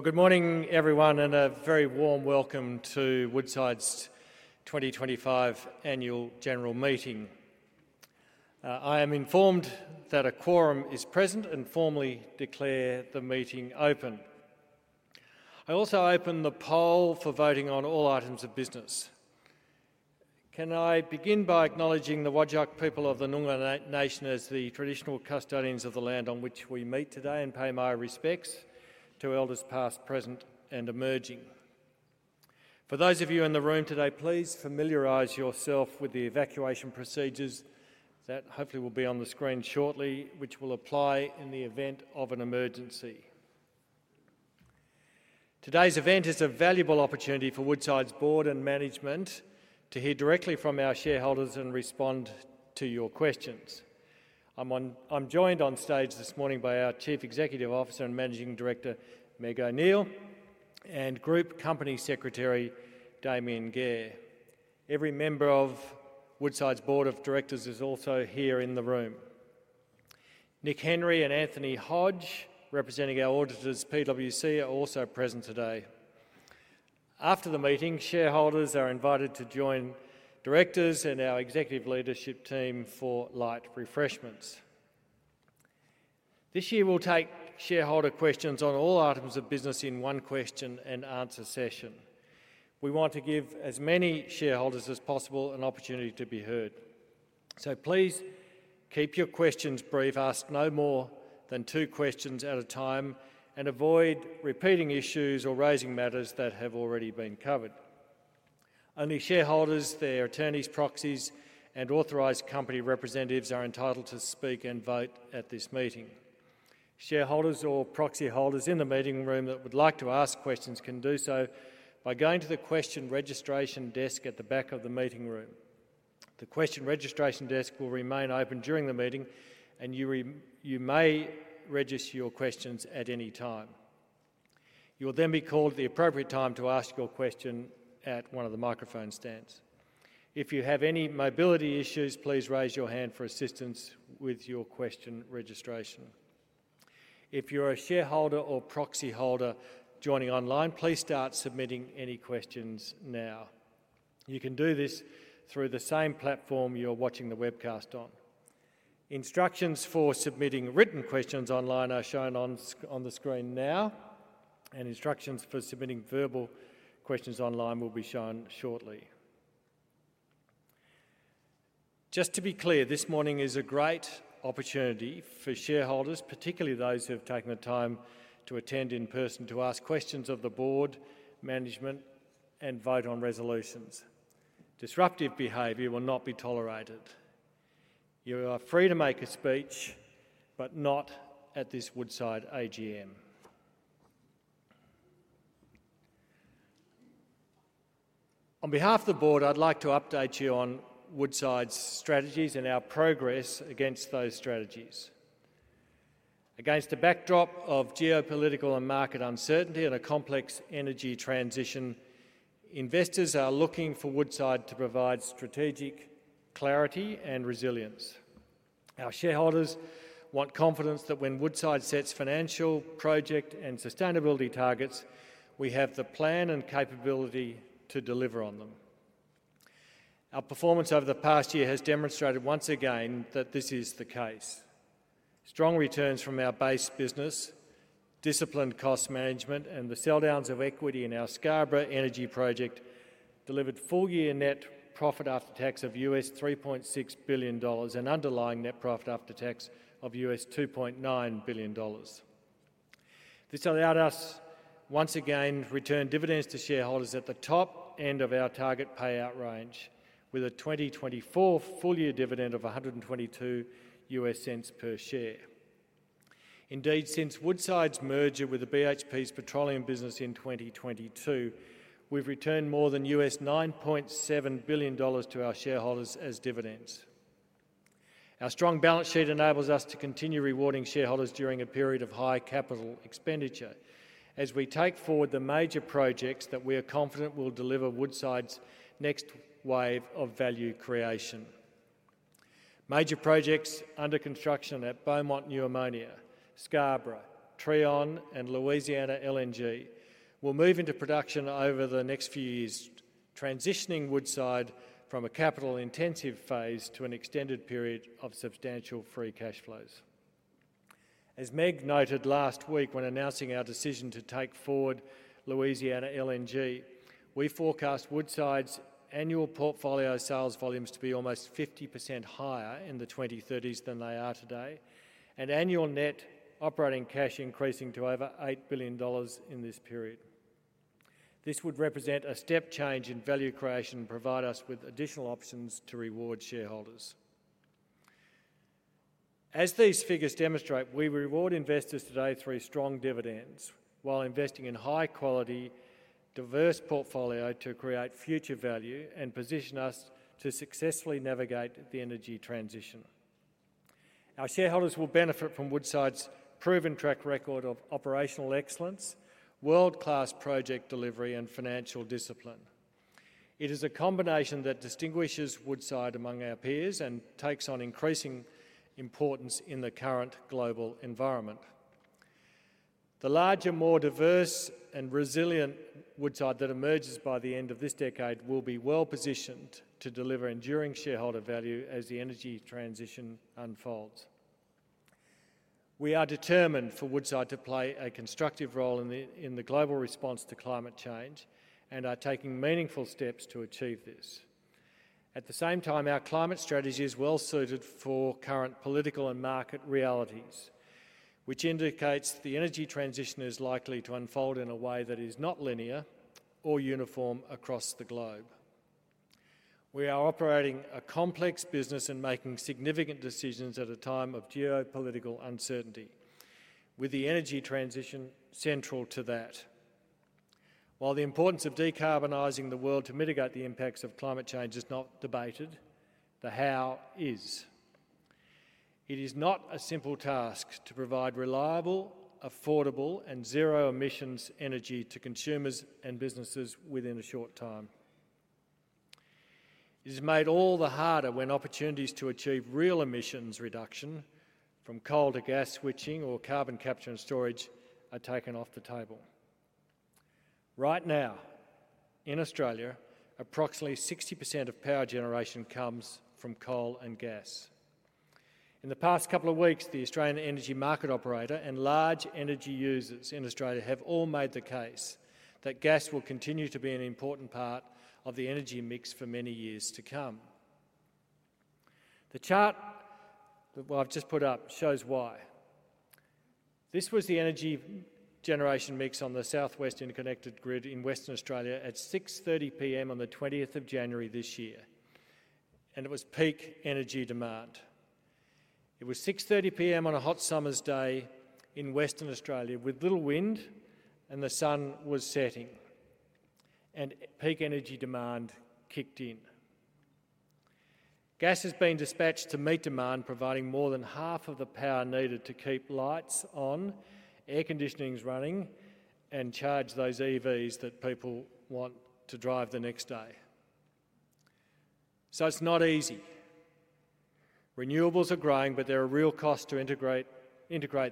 Good morning, everyone, and a very warm welcome to Woodside's 2025 Annual General Meeting. I am informed that a quorum is present and formally declare the meeting open. I also open the poll for voting on all items of business. Can I begin by acknowledging the Whadjuk people of the Noongar Nation as the traditional custodians of the land on which we meet today and pay my respects to elders past, present, and emerging? For those of you in the room today, please familiarize yourself with the evacuation procedures that hopefully will be on the screen shortly, which will apply in the event of an emergency. Today's event is a valuable opportunity for Woodside's board and management to hear directly from our shareholders and respond to your questions. I'm joined on stage this morning by our Chief Executive Officer and Managing Director, Meg O'Neill, and Group Company Secretary, Damien Gare. Every member of Woodside's Board of Directors is also here in the room. Nick Henry and Anthony Hodge, representing our auditors, PwC, are also present today. After the meeting, shareholders are invited to join directors and our executive leadership team for light refreshments. This year, we'll take shareholder questions on all items of business in one Q&A session. We want to give as many shareholders as possible an opportunity to be heard. So please keep your questions brief, ask no more than two questions at a time, and avoid repeating issues or raising matters that have already been covered. Only shareholders, their attorneys, proxies, and authorized company representatives are entitled to speak and vote at this meeting. Shareholders or proxy holders in the meeting room that would like to ask questions can do so by going to the question registration desk at the back of the meeting room. The question registration desk will remain open during the meeting, and you may register your questions at any time. You'll then be called the appropriate time to ask your question at one of the microphone stands. If you have any mobility issues, please raise your hand for assistance with your question registration. If you're a shareholder or proxy holder joining online, please start submitting any questions now. You can do this through the same platform you're watching the webcast on. Instructions for submitting written questions online are shown on the screen now, and instructions for submitting verbal questions online will be shown shortly. Just to be clear, this morning is a great opportunity for shareholders, particularly those who have taken the time to attend in person, to ask questions of the board, management, and vote on resolutions. Disruptive behavior will not be tolerated. You are free to make a speech, but not at this Woodside AGM. On behalf of the board, I'd like to update you on Woodside's strategies and our progress against those strategies. Against the backdrop of geopolitical and market uncertainty and a complex energy transition, investors are looking for Woodside to provide strategic clarity and resilience. Our shareholders want confidence that when Woodside sets financial, project, and sustainability targets, we have the plan and capability to deliver on them. Our performance over the past year has demonstrated once again that this is the case. Strong returns from our base business, disciplined cost management, and the sell-downs of equity in our Scarborough Energy Project delivered full-year net profit after tax of $3.6 billion and underlying net profit after tax of $2.9 billion. This allowed us once again to return dividends to shareholders at the top end of our target payout range, with a 2024 full-year dividend of $1.22 per share. Indeed, since Woodside's merger with the BHP's petroleum business in 2022, we've returned more than $9.7 billion to our shareholders as dividends. Our strong balance sheet enables us to continue rewarding shareholders during a period of high capital expenditure as we take forward the major projects that we are confident will deliver Woodside's next wave of value creation. Major projects under construction at Beaumont New Ammonia, Scarborough, Trion, and Louisiana LNG will move into production over the next few years, transitioning Woodside from a capital-intensive phase to an extended period of substantial free cash flows. As Meg noted last week when announcing our decision to take forward Louisiana LNG, we forecast Woodside's annual portfolio sales volumes to be almost 50% higher in the 2030s than they are today, and annual net operating cash increasing to over $8 billion in this period. This would represent a step change in value creation and provide us with additional options to reward shareholders. As these figures demonstrate, we reward investors today through strong dividends while investing in high-quality, diverse portfolio to create future value and position us to successfully navigate the energy transition. Our shareholders will benefit from Woodside's proven track record of operational excellence, world-class project delivery, and financial discipline. It is a combination that distinguishes Woodside among our peers and takes on increasing importance in the current global environment. The larger, more diverse, and resilient Woodside that emerges by the end of this decade will be well positioned to deliver enduring shareholder value as the energy transition unfolds. We are determined for Woodside to play a constructive role in the global response to climate change and are taking meaningful steps to achieve this. At the same time, our climate strategy is well suited for current political and market realities, which indicates the energy transition is likely to unfold in a way that is not linear or uniform across the globe. We are operating a complex business and making significant decisions at a time of geopolitical uncertainty, with the energy transition central to that. While the importance of decarbonizing the world to mitigate the impacts of climate change is not debated, the how is. It is not a simple task to provide reliable, affordable, and zero-emissions energy to consumers and businesses within a short time. It is made all the harder when opportunities to achieve real emissions reduction from coal to gas switching or carbon capture and storage are taken off the table. Right now, in Australia, approximately 60% of power generation comes from coal and gas. In the past couple of weeks, the Australian Energy Market Operator and large energy users in Australia have all made the case that gas will continue to be an important part of the energy mix for many years to come. The chart that I've just put up shows why. This was the energy generation mix on the South West Interconnected Grid in Western Australia at 6:30 P.M. on the 20th of January this year, and it was peak energy demand. It was 6:30 P.M. on a hot summer's day in Western Australia with little wind, and the sun was setting, and peak energy demand kicked in. Gas has been dispatched to meet demand, providing more than half of the power needed to keep lights on, air conditioners running, and charge those EVs that people want to drive the next day. So it's not easy. Renewables are growing, but there are real costs to integrate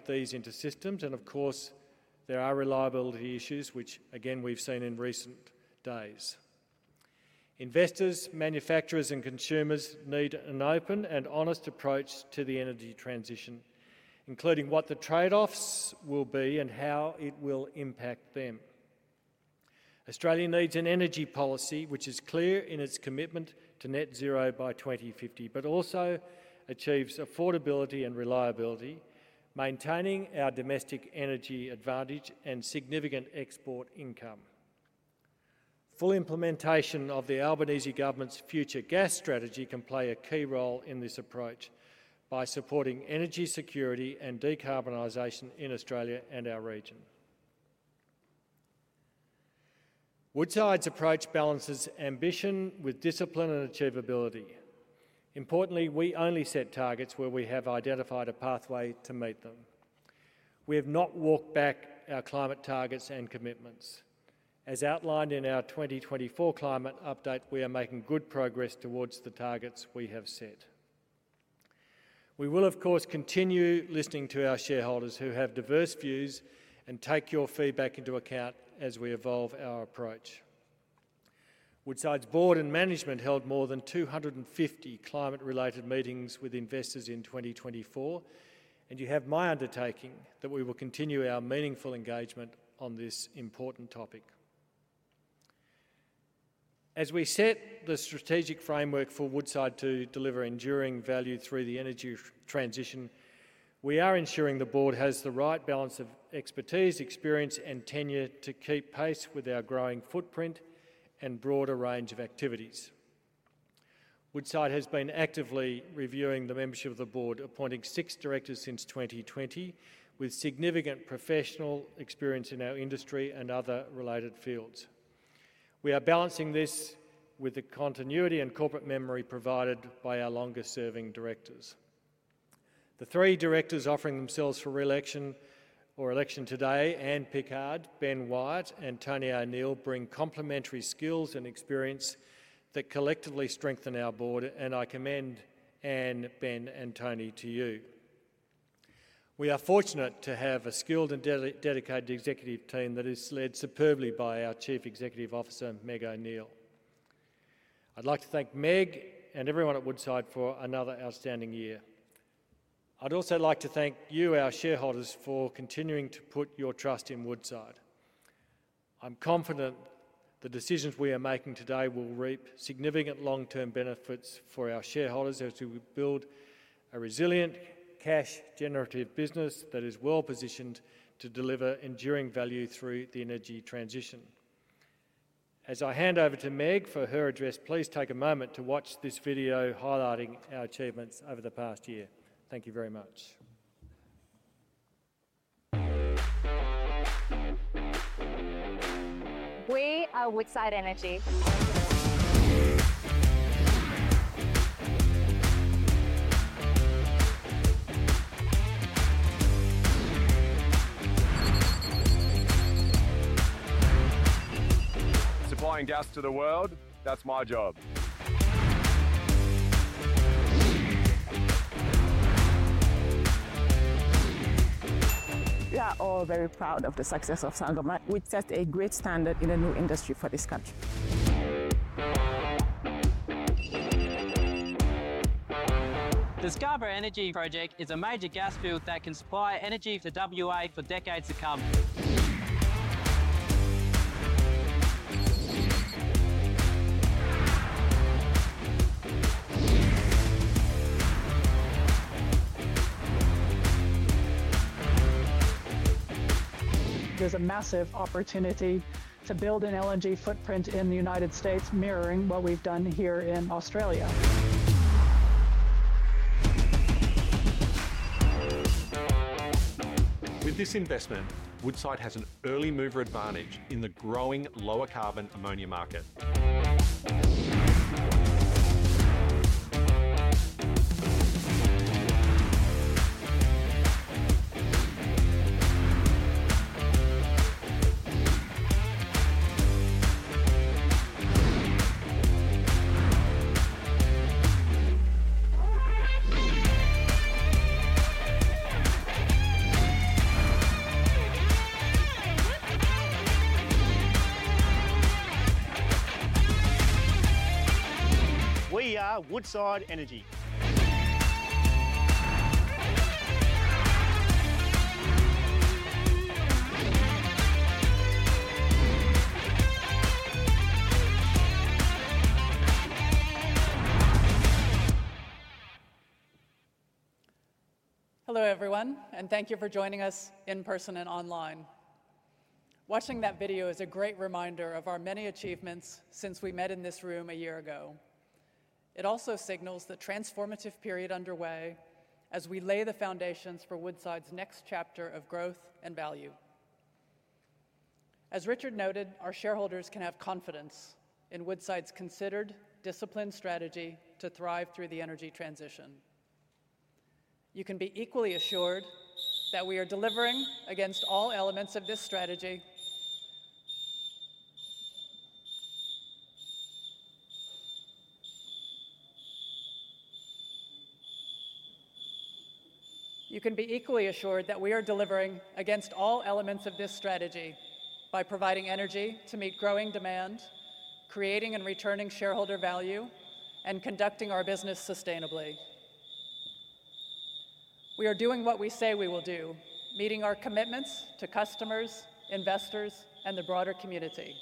these into systems, and of course, there are reliability issues, which, again, we've seen in recent days. Investors, manufacturers, and consumers need an open and honest approach to the energy transition, including what the trade-offs will be and how it will impact them. Australia needs an energy policy which is clear in its commitment to net zero by 2050, but also achieves affordability and reliability, maintaining our domestic energy advantage and significant export income. Full implementation of the Albanese government's Future Gas Strategy can play a key role in this approach by supporting energy security and decarbonization in Australia and our region. Woodside's approach balances ambition with discipline and achievability. Importantly, we only set targets where we have identified a pathway to meet them. We have not walked back our climate targets and commitments. As outlined in our 2024 climate update, we are making good progress towards the targets we have set. We will, of course, continue listening to our shareholders who have diverse views and take your feedback into account as we evolve our approach. Woodside's board and management held more than 250 climate-related meetings with investors in 2024, and you have my undertaking that we will continue our meaningful engagement on this important topic. As we set the strategic framework for Woodside to deliver enduring value through the energy transition, we are ensuring the board has the right balance of expertise, experience, and tenure to keep pace with our growing footprint and broader range of activities. Woodside has been actively reviewing the membership of the board, appointing six directors since 2020, with significant professional experience in our industry and other related fields. We are balancing this with the continuity and corporate memory provided by our longest-serving directors. The three directors offering themselves for re-election or election today, Ann Pickard, Ben Wyatt, and Tony O'Neill, bring complementary skills and experience that collectively strengthen our board, and I commend Ann Pickard, Ben Wyatt, and Tony O'Neill to you. We are fortunate to have a skilled and dedicated executive team that is led superbly by our Chief Executive Officer, Meg O'Neill. I'd like to thank Meg O'Neill and everyone at Woodside for another outstanding year. I'd also like to thank you, our shareholders, for continuing to put your trust in Woodside. I'm confident the decisions we are making today will reap significant long-term benefits for our shareholders as we build a resilient, cash-generative business that is well positioned to deliver enduring value through the energy transition. As I hand over to Meg O'Neill for her address, please take a moment to watch this video highlighting our achievements over the past year. Thank you very much. We are Woodside Energy. Supplying gas to the world, that's my job. We are all very proud of the success of Sangomar. We set a great standard in a new industry for this country. The Scarborough Energy Project is a major gas field that can supply energy to W.A. for decades to come. There's a massive opportunity to build an LNG footprint in the United States, mirroring what we've done here in Australia. With this investment, Woodside has an early-mover advantage in the growing lower-carbon ammonia market. We are Woodside Energy. Hello, everyone, and thank you for joining us in person and online. Watching that video is a great reminder of our many achievements since we met in this room a year ago. It also signals the transformative period underway as we lay the foundations for Woodside's next chapter of growth and value. As Richard Goyder noted, our shareholders can have confidence in Woodside's considered, disciplined strategy to thrive through the energy transition. You can be equally assured that we are delivering against all elements of this strategy. You can be equally assured that we are delivering against all elements of this strategy by providing energy to meet growing demand, creating and returning shareholder value, and conducting our business sustainably. We are doing what we say we will do, meeting our commitments to customers, investors, and the broader community.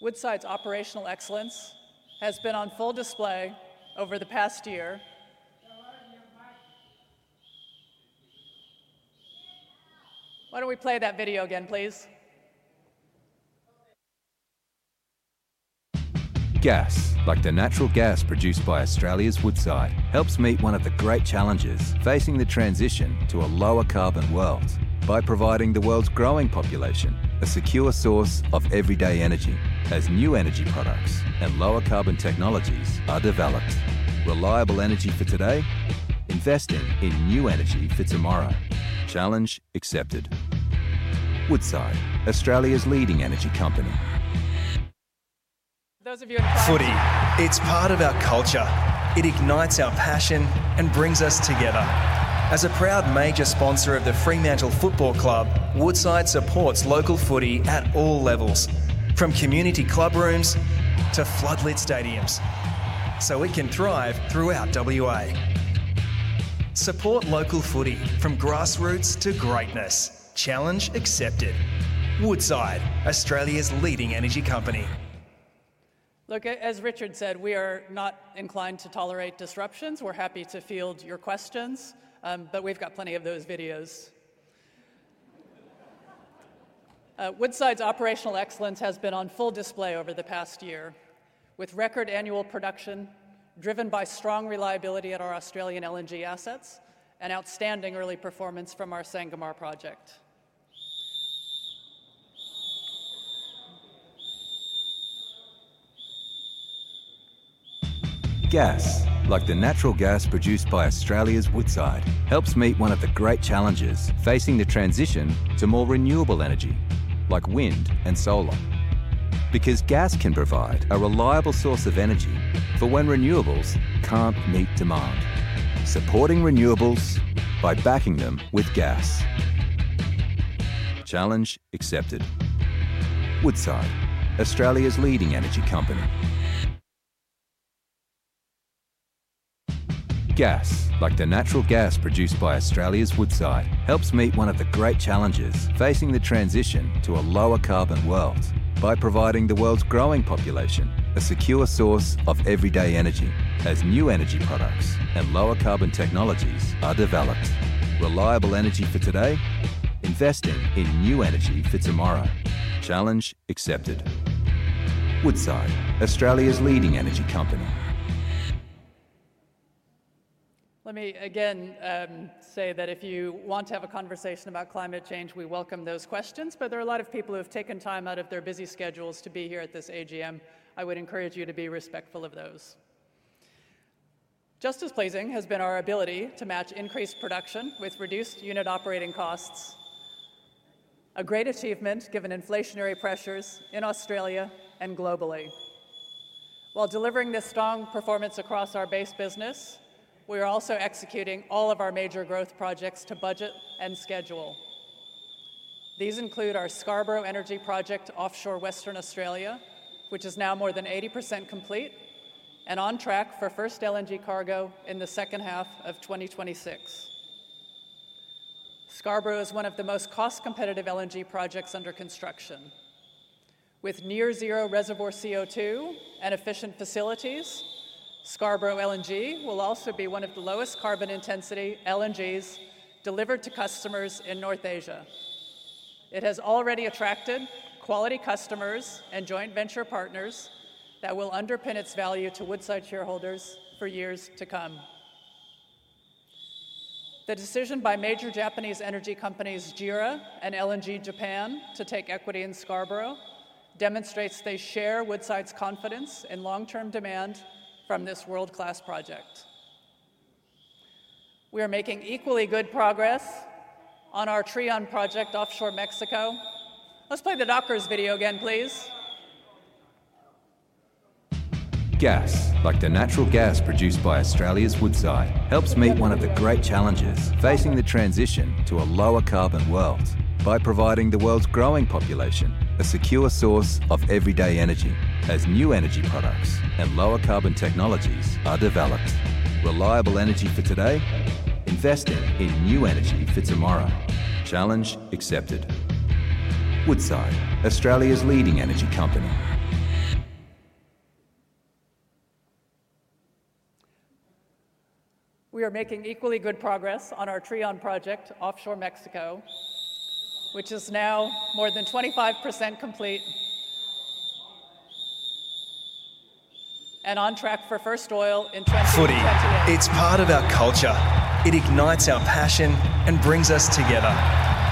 Woodside's operational excellence has been on full display over the past year. Why don't we play that video again, please? Gas, like the natural gas produced by Australia's Woodside, helps meet one of the great challenges facing the transition to a lower-carbon world by providing the world's growing population a secure source of everyday energy as new energy products and lower-carbon technologies are developed. Reliable energy for today, investing in new energy for tomorrow. Challenge accepted. Woodside, Australia's leading energy company. Those of you in front. Footy. It's part of our culture. It ignites our passion and brings us together. As a proud major sponsor of the Fremantle Football Club, Woodside supports local footy at all levels, from community clubrooms to floodlit stadiums, so it can thrive throughout W.A. Support local footy from grassroots to greatness. Challenge accepted. Woodside, Australia's leading energy company. Look, as Richard Goyder said, we are not inclined to tolerate disruptions. We're happy to field your questions, but we've got plenty of those videos. Woodside's operational excellence has been on full display over the past year, with record annual production driven by strong reliability at our Australian LNG assets and outstanding early performance from our Sangomar project. Gas, like the natural gas produced by Australia's Woodside, helps meet one of the great challenges facing the transition to more renewable energy, like wind and solar, because gas can provide a reliable source of energy for when renewables can't meet demand. Supporting renewables by backing them with gas. Challenge accepted. Woodside, Australia's leading energy company. Gas, like the natural gas produced by Australia's Woodside, helps meet one of the great challenges facing the transition to a lower-carbon world by providing the world's growing population a secure source of everyday energy as new energy products and lower-carbon technologies are developed. Reliable energy for today, investing in new energy for tomorrow. Challenge accepted. Woodside, Australia's leading energy company. Let me again say that if you want to have a conversation about climate change, we welcome those questions, but there are a lot of people who have taken time out of their busy schedules to be here at this AGM. I would encourage you to be respectful of those. Just as pleasing has been our ability to match increased production with reduced unit operating costs, a great achievement given inflationary pressures in Australia and globally. While delivering this strong performance across our base business, we are also executing all of our major growth projects to budget and schedule. These include our Scarborough Energy project offshore Western Australia, which is now more than 80% complete and on track for first LNG cargo in the second half of 2026. Scarborough is one of the most cost-competitive LNG projects under construction. With near-zero reservoir CO2 and efficient facilities, Scarborough LNG will also be one of the lowest carbon intensity LNGs delivered to customers in North Asia. It has already attracted quality customers and joint venture partners that will underpin its value to Woodside shareholders for years to come. The decision by major Japanese energy companies JERA and LNG Japan to take equity in Scarborough demonstrates they share Woodside's confidence in long-term demand from this world-class project. We are making equally good progress on our Trion project offshore Mexico. Let's play the doctors' video again, please. Gas, like the natural gas produced by Australia's Woodside, helps meet one of the great challenges facing the transition to a lower-carbon world by providing the world's growing population a secure source of everyday energy as new energy products and lower-carbon technologies are developed. Reliable energy for today, investing in new energy for tomorrow. Challenge accepted. Woodside, Australia's leading energy company. We are making equally good progress on our Trion project offshore Mexico, which is now more than 25% complete and on track for first oil in 2026. Footy. It's part of our culture. It ignites our passion and brings us together.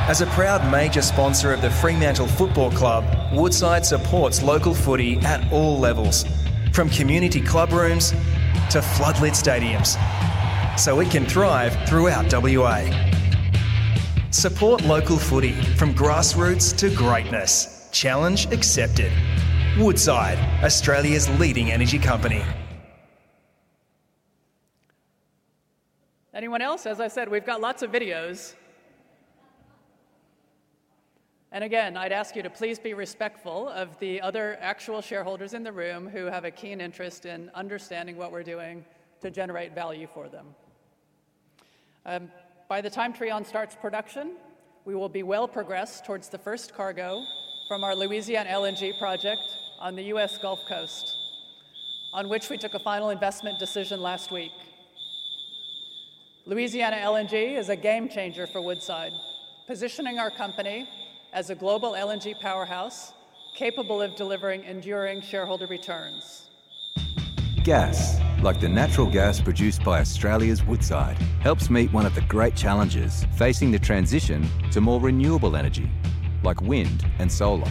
As a proud major sponsor of the Fremantle Football Club, Woodside supports local footy at all levels, from community clubrooms to floodlit stadiums, so it can thrive throughout W.A. Support local footy from grassroots to greatness. Challenge accepted. Woodside, Australia's leading energy company. Anyone else? As I said, we've got lots of videos. And again, I'd ask you to please be respectful of the other actual shareholders in the room who have a keen interest in understanding what we're doing to generate value for them. By the time Trion starts production, we will be well progressed towards the first cargo from our Louisiana LNG project on the U.S. Gulf Coast, on which we took a final investment decision last week. Louisiana LNG is a game changer for Woodside, positioning our company as a global LNG powerhouse capable of delivering enduring shareholder returns. Gas, like the natural gas produced by Australia's Woodside, helps meet one of the great challenges facing the transition to more renewable energy, like wind and solar,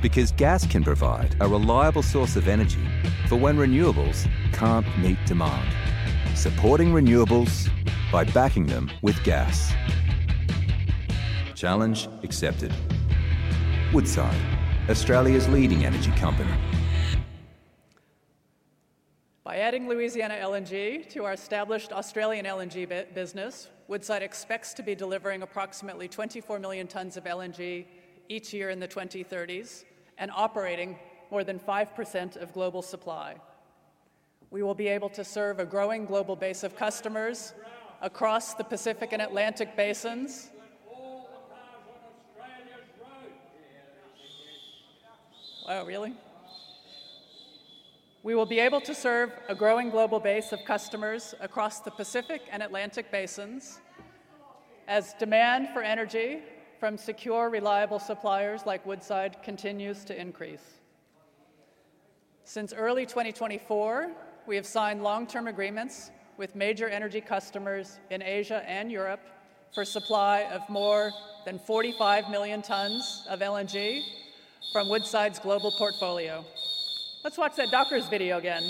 because gas can provide a reliable source of energy for when renewables can't meet demand. Supporting renewables by backing them with gas. Challenge accepted. Woodside, Australia's leading energy company. By adding Louisiana LNG to our established Australian LNG business, Woodside expects to be delivering approximately 24 million tons of LNG each year in the 2030s and operating more than 5% of global supply. We will be able to serve a growing global base of customers across the Pacific and Atlantic basins. Oh, really? We will be able to serve a growing global base of customers across the Pacific and Atlantic basins as demand for energy from secure, reliable suppliers like Woodside continues to increase. Since early 2024, we have signed long-term agreements with major energy customers in Asia and Europe for supply of more than 45 million tons of LNG from Woodside's global portfolio. Let's watch that doctors' video again.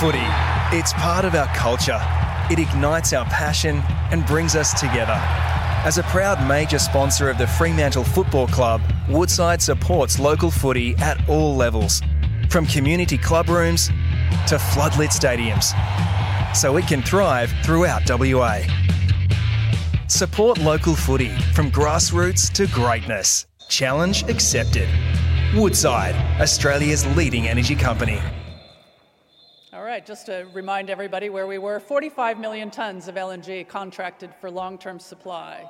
Footy. It's part of our culture. It ignites our passion and brings us together. As a proud major sponsor of the Fremantle Football Club, Woodside supports local footy at all levels, from community clubrooms to floodlit stadiums, so it can thrive throughout W.A. Support local footy from grassroots to greatness. Challenge accepted. Woodside, Australia's leading energy company. All right, just to remind everybody where we were, 45 million tons of LNG contracted for long-term supply.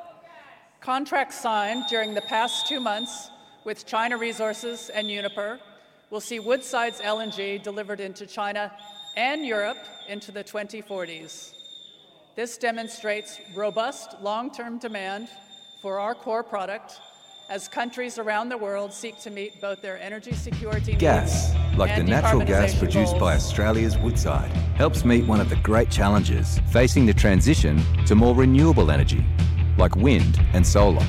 Contracts signed during the past two months with China Resources and Uniper will see Woodside's LNG delivered into China and Europe into the 2040s. This demonstrates robust long-term demand for our core product as countries around the world seek to meet both their energy security. Gas, like the natural gas produced by Australia's Woodside, helps meet one of the great challenges facing the transition to more renewable energy, like wind and solar,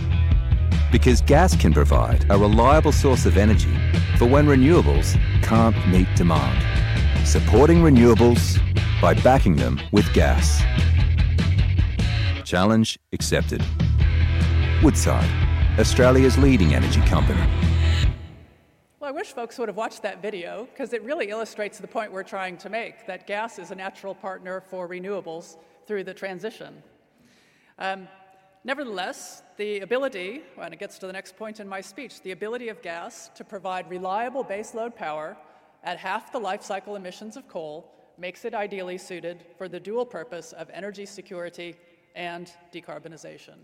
because gas can provide a reliable source of energy for when renewables can't meet demand. Supporting renewables by backing them with gas. Challenge accepted. Woodside, Australia's leading energy company. I wish folks would have watched that video because it really illustrates the point we're trying to make, that gas is a natural partner for renewables through the transition. Nevertheless, the ability, and it gets to the next point in my speech, the ability of gas to provide reliable base load power at half the life cycle emissions of coal makes it ideally suited for the dual purpose of energy security and decarbonization.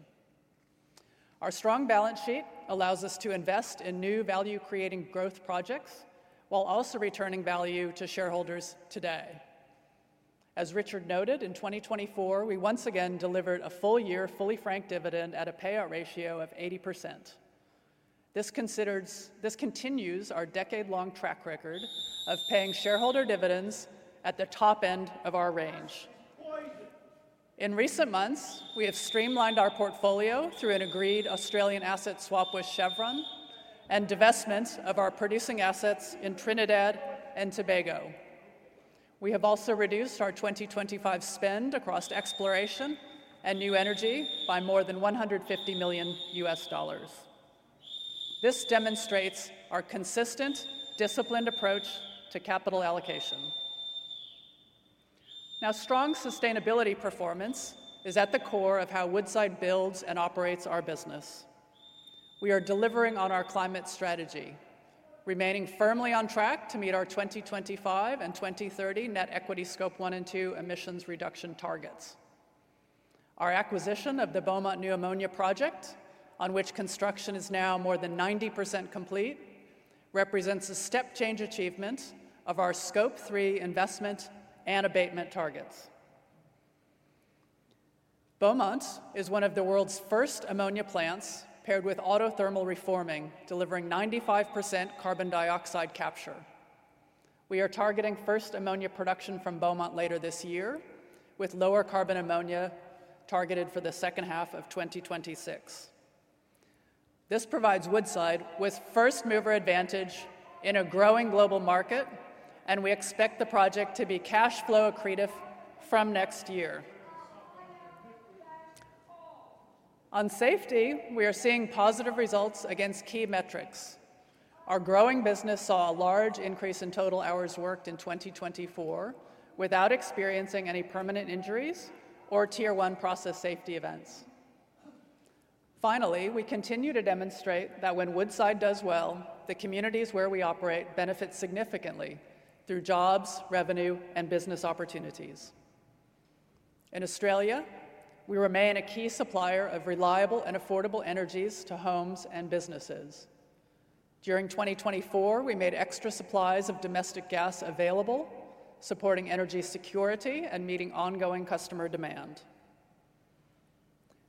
Our strong balance sheet allows us to invest in new value-creating growth projects while also returning value to shareholders today. As Richard Goyder noted, in 2024, we once again delivered a full-year, fully-franked dividend at a payout ratio of 80%. This continues our decade-long track record of paying shareholder dividends at the top end of our range. In recent months, we have streamlined our portfolio through an agreed Australian asset swap with Chevron and divestment of our producing assets in Trinidad and Tobago. We have also reduced our 2025 spend across exploration and new energy by more than $150 million. This demonstrates our consistent, disciplined approach to capital allocation. Now, strong sustainability performance is at the core of how Woodside builds and operates our business. We are delivering on our climate strategy, remaining firmly on track to meet our 2025 and 2030 net equity Scope 1 and 2 emissions reduction targets. Our acquisition of the Beaumont New Ammonia project, on which construction is now more than 90% complete, represents a step-change achievement of our Scope 3 investment and abatement targets. Beaumont is one of the world's first ammonia plants paired with Autothermal Reforming, delivering 95% carbon dioxide capture. We are targeting first ammonia production from Beaumont later this year, with lower carbon ammonia targeted for the second-half of 2026. This provides Woodside with first-mover advantage in a growing global market, and we expect the project to be cash flow accretive from next year. On safety, we are seeing positive results against key metrics. Our growing business saw a large increase in total hours worked in 2024 without experiencing any permanent injuries or Tier 1 process safety events. Finally, we continue to demonstrate that when Woodside does well, the communities where we operate benefit significantly through jobs, revenue, and business opportunities. In Australia, we remain a key supplier of reliable and affordable energies to homes and businesses. During 2024, we made extra supplies of domestic gas available, supporting energy security and meeting ongoing customer demand.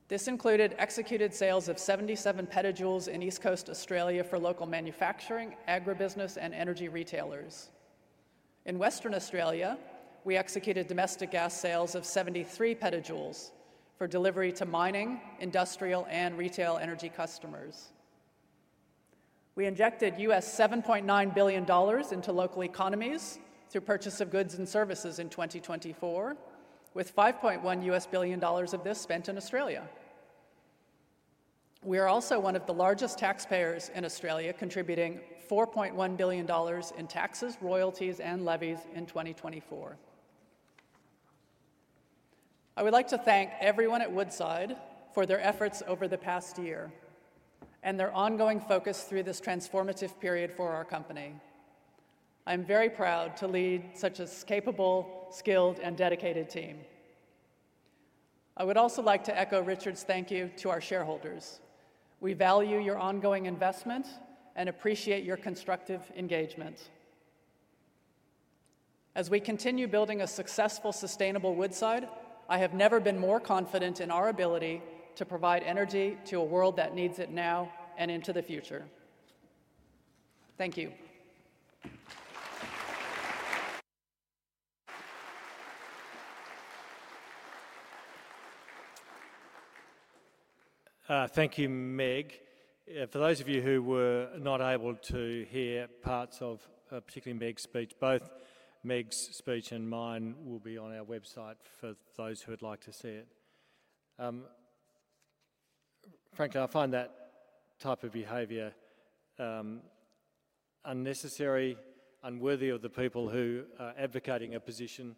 This included executed sales of 77 petajoules in East Coast Australia for local manufacturing, agribusiness, and energy retailers. In Western Australia, we executed domestic gas sales of 73 petajoules for delivery to mining, industrial, and retail energy customers. We injected $7.9 billion into local economies through purchase of goods and services in 2024, with $5.1 billion of this spent in Australia. We are also one of the largest taxpayers in Australia, contributing $4.1 billion in taxes, royalties, and levies in 2024. I would like to thank everyone at Woodside for their efforts over the past year and their ongoing focus through this transformative period for our company. I am very proud to lead such a capable, skilled, and dedicated team. I would also like to echo Richard Goyder thank you to our shareholders. We value your ongoing investment and appreciate your constructive engagement. As we continue building a successful, sustainable Woodside, I have never been more confident in our ability to provide energy to a world that needs it now and into the future. Thank you. Thank you, Meg O'Neill. For those of you who were not able to hear parts of, particularly, Meg O'Neill speech, both Meg O'Neill speech and mine will be on our website for those who would like to see it. Frankly, I find that type of behavior unnecessary, unworthy of the people who are advocating a position.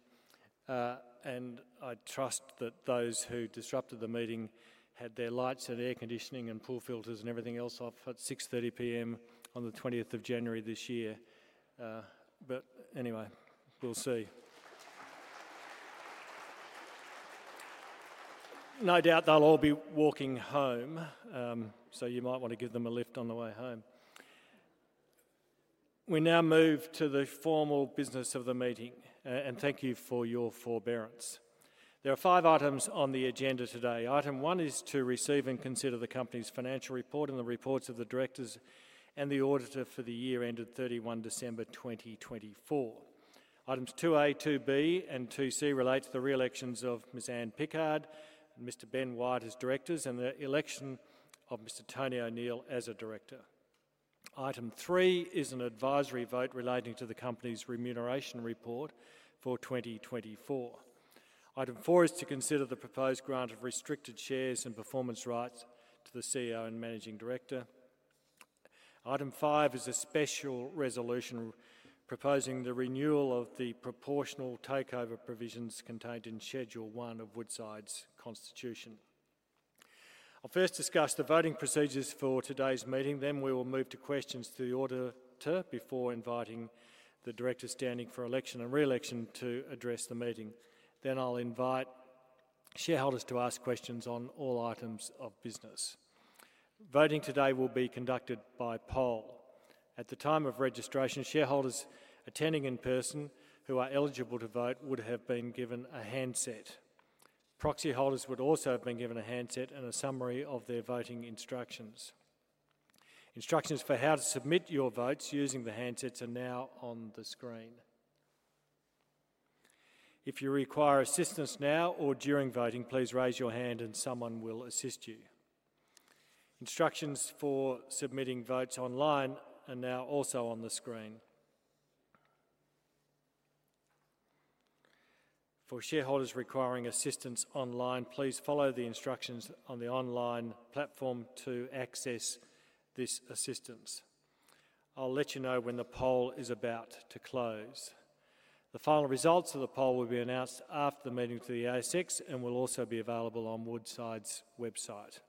And I trust that those who disrupted the meeting had their lights and air conditioning and pool filters and everything else off at 6:30 P.M. on the 20th of January this year. But anyway, we'll see. No doubt they'll all be walking home, so you might want to give them a lift on the way home. We now move to the formal business of the meeting, and thank you for your forbearance. There are five items on the agenda today. Item one is to receive and consider the company's financial report and the reports of the directors and the auditor for the year ended 31st December 2024. Items 2A, 2B, and 2C relate to the reelections of Ms. Ann Pickard, Mr. Ben Wyatt as directors, and the election of Mr. Tony O'Neill as a director. Item three is an advisory vote relating to the company's Remuneration Report for 2024. Item four is to consider the proposed grant of restricted shares and performance rights to the CEO and managing director. Item five is a special resolution proposing the renewal of the proportional takeover provisions contained in Schedule One of Woodside's constitution. I'll first discuss the voting procedures for today's meeting. Then we will move to questions to the auditor before inviting the director standing for election and reelection to address the meeting. Then I'll invite shareholders to ask questions on all items of business. Voting today will be conducted by poll. At the time of registration, shareholders attending in person who are eligible to vote would have been given a handset. Proxy holders would also have been given a handset and a summary of their voting instructions. Instructions for how to submit your votes using the handsets are now on the screen. If you require assistance now or during voting, please raise your hand and someone will assist you. Instructions for submitting votes online are now also on the screen. For shareholders requiring assistance online, please follow the instructions on the online platform to access this assistance. I'll let you know when the poll is about to close. The final results of the poll will be announced after the meeting to the ASX and will also be available on Woodside's website.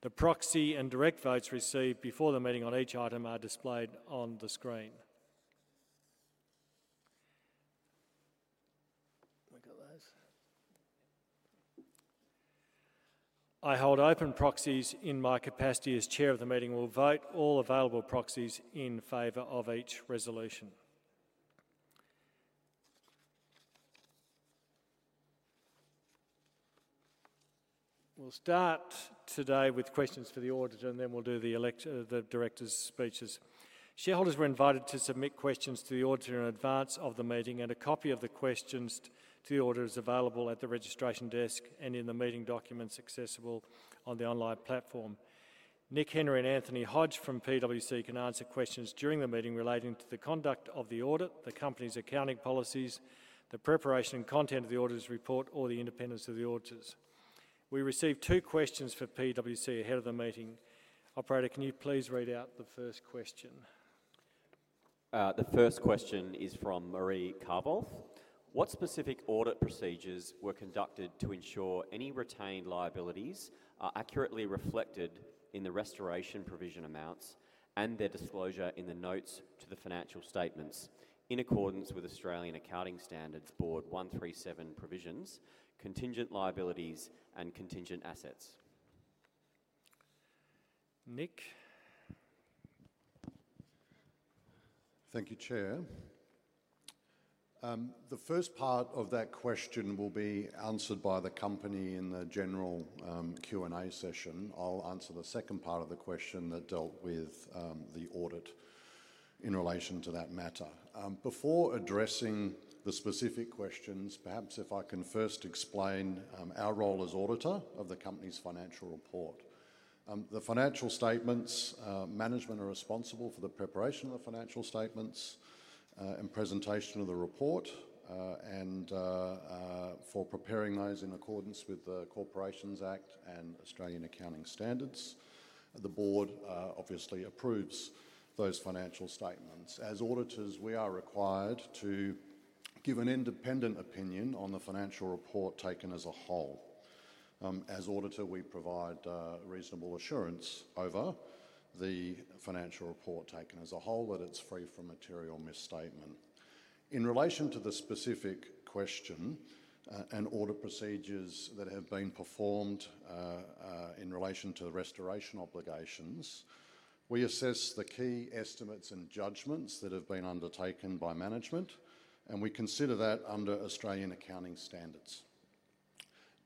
The proxy and direct votes received before the meeting on each item are displayed on the screen. I hold open proxies in my capacity as chair of the meeting. We'll vote all available proxies in favor of each resolution. We'll start today with questions for the auditor, and then we'll do the director's speeches. Shareholders were invited to submit questions to the auditor in advance of the meeting, and a copy of the questions to the auditor is available at the registration desk and in the meeting documents accessible on the online platform. Nick Henry and Anthony Hodge from PwC can answer questions during the meeting relating to the conduct of the audit, the company's accounting policies, the preparation and content of the auditor's report, or the independence of the auditors. We received two questions for PwC ahead of the meeting. Operator, can you please read out the first question? The first question is from Marie Carvolth. What specific audit procedures were conducted to ensure any retained liabilities are accurately reflected in the restoration provision amounts and their disclosure in the notes to the financial statements in accordance with AASB 137 Provisions, Contingent Liabilities, and Contingent Assets? Nick Henry. Thank you, Chair. The first part of that question will be answered by the company in the general Q&A session. I'll answer the second part of the question that dealt with the audit in relation to that matter. Before addressing the specific questions, perhaps if I can first explain our role as auditor of the company's financial report. Management are responsible for the preparation of the financial statements and presentation of the report and for preparing those in accordance with the Corporations Act and Australian Accounting Standards. The board obviously approves those financial statements. As auditors, we are required to give an independent opinion on the financial report taken as a whole. As auditor, we provide reasonable assurance over the financial report taken as a whole that it's free from material misstatement. In relation to the specific question and audit procedures that have been performed in relation to the restoration obligations, we assess the key estimates and judgments that have been undertaken by management, and we consider that under Australian Accounting Standards.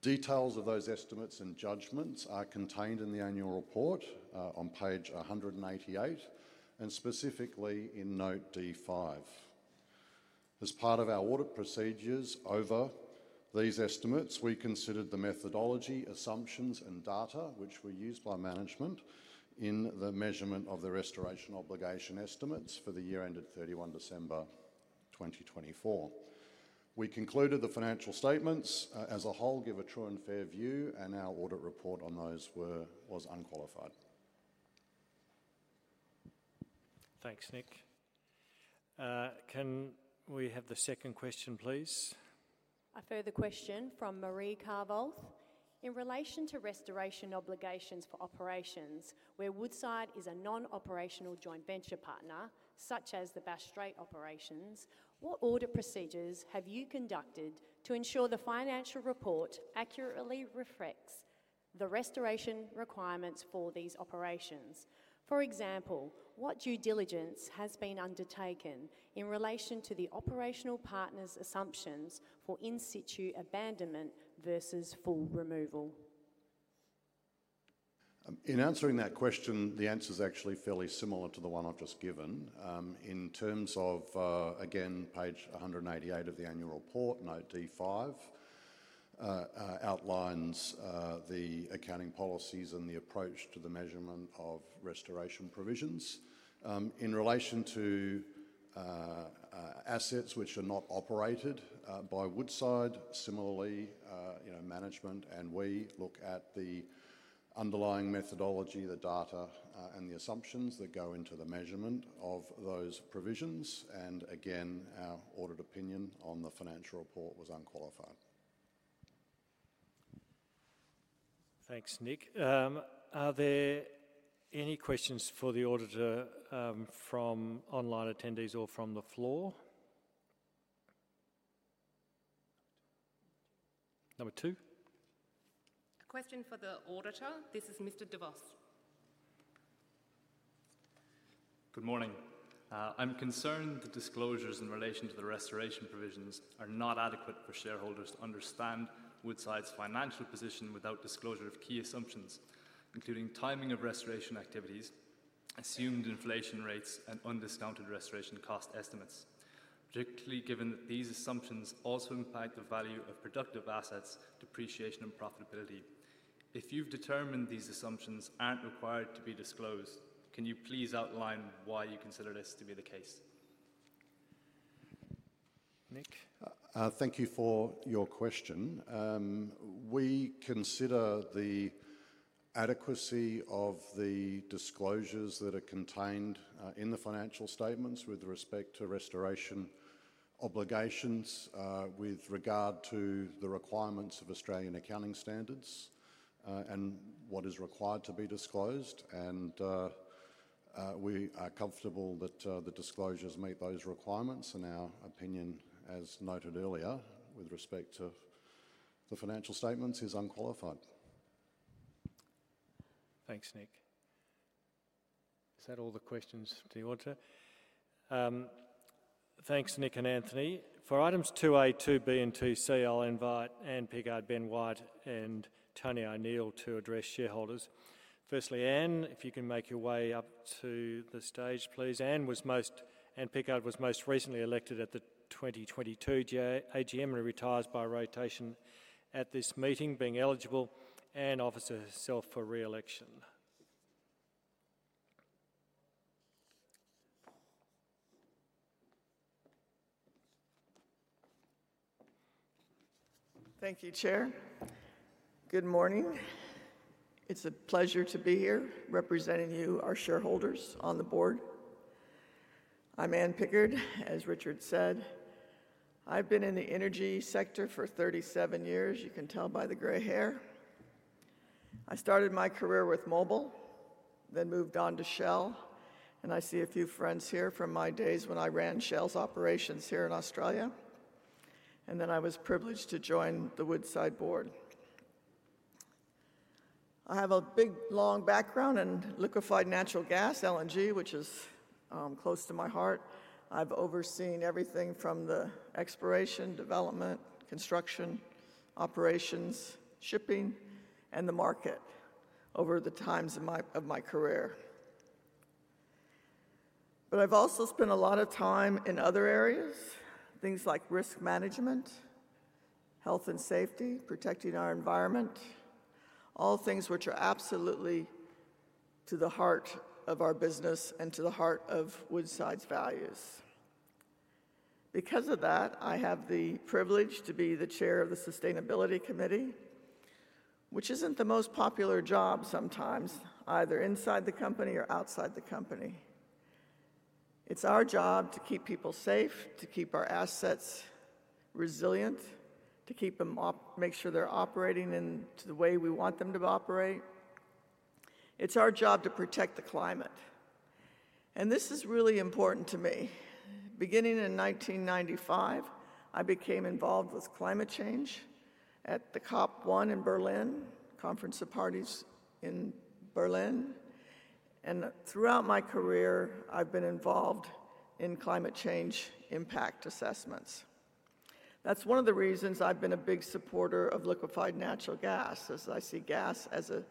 Details of those estimates and judgments are contained in the annual report on page 188 and specifically in note D5. As part of our audit procedures over these estimates, we considered the methodology, assumptions, and data which were used by management in the measurement of the restoration obligation estimates for the year ended 31st December 2024. We concluded the financial statements as a whole give a true and fair view, and our audit report on those was unqualified. Thanks, Nick Henry. Can we have the second question, please? A further question from Marie Carvolth. In relation to restoration obligations for operations, where Woodside is a non-operational joint venture partner, such as the Bass Strait operations, what audit procedures have you conducted to ensure the financial report accurately reflects the restoration requirements for these operations? For example, what due diligence has been undertaken in relation to the operational partner's assumptions for in-situ abandonment versus full removal? In answering that question, the answer is actually fairly similar to the one I've just given. In terms of, again, page 188 of the annual report, note D5 outlines the accounting policies and the approach to the measurement of restoration provisions. In relation to assets which are not operated by Woodside, similarly, management and we look at the underlying methodology, the data, and the assumptions that go into the measurement of those provisions. Again, our audit opinion on the financial report was unqualified. Thanks, Nick Henry. Are there any questions for the auditor from online attendees or from the floor? Number two? A question for the auditor. This is Mr. Peter de Vos. Good morning. I'm concerned the disclosures in relation to the restoration provisions are not adequate for shareholders to understand Woodside's financial position without disclosure of key assumptions, including timing of restoration activities, assumed inflation rates, and undiscounted restoration cost estimates, particularly given that these assumptions also impact the value of productive assets, depreciation, and profitability. If you've determined these assumptions aren't required to be disclosed, can you please outline why you consider this to be the case? Nick Henry? Thank you for your question. We consider the adequacy of the disclosures that are contained in the financial statements with respect to restoration obligations with regard to the requirements of Australian Accounting Standards and what is required to be disclosed. We are comfortable that the disclosures meet those requirements. Our opinion, as noted earlier, with respect to the financial statements is unqualified. Thanks, Nick Henry. Is that all the questions to the auditor? Thanks, Nick and Anthony. For items 2A, 2B, and 2C, I'll invite Ann Pickard, Ben Wyatt, and Tony O'Neill to address shareholders. Firstly, Ann Pickard, if you can make your way up to the stage, please. Ann Pickard was most recently elected at the 2022 AGM and retired by rotation at this meeting, being eligible and offers herself for reelection. Thank you, Chair. Good morning. It's a pleasure to be here representing you, our shareholders on the board. I'm Ann Pickard, as Richard Goyder said. I've been in the energy sector for 37 years. You can tell by the gray hair. I started my career with Mobil, then moved on to Shell, and I see a few friends here from my days when I ran Shell's operations here in Australia. And then I was privileged to join the Woodside board. I have a big, long background in liquefied natural gas, LNG, which is close to my heart. I've overseen everything from the exploration, development, construction, operations, shipping, and the market over the times of my career. But I've also spent a lot of time in other areas, things like risk management, health and safety, protecting our environment, all things which are absolutely to the heart of our business and to the heart of Woodside's values. Because of that, I have the privilege to be the chair of the Sustainability Committee, which isn't the most popular job sometimes, either inside the company or outside the company. It's our job to keep people safe, to keep our assets resilient, to keep them, make sure they're operating in the way we want them to operate. It's our job to protect the climate. And this is really important to me. Beginning in 1995, I became involved with climate change at the COP1 in Berlin, Conference of Parties in Berlin. And throughout my career, I've been involved in climate change impact assessments. That's one of the reasons I've been a big supporter of liquefied natural gas, as I see gas as a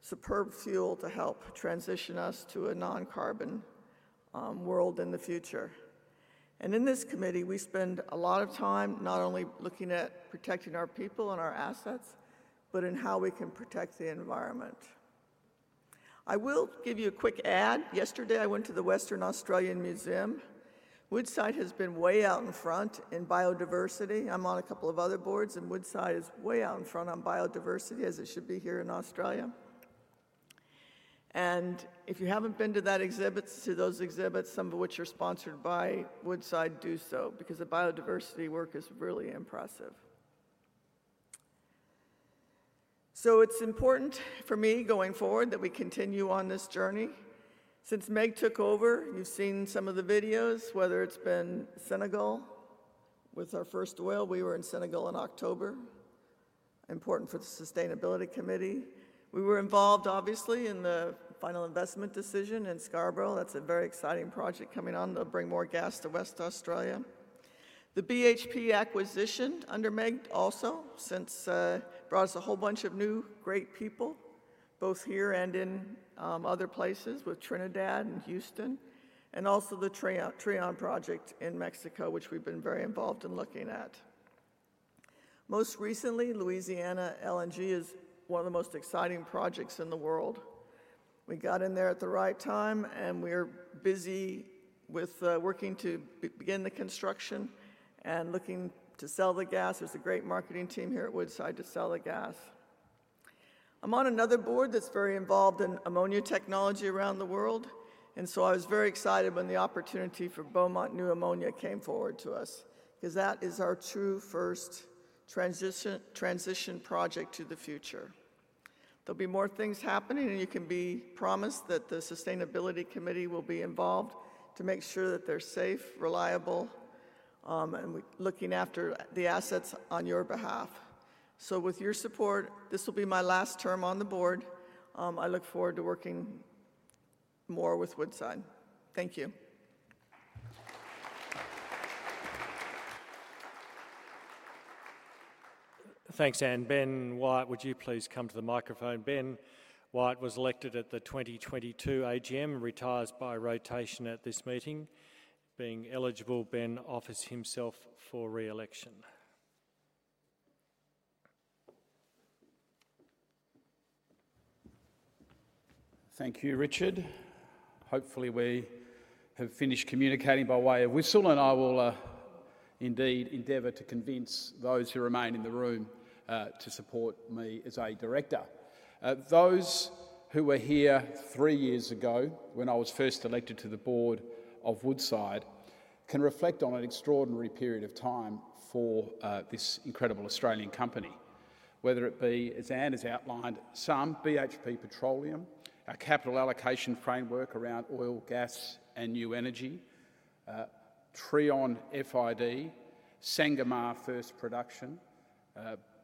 superb fuel to help transition us to a non-carbon world in the future. And in this committee, we spend a lot of time not only looking at protecting our people and our assets, but in how we can protect the environment. I will give you a quick ad. Yesterday, I went to the Western Australian Museum. Woodside has been way out in front in biodiversity. I'm on a couple of other boards, and Woodside is way out in front on biodiversity, as it should be here in Australia. And if you haven't been to those exhibits, some of which are sponsored by Woodside, do so, because the biodiversity work is really impressive. So it's important for me going forward that we continue on this journey. Since Meg O'Neill took over, you've seen some of the videos, whether it's been Senegal with our first oil. We were in Senegal in October. Important for the Sustainability Committee. We were involved, obviously, in the final investment decision in Scarborough. That's a very exciting project coming on that'll bring more gas to Western Australia. The BHP acquisition under Meg O'Neill also since brought us a whole bunch of new great people, both here and in other places with Trinidad and Houston, and also the Trion project in Mexico, which we've been very involved in looking at. Most recently, Louisiana LNG is one of the most exciting projects in the world. We got in there at the right time, and we're busy with working to begin the construction and looking to sell the gas. There's a great marketing team here at Woodside to sell the gas. I'm on another board that's very involved in ammonia technology around the world. And so I was very excited when the opportunity for Beaumont New Ammonia came forward to us, because that is our true first transition project to the future. There'll be more things happening, and you can be promised that the Sustainability Committee will be involved to make sure that they're safe, reliable, and looking after the assets on your behalf. So with your support, this will be my last term on the board. I look forward to working more with Woodside. Thank you. Thanks, Ann Pickard. Ben Wyatt, would you please come to the microphone? Ben Wyatt was elected at the 2022 AGM and retires by rotation at this meeting. Being eligible, Ben offers himself for reelection. Thank you, Richard Goyder. Hopefully, we have finished communicating by way of whistle, and I will indeed endeavor to convince those who remain in the room to support me as a director. Those who were here three years ago when I was first elected to the board of Woodside can reflect on an extraordinary period of time for this incredible Australian company. Whether it be, as Ann Pickard has outlined, the merger, BHP Petroleum, our capital allocation framework around oil, gas, and new energy, Trion FID, Sangomar First Production,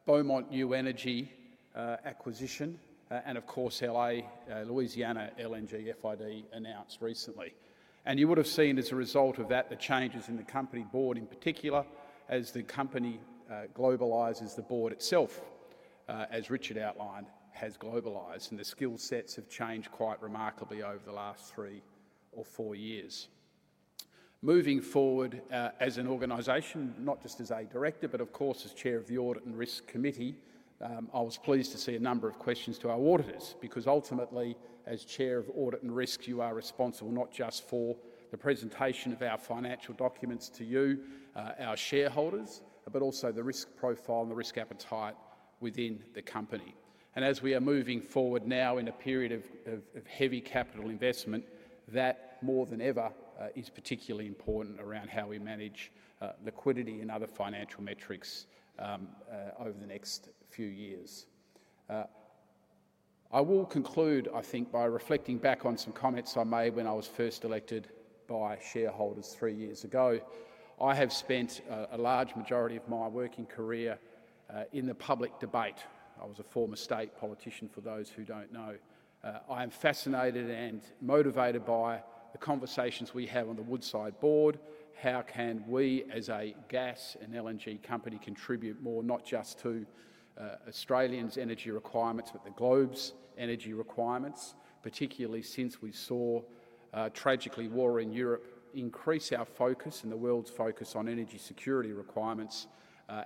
Beaumont New Ammonia acquisition, and of course, Louisiana LNG FID announced recently, and you would have seen as a result of that the changes in the company board in particular as the company globalizes, the board itself, as Richard Goyder outlined, has globalized, and the skill sets have changed quite remarkably over the last three or four years. Moving forward as an organization, not just as a director, but of course as chair of the Audit and Risk Committee, I was pleased to see a number of questions to our auditors, because ultimately, as chair of Audit and Risk, you are responsible not just for the presentation of our financial documents to you, our shareholders, but also the risk profile and the risk appetite within the company, and as we are moving forward now in a period of heavy capital investment, that more than ever is particularly important around how we manage liquidity and other financial metrics over the next few years. I will conclude, I think, by reflecting back on some comments I made when I was first elected by shareholders three years ago. I have spent a large majority of my working career in the public debate. I was a former state politician, for those who don't know. I am fascinated and motivated by the conversations we have on the Woodside board. How can we, as a gas and LNG company, contribute more, not just to Australians' energy requirements, but the globe's energy requirements, particularly since we saw a tragically warring Europe increase our focus and the world's focus on energy security requirements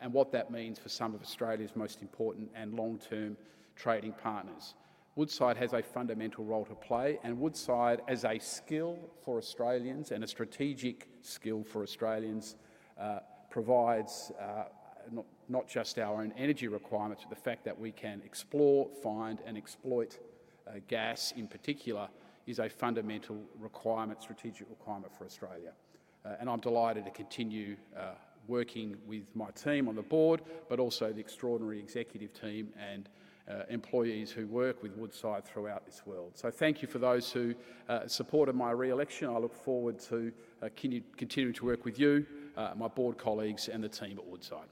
and what that means for some of Australia's most important and long-term trading partners? Woodside has a fundamental role to play, and Woodside, as a skill for Australians and a strategic skill for Australians, provides not just our own energy requirements, but the fact that we can explore, find, and exploit gas in particular is a fundamental requirement, strategic requirement for Australia. And I'm delighted to continue working with my team on the board, but also the extraordinary executive team and employees who work with Woodside throughout this world. So thank you for those who supported my re-election. I look forward to continuing to work with you, my board colleagues, and the team at Woodside.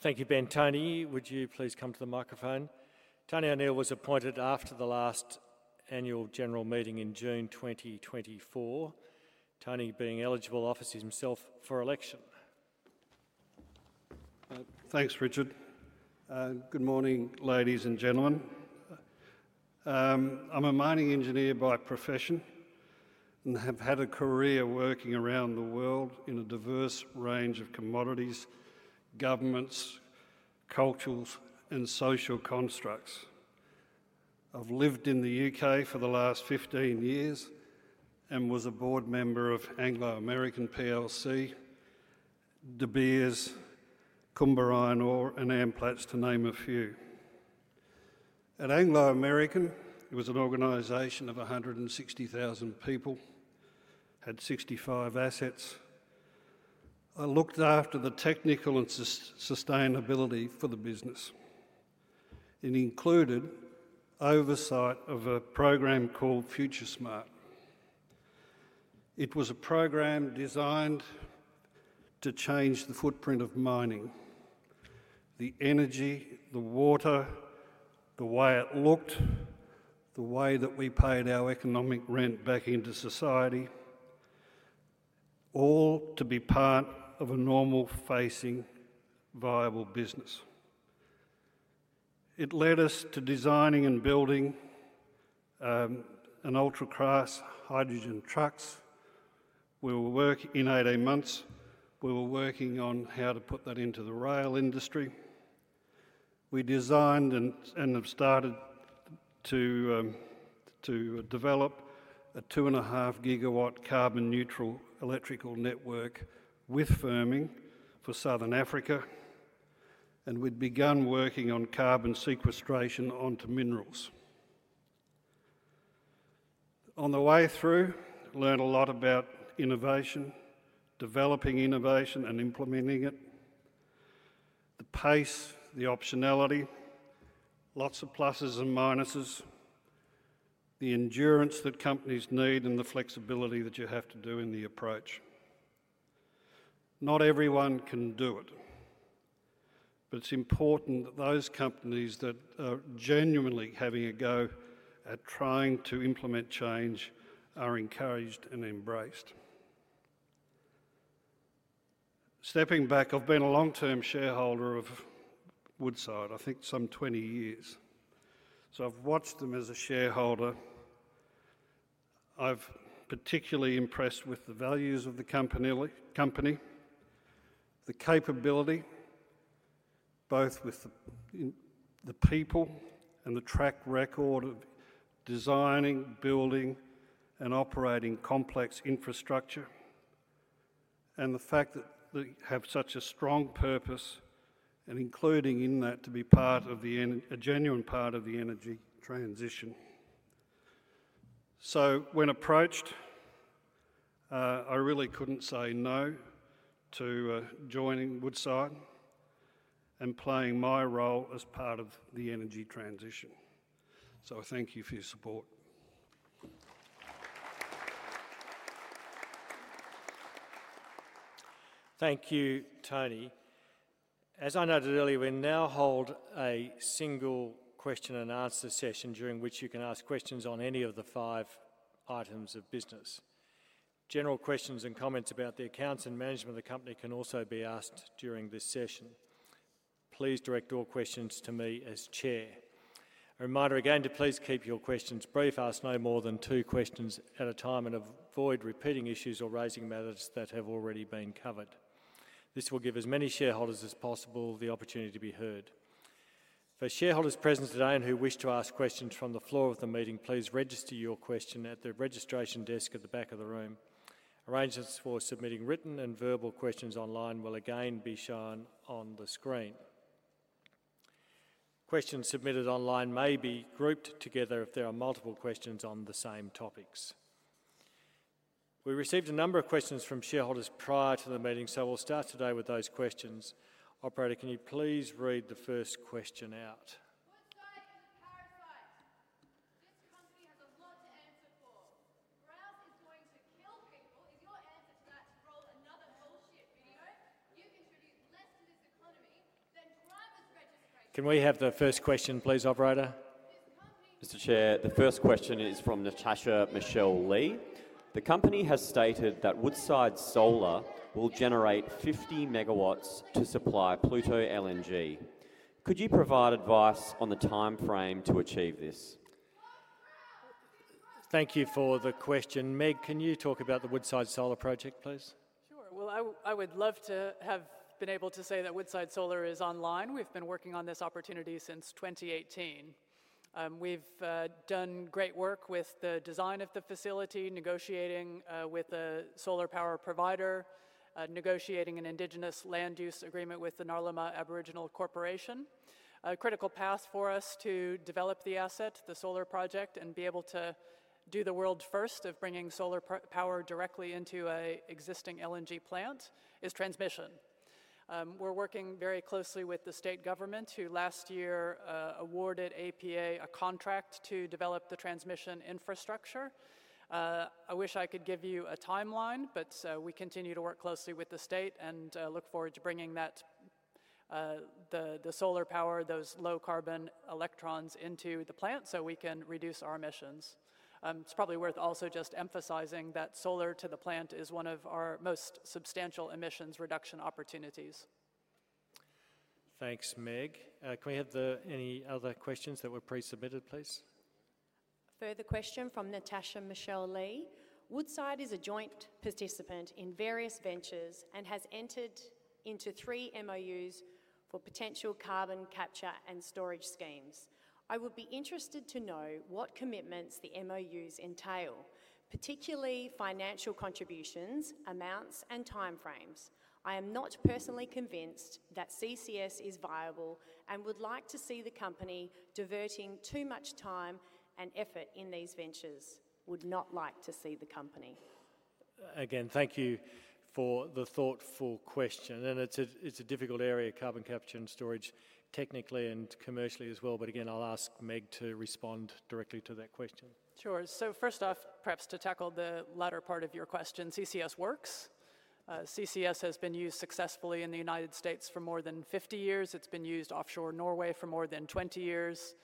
Thank you, Ben Wyatt. Tony O'Neill, would you please come to the microphone? Tony O'Neill was appointed after the last annual general meeting in June 2024. Tony, being eligible, offers himself for election. Thanks, Richard Goyder. Good morning, ladies and gentlemen. I'm a mining engineer by profession and have had a career working around the world in a diverse range of commodities, governments, culturals, and social constructs. I've lived in the U.K. for the last 15 years and was a board member of Anglo American PLC, De Beers, Kumba Iron Ore, and Amplats, to name a few. At Anglo American, it was an organization of 160,000 people, had 65 assets. I looked after the technical and sustainability for the business. It included oversight of a program called FutureSmart Mining. It was a program designed to change the footprint of mining, the energy, the water, the way it looked, the way that we paid our economic rent back into society, all to be part of a normal-facing, viable business. It led us to designing and building an ultra-class hydrogen trucks. We were working in 18 months. We were working on how to put that into the rail industry. We designed and have started to develop a two and a half GW carbon-neutral electrical network with firming for Southern Africa, and we'd begun working on carbon sequestration onto minerals. On the way through, learned a lot about innovation, developing innovation and implementing it, the pace, the optionality, lots of pluses and minuses, the endurance that companies need, and the flexibility that you have to do in the approach. Not everyone can do it, but it's important that those companies that are genuinely having a go at trying to implement change are encouraged and embraced. Stepping back, I've been a long-term shareholder of Woodside. I think some 20 years. So I've watched them as a shareholder. I've particularly impressed with the values of the company, the capability, both with the people and the track record of designing, building, and operating complex infrastructure, and the fact that they have such a strong purpose, and including in that to be part of a genuine part of the energy transition. So when approached, I really couldn't say no to joining Woodside and playing my role as part of the energy transition. So I thank you for your support. Thank you, Tony O'Neill. As I noted earlier, we now hold a single Q&A session during which you can ask questions on any of the five items of business. General questions and comments about the accounts and management of the company can also be asked during this session. Please direct all questions to me as chair. A reminder again to please keep your questions brief. Ask no more than two questions at a time and avoid repeating issues or raising matters that have already been covered. This will give as many shareholders as possible the opportunity to be heard. For shareholders present today and who wish to ask questions from the floor of the meeting, please register your question at the registration desk at the back of the room. Arrangements for submitting written and verbal questions online will again be shown on the screen. Questions submitted online may be grouped together if there are multiple questions on the same topics. We received a number of questions from shareholders prior to the meeting, so we'll start today with those questions. Operator, can you please read the first question out? Woodside is a parasite. This company has a lot to answer for. Grouse is going to kill people. Is your answer to that roll another bullshit video? You've introduced less to this economy than driver's registration. Can we have the first question, please, Operator? Mr. Chair, the first question is from Natasha Michelle Lee. The company has stated that Woodside Solar will generate 50 MW to supply Pluto LNG. Could you provide advice on the timeframe to achieve this? Thank you for the question. Meg O'Neill, can you talk about the Woodside Solar project, please? Sure. Well, I would love to have been able to say that Woodside Solar is online. We've been working on this opportunity since 2018. We've done great work with the design of the facility, negotiating with a solar power provider, negotiating an indigenous land use agreement with the Ngarluma Aboriginal Corporation. A critical path for us to develop the asset, the solar project, and be able to do the world first of bringing solar power directly into an existing LNG plant is transmission. We're working very closely with the state government, who last year awarded APA a contract to develop the transmission infrastructure. I wish I could give you a timeline, but we continue to work closely with the state and look forward to bringing that, the solar power, those low carbon electrons into the plant so we can reduce our emissions. It's probably worth also just emphasizing that solar to the plant is one of our most substantial emissions reduction opportunities. Thanks, Meg O'Neill. Can we have any other questions that were pre-submitted, please? Further question from Natasha Michelle Lee. Woodside is a joint participant in various ventures and has entered into three MOUs for potential carbon capture and storage schemes. I would be interested to know what commitments the MOUs entail, particularly financial contributions, amounts, and timeframes. I am not personally convinced that CCS is viable and would like to see the company diverting too much time and effort in these ventures. Would not like to see the company. Again, thank you for the thoughtful question. And it's a difficult area, carbon capture and storage, technically and commercially as well. But again, I'll ask Meg O'Neill to respond directly to that question. Sure. So first off, perhaps to tackle the latter part of your question, CCS works. CCS has been used successfully in the United States for more than 50 years. It's been used offshore Norway for more than 20 years.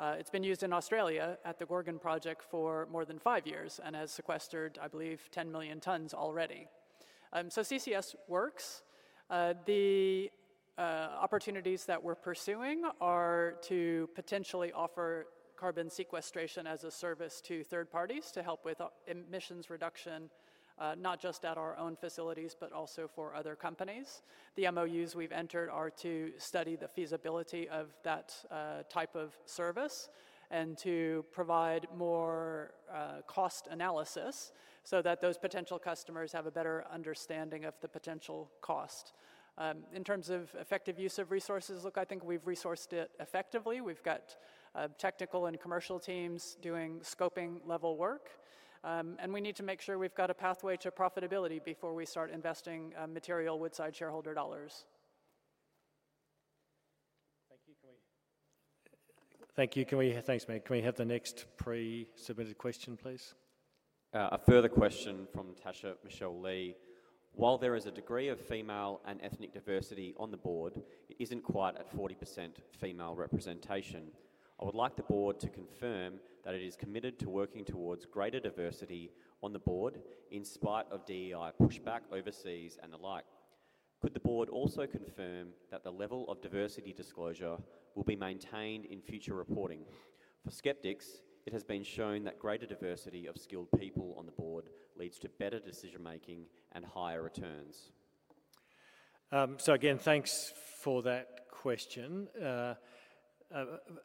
It's been used in Australia at the Gorgon project for more than five years and has sequestered, I believe, 10 million tons already. So CCS works. The opportunities that we're pursuing are to potentially offer carbon sequestration as a service to third parties to help with emissions reduction, not just at our own facilities, but also for other companies. The MOUs we've entered are to study the feasibility of that type of service and to provide more cost analysis so that those potential customers have a better understanding of the potential cost. In terms of effective use of resources, look, I think we've resourced it effectively. We've got technical and commercial teams doing scoping-level work, and we need to make sure we've got a pathway to profitability before we start investing material Woodside shareholder dollars. Thank you. Thanks, Meg O'Neill. Can we have the next pre-submitted question, please? A further question from Natasha Michelle Lee. While there is a degree of female and ethnic diversity on the board, it isn't quite at 40% female representation. I would like the board to confirm that it is committed to working towards greater diversity on the board in spite of DEI pushback overseas and the like. Could the board also confirm that the level of diversity disclosure will be maintained in future reporting? For skeptics, it has been shown that greater diversity of skilled people on the board leads to better decision-making and higher returns. So again, thanks for that question.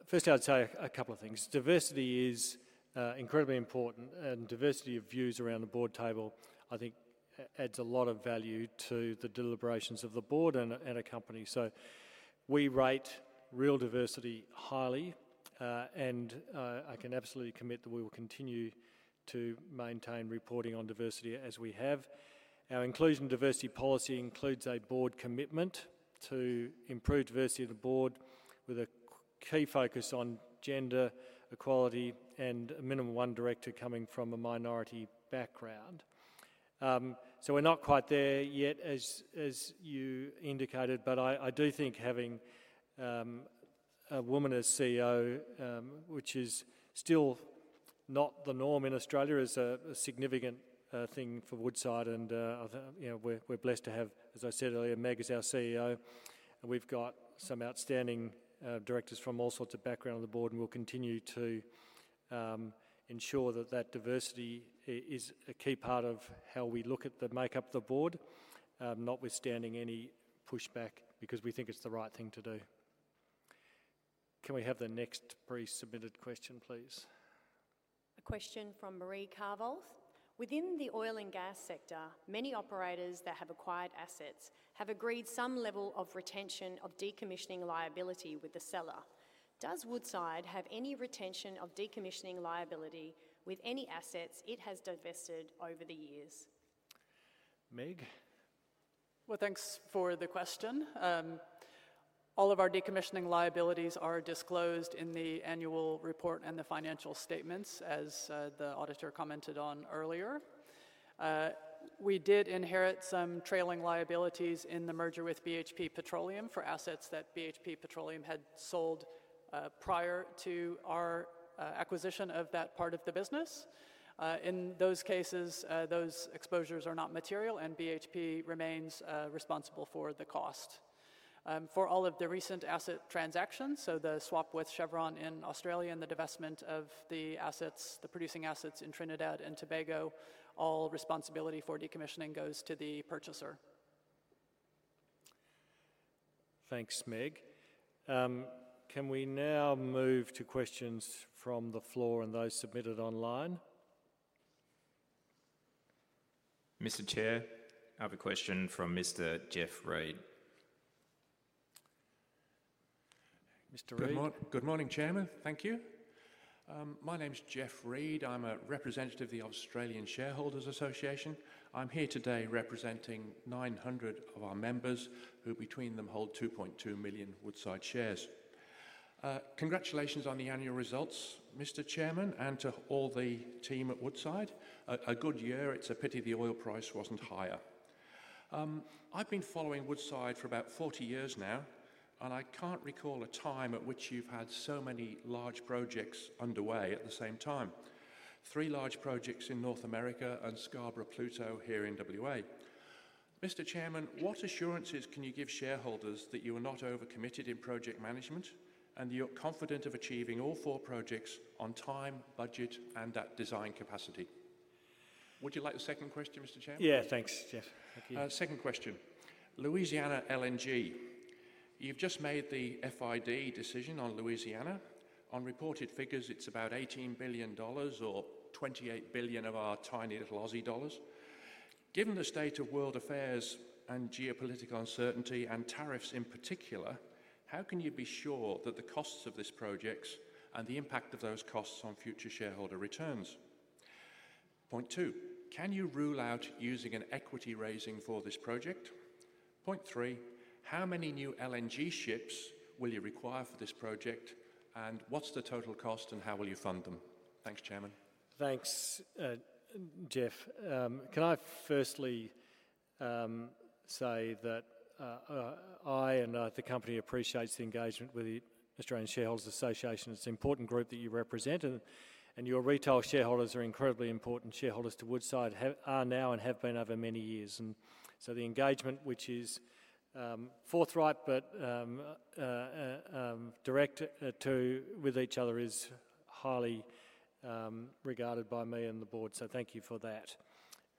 Firstly, I'd say a couple of things. Diversity is incredibly important, and diversity of views around the board table, I think, adds a lot of value to the deliberations of the board and a company. So we rate real diversity highly, and I can absolutely commit that we will continue to maintain reporting on diversity as we have. Our inclusion diversity policy includes a board commitment to improve diversity of the board with a key focus on gender equality and a minimum one director coming from a minority background. So we're not quite there yet, as you indicated, but I do think having a woman as CEO, which is still not the norm in Australia, is a significant thing for Woodside. And we're blessed to have, as I said earlier, Meg O'Neill as our CEO, and we've got some outstanding directors from all sorts of backgrounds on the board, and we'll continue to ensure that that diversity is a key part of how we look at the makeup of the board, notwithstanding any pushback, because we think it's the right thing to do. Can we have the next pre-submitted question, please? A question from Marie Carvolth. Within the oil and gas sector, many operators that have acquired assets have agreed some level of retention of decommissioning liability with the seller. Does Woodside have any retention of decommissioning liability with any assets it has divested over the years? Meg O'Neill? Thanks for the question. All of our decommissioning liabilities are disclosed in the annual report and the financial statements, as the auditor commented on earlier. We did inherit some trailing liabilities in the merger with BHP Petroleum for assets that BHP Petroleum had sold prior to our acquisition of that part of the business. In those cases, those exposures are not material, and BHP remains responsible for the cost. For all of the recent asset transactions, so the swap with Chevron in Australia and the divestment of the producing assets in Trinidad and Tobago, all responsibility for decommissioning goes to the purchaser. Thanks, Meg O'Neill. Can we now move to questions from the floor and those submitted online? Mr. Chair, I have a question from Mr. Geoff Read. Mr. Geoff Read? Good morning, Chairman. Thank you. My name's Geoff Read. I'm a representative of the Australian Shareholders' Association. I'm here today representing 900 of our members, who between them hold 2.2 million Woodside shares. Congratulations on the annual results, Mr. Chairman, and to all the team at Woodside. A good year. It's a pity the oil price wasn't higher. I've been following Woodside for about 40 years now, and I can't recall a time at which you've had so many large projects underway at the same time. Three large projects in North America and Scarborough Pluto here in W.A. Mr. Chairman, what assurances can you give shareholders that you are not overcommitted in project management and that you're confident of achieving all four projects on time, budget, and at design capacity? Would you like the second question, Mr. Chairman? Yeah, thanks, Geoff Read. Thank you. Second question. Louisiana LNG. You've just made the FID decision on Louisiana. On reported figures, it's about $18 billion or 28 billion of our tiny little Aussie dollars. Given the state of world affairs and geopolitical uncertainty and tariffs in particular, how can you be sure that the costs of this project and the impact of those costs on future shareholder returns? Point two, can you rule out using an equity raising for this project? Point three, how many new LNG ships will you require for this project, and what's the total cost, and how will you fund them? Thanks, Chairman. Thanks, Geoff Read. Can I firstly say that I and the company appreciate the engagement with the Australian Shareholders' Association. It's an important group that you represent, and your retail shareholders are incredibly important shareholders to Woodside, are now and have been over many years. And so the engagement, which is forthright but direct with each other, is highly regarded by me and the board. So thank you for that.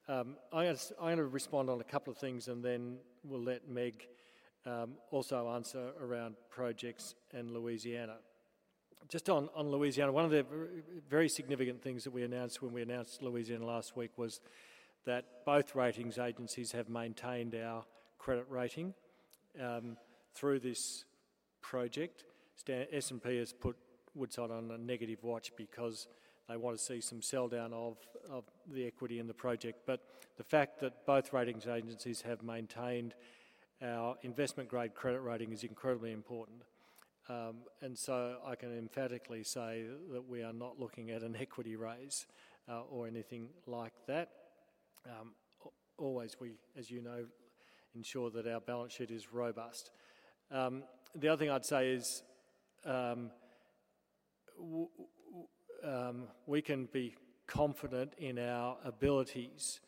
I'm going to respond on a couple of things, and then we'll let Meg O'Neill also answer around projects in Louisiana. Just on Louisiana, one of the very significant things that we announced when we announced Louisiana last week was that both ratings agencies have maintained our credit rating through this project. S&P has put Woodside on a negative watch because they want to see some sell down of the equity in the project. But the fact that both ratings agencies have maintained our investment-grade credit rating is incredibly important. And so I can emphatically say that we are not looking at an equity raise or anything like that. Always, we, as you know, ensure that our balance sheet is robust. The other thing I'd say is we can be confident in our abilities,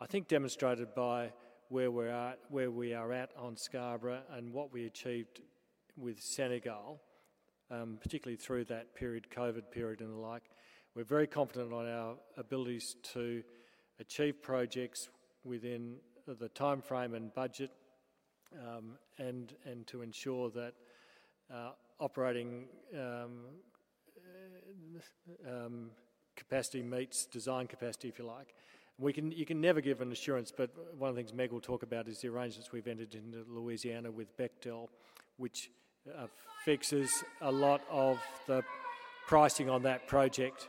I think demonstrated by where we are at on Scarborough and what we achieved with Senegal, particularly through that COVID period and the like. We're very confident on our abilities to achieve projects within the timeframe and budget and to ensure that operating capacity meets design capacity, if you like. You can never give an assurance, but one of the things Meg O'Neill will talk about is the arrangements we've entered into Louisiana with Bechtel, which fixes a lot of the pricing on that project.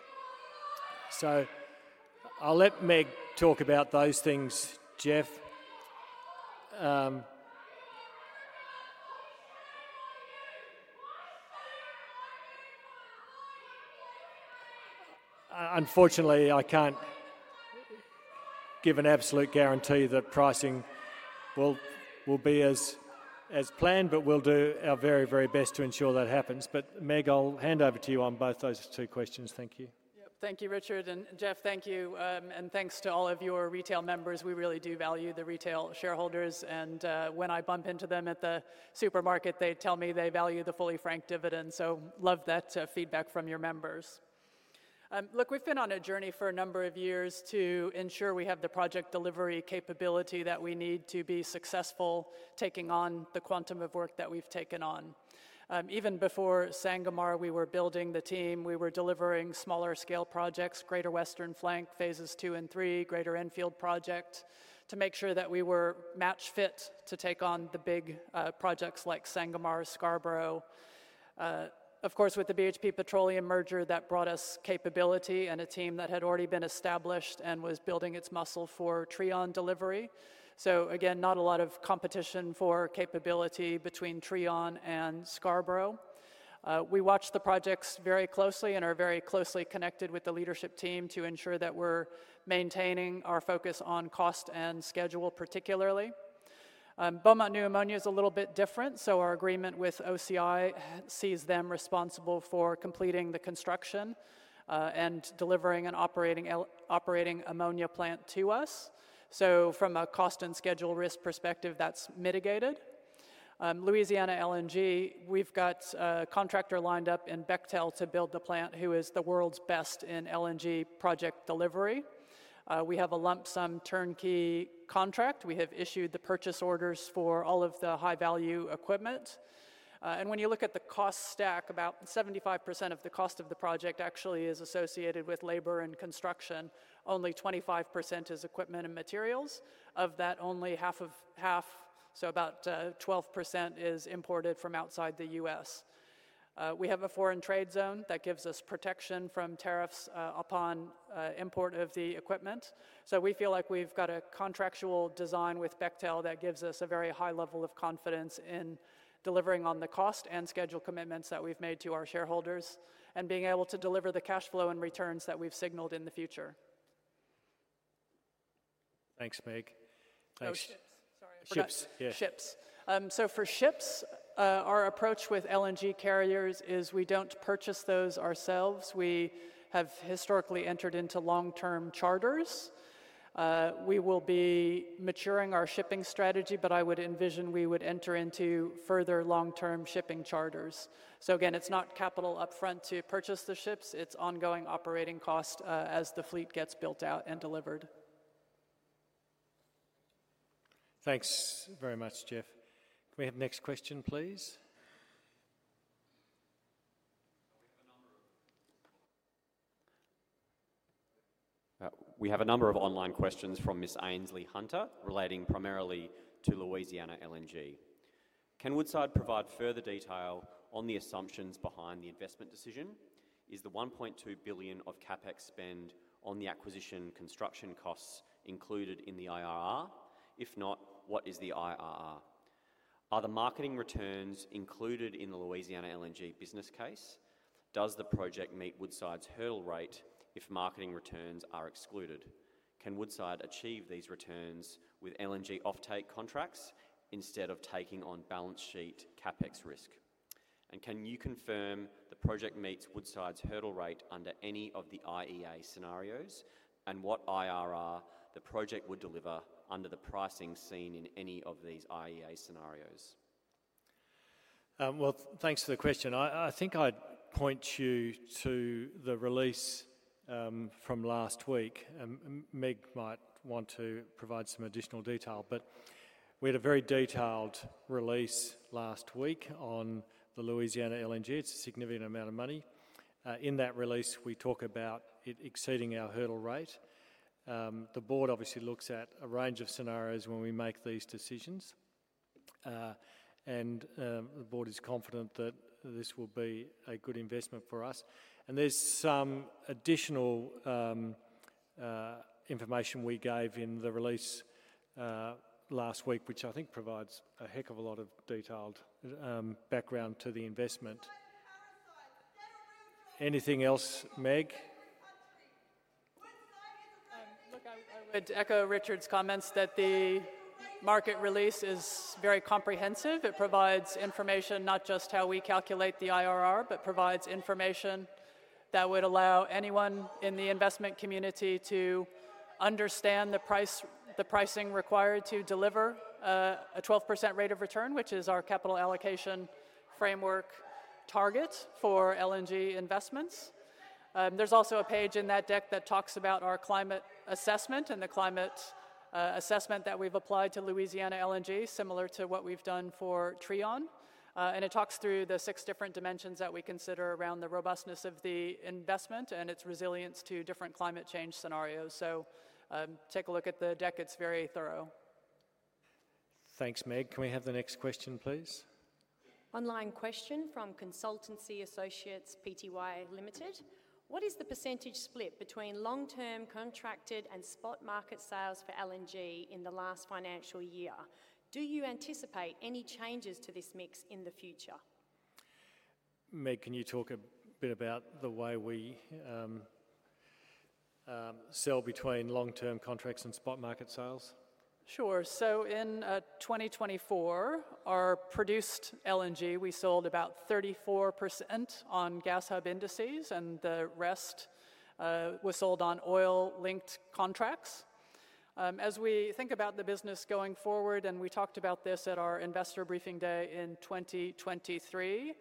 So I'll let Meg O'Neill talk about those things. Geoff Read. Unfortunately, I can't give an absolute guarantee that pricing will be as plAnnd, but we'll do our very, very best to ensure that happens. But Meg O'Neill, I'll hand over to you on both those two questions. Thank you. Yep. Thank you, Richard Goyder. And Geoff Read, thank you. And thanks to all of your retail members. We really do value the retail shareholders. And when I bump into them at the supermarket, they tell me they value the fully franked dividend. So love that feedback from your members. Look, we've been on a journey for a number of years to ensure we have the project delivery capability that we need to be successful taking on the quantum of work that we've taken on. Even before Sangomar, we were building the team. We were delivering smaller scale projects, Greater Western Flank phases II and III, Greater Enfield project, to make sure that we were match fit to take on the big projects like Sangomar, Scarborough. Of course, with the BHP Petroleum merger, that brought us capability and a team that had already been established and was building its muscle for Trion delivery. So again, not a lot of competition for capability between Trion and Scarborough. We watch the projects very closely and are very closely connected with the leadership team to ensure that we're maintaining our focus on cost and schedule particularly. Beaumont New Ammonia is a little bit different. So our agreement with OCI sees them responsible for completing the construction and delivering an operating ammonia plant to us. So from a cost and schedule risk perspective, that's mitigated. Louisiana LNG, we've got a contractor lined up in Bechtel to build the plant, who is the world's best in LNG project delivery. We have a lump sum turnkey contract. We have issued the purchase orders for all of the high-value equipment. When you look at the cost stack, about 75% of the cost of the project actually is associated with labor and construction. Only 25% is equipment and materials. Of that, only half, so about 12%, is imported from outside the U.S. We have a foreign trade zone that gives us protection from tariffs upon import of the equipment. We feel like we've got a contractual design with Bechtel that gives us a very high level of confidence in delivering on the cost and schedule commitments that we've made to our shareholders and being able to deliver the cash flow and returns that we've signaled in the future. Thanks, Meg O'Neill. Thanks. Oh, ships. Sorry. Ships. Ships. So for ships, our approach with LNG carriers is we don't purchase those ourselves. We have historically entered into long-term charters. We will be maturing our shipping strategy, but I would envision we would enter into further long-term shipping charters. So again, it's not capital upfront to purchase the ships. It's ongoing operating cost as the fleet gets built out and delivered. Thanks very much, Geoff Read. Can we have the next question, please? We have a number of online questions from Ms. Ainsley Hunter relating primarily to Louisiana LNG. Can Woodside provide further detail on the assumptions behind the investment decision? Is the $1.2 billion of CapEx spend on the acquisition construction costs included in the IRR? If not, what is the IRR? Are the marketing returns included in the Louisiana LNG business case? Does the project meet Woodside's hurdle rate if marketing returns are excluded? Can Woodside achieve these returns with LNG offtake contracts instead of taking on balance sheet CapEx risk? And can you confirm the project meets Woodside's hurdle rate under any of the IEA scenarios? And what IRR the project would deliver under the pricing seen in any of these IEA scenarios? Thanks for the question. I think I'd point you to the release from last week. Meg O'Neill might want to provide some additional detail, but we had a very detailed release last week on the Louisiana LNG. It's a significant amount of money. In that release, we talk about it exceeding our hurdle rate. The board obviously looks at a range of scenarios when we make these decisions, and the board is confident that this will be a good investment for us. There's some additional information we gave in the release last week, which I think provides a heck of a lot of detailed background to the investment. Anything else, Meg O'Neill? Look, I would echo Richard Goyder comments that the market release is very comprehensive. It provides information not just how we calculate the IRR, but provides information that would allow anyone in the investment community to understand the pricing required to deliver a 12% rate of return, which is our capital allocation framework target for LNG investments. There's also a page in that deck that talks about our climate assessment and the climate assessment that we've applied to Louisiana LNG, similar to what we've done for Trion, and it talks through the six different dimensions that we consider around the robustness of the investment and its resilience to different climate change scenarios, so take a look at the deck. It's very thorough. Thanks, Meg O'Neill. Can we have the next question, please? Online question from Consultancy Associates Pty Ltd. What is the percentage split between long-term contracted and spot market sales for LNG in the last financial year? Do you anticipate any changes to this mix in the future? Meg O'Neill, can you talk a bit about the way we sell between long-term contracts and spot market sales? Sure. So in 2024, our produced LNG, we sold about 34% on gas hub indices, and the rest was sold on oil-linked contracts. As we think about the business going forward, and we talked about this at our investor briefing day in 2023,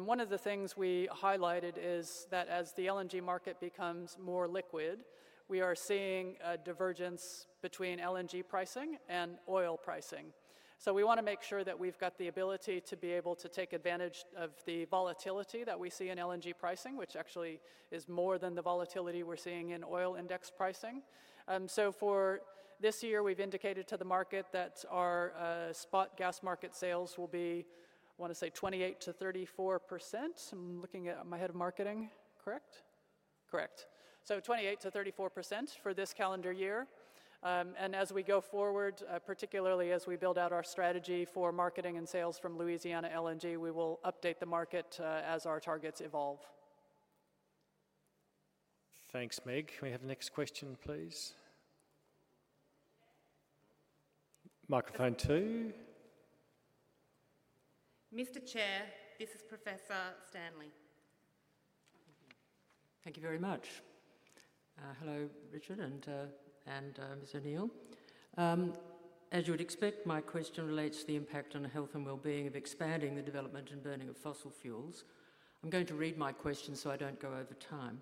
one of the things we highlighted is that as the LNG market becomes more liquid, we are seeing a divergence between LNG pricing and oil pricing. So we want to make sure that we've got the ability to be able to take advantage of the volatility that we see in LNG pricing, which actually is more than the volatility we're seeing in oil index pricing. So for this year, we've indicated to the market that our spot gas market sales will be, I want to say, 28%-34%. I'm looking at my head of marketing. Correct? Correct. So 28%-34% for this calendar year. As we go forward, particularly as we build out our strategy for marketing and sales from Louisiana LNG, we will update the market as our targets evolve. Thanks, Meg O'Neill. Can we have the next question, please? Microphone two. Mr. Chair, this is Professor Fiona Stanley. Thank you very much. Hello, Richard Goyder and Ms. Meg O'Neill. As you would expect, my question relates to the impact on health and well-being of expanding the development and burning of fossil fuels. I'm going to read my question so I don't go over time.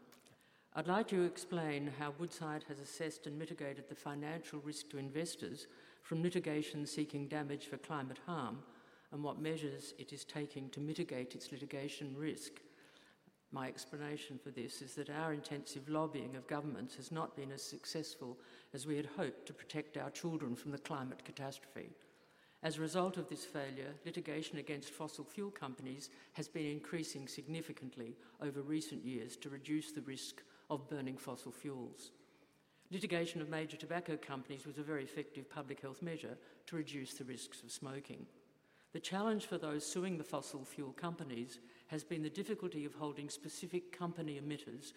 I'd like to explain how Woodside has assessed and mitigated the financial risk to investors from litigation seeking damage for climate harm and what measures it is taking to mitigate its litigation risk. My explanation for this is that our intensive lobbying of governments has not been as successful as we had hoped to protect our children from the climate catastrophe. As a result of this failure, litigation against fossil fuel companies has been increasing significantly over recent years to reduce the risk of burning fossil fuels. Litigation of major tobacco companies was a very effective public health measure to reduce the risks of smoking. The challenge for those suing the fossil fuel companies has been the difficulty of holding specific company emitters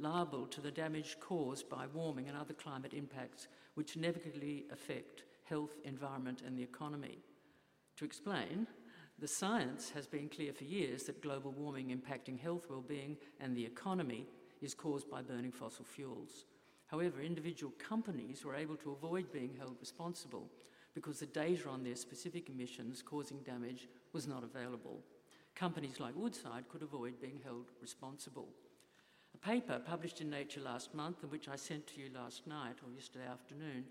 liable to the damage caused by warming and other climate impacts, which inevitably affect health, environment, and the economy. To explain, the science has been clear for years that global warming impacting health, well-being, and the economy is caused by burning fossil fuels. However, individual companies were able to avoid being held responsible because the data on their specific emissions causing damage was not available. Companies like Woodside could avoid being held responsible. A paper published in Nature last month, which I sent to you last night or yesterday afternoon,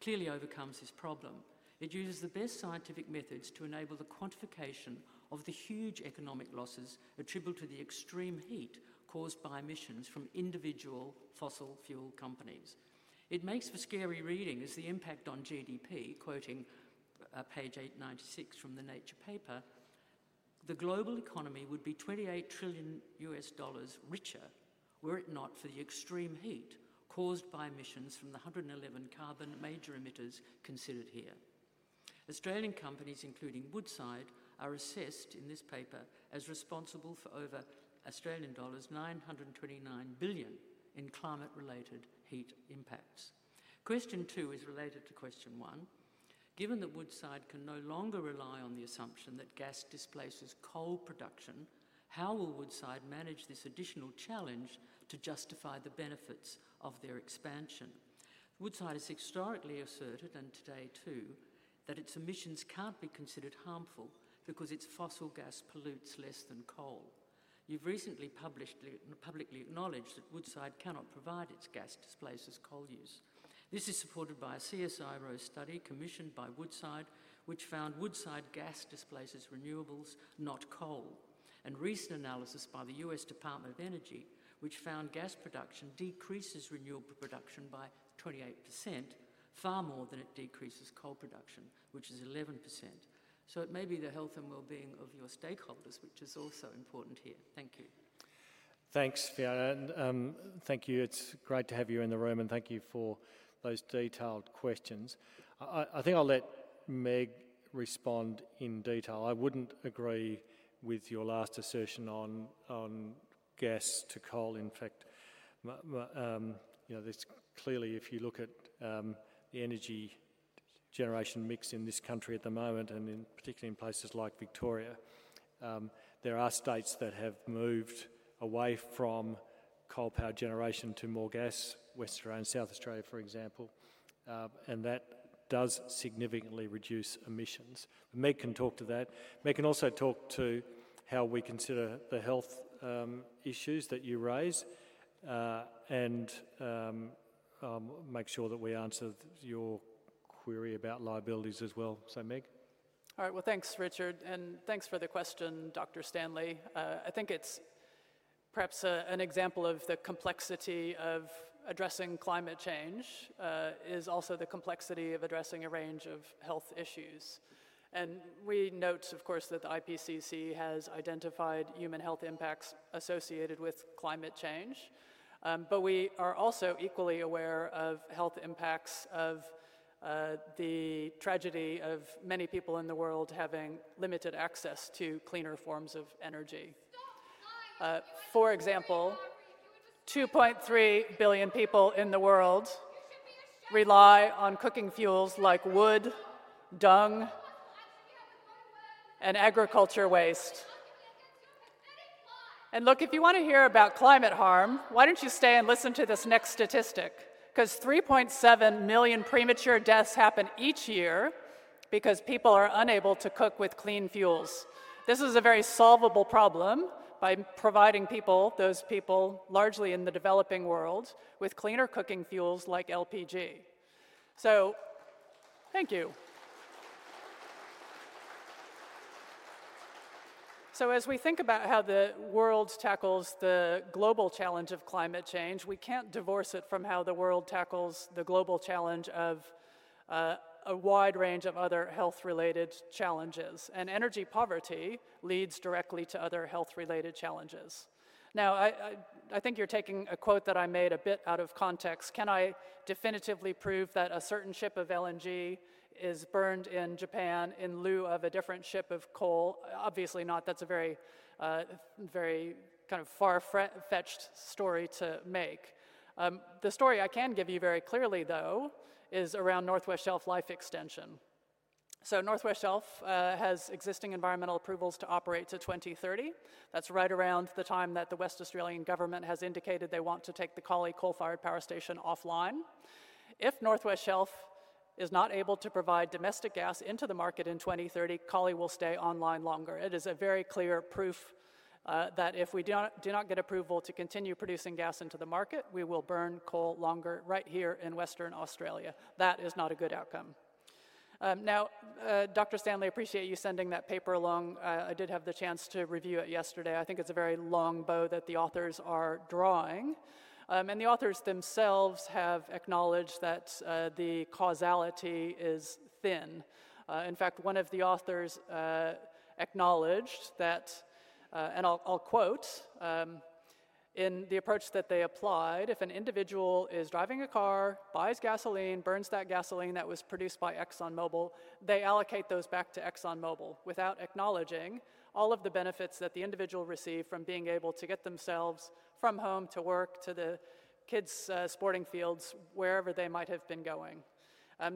clearly overcomes this problem. It uses the best scientific methods to enable the quantification of the huge economic losses attributable to the extreme heat caused by emissions from individual fossil fuel companies. It makes for scary reading as the impact on GDP, quoting page 896 from the Nature paper, the global economy would be $28 trillion richer were it not for the extreme heat caused by emissions from the 111 carbon major emitters considered here. Australian companies, including Woodside, are assessed in this paper as responsible for over Australian dollars 929 billion in climate-related heat impacts. Question two is related to question one. Given that Woodside can no longer rely on the assumption that gas displaces coal production, how will Woodside manage this additional challenge to justify the benefits of their expansion? Woodside has historically asserted, and today too, that its emissions can't be considered harmful because its fossil gas pollutes less than coal. You've recently publicly acknowledged that Woodside cannot prove that its gas displaces coal use. This is supported by a CSIRO study commissioned by Woodside, which found Woodside gas displaces renewables, not coal, and recent analysis by the U.S. Department of Energy, which found gas production decreases renewable production by 28%, far more than it decreases coal production, which is 11%. So it may be the health and well-being of your stakeholders, which is also important here. Thank you. Thanks, Fiona Stanley, and thank you. It's great to have you in the room, and thank you for those detailed questions. I think I'll let Meg O'Neill respond in detail. I wouldn't agree with your last assertion on gas to coal. In fact, clearly, if you look at the energy generation mix in this country at the moment, and particularly in places like Victoria, there are states that have moved away from coal power generation to more gas, Western Australia and South Australia, for example, and that does significantly reduce emissions. Meg O'Neill can talk to that. Meg O'Neill can also talk to how we consider the health issues that you raise and make sure that we answer your query about liabilities as well. So, Meg O'Neill. All right. Well, thanks, Richard Goyder. And thanks for the question, Dr. Fiona Stanley. I think it's perhaps an example of the complexity of addressing climate change is also the complexity of addressing a range of health issues. And we note, of course, that the IPCC has identified human health impacts associated with climate change, but we are also equally aware of health impacts of the tragedy of many people in the world having limited access to cleaner forms of energy. For example, 2.3 billion people in the world rely on cooking fuels like wood, dung, and agricultural waste. And look, if you want to hear about climate harm, why don't you stay and listen to this next statistic? Because 3.7 million premature deaths happen each year because people are unable to cook with clean fuels. This is a very solvable problem by providing people, those people largely in the developing world, with cleaner cooking fuels like LPG. So thank you. So as we think about how the world tackles the global challenge of climate change, we can't divorce it from how the world tackles the global challenge of a wide range of other health-related challenges. And energy poverty leads directly to other health-related challenges. Now, I think you're taking a quote that I made a bit out of context. Can I definitively prove that a certain ship of LNG is burned in Japan in lieu of a different ship of coal? Obviously not. That's a very kind of far-fetched story to make. The story I can give you very clearly, though, is around North West Shelf life extension. So North West Shelf has existing environmental approvals to operate to 2030. That's right around the time that the Western Australian government has indicated they want to take the Collie coal-fired power station offline. If North West Shelf is not able to provide domestic gas into the market in 2030, Collie will stay online longer. It is a very clear proof that if we do not get approval to continue producing gas into the market, we will burn coal longer right here in Western Australia. That is not a good outcome. Now, Dr. Fiona Stanley, I appreciate you sending that paper along. I did have the chance to review it yesterday. I think it's a very long bow that the authors are drawing. And the authors themselves have acknowledged that the causality is thin. In fact, one of the authors acknowledged that, and I'll quote, in the approach that they applied, if an individual is driving a car, buys gasoline, burns that gasoline that was produced by ExxonMobil, they allocate those back to ExxonMobil without acknowledging all of the benefits that the individual received from being able to get themselves from home to work, to the kids' sporting fields, wherever they might have been going.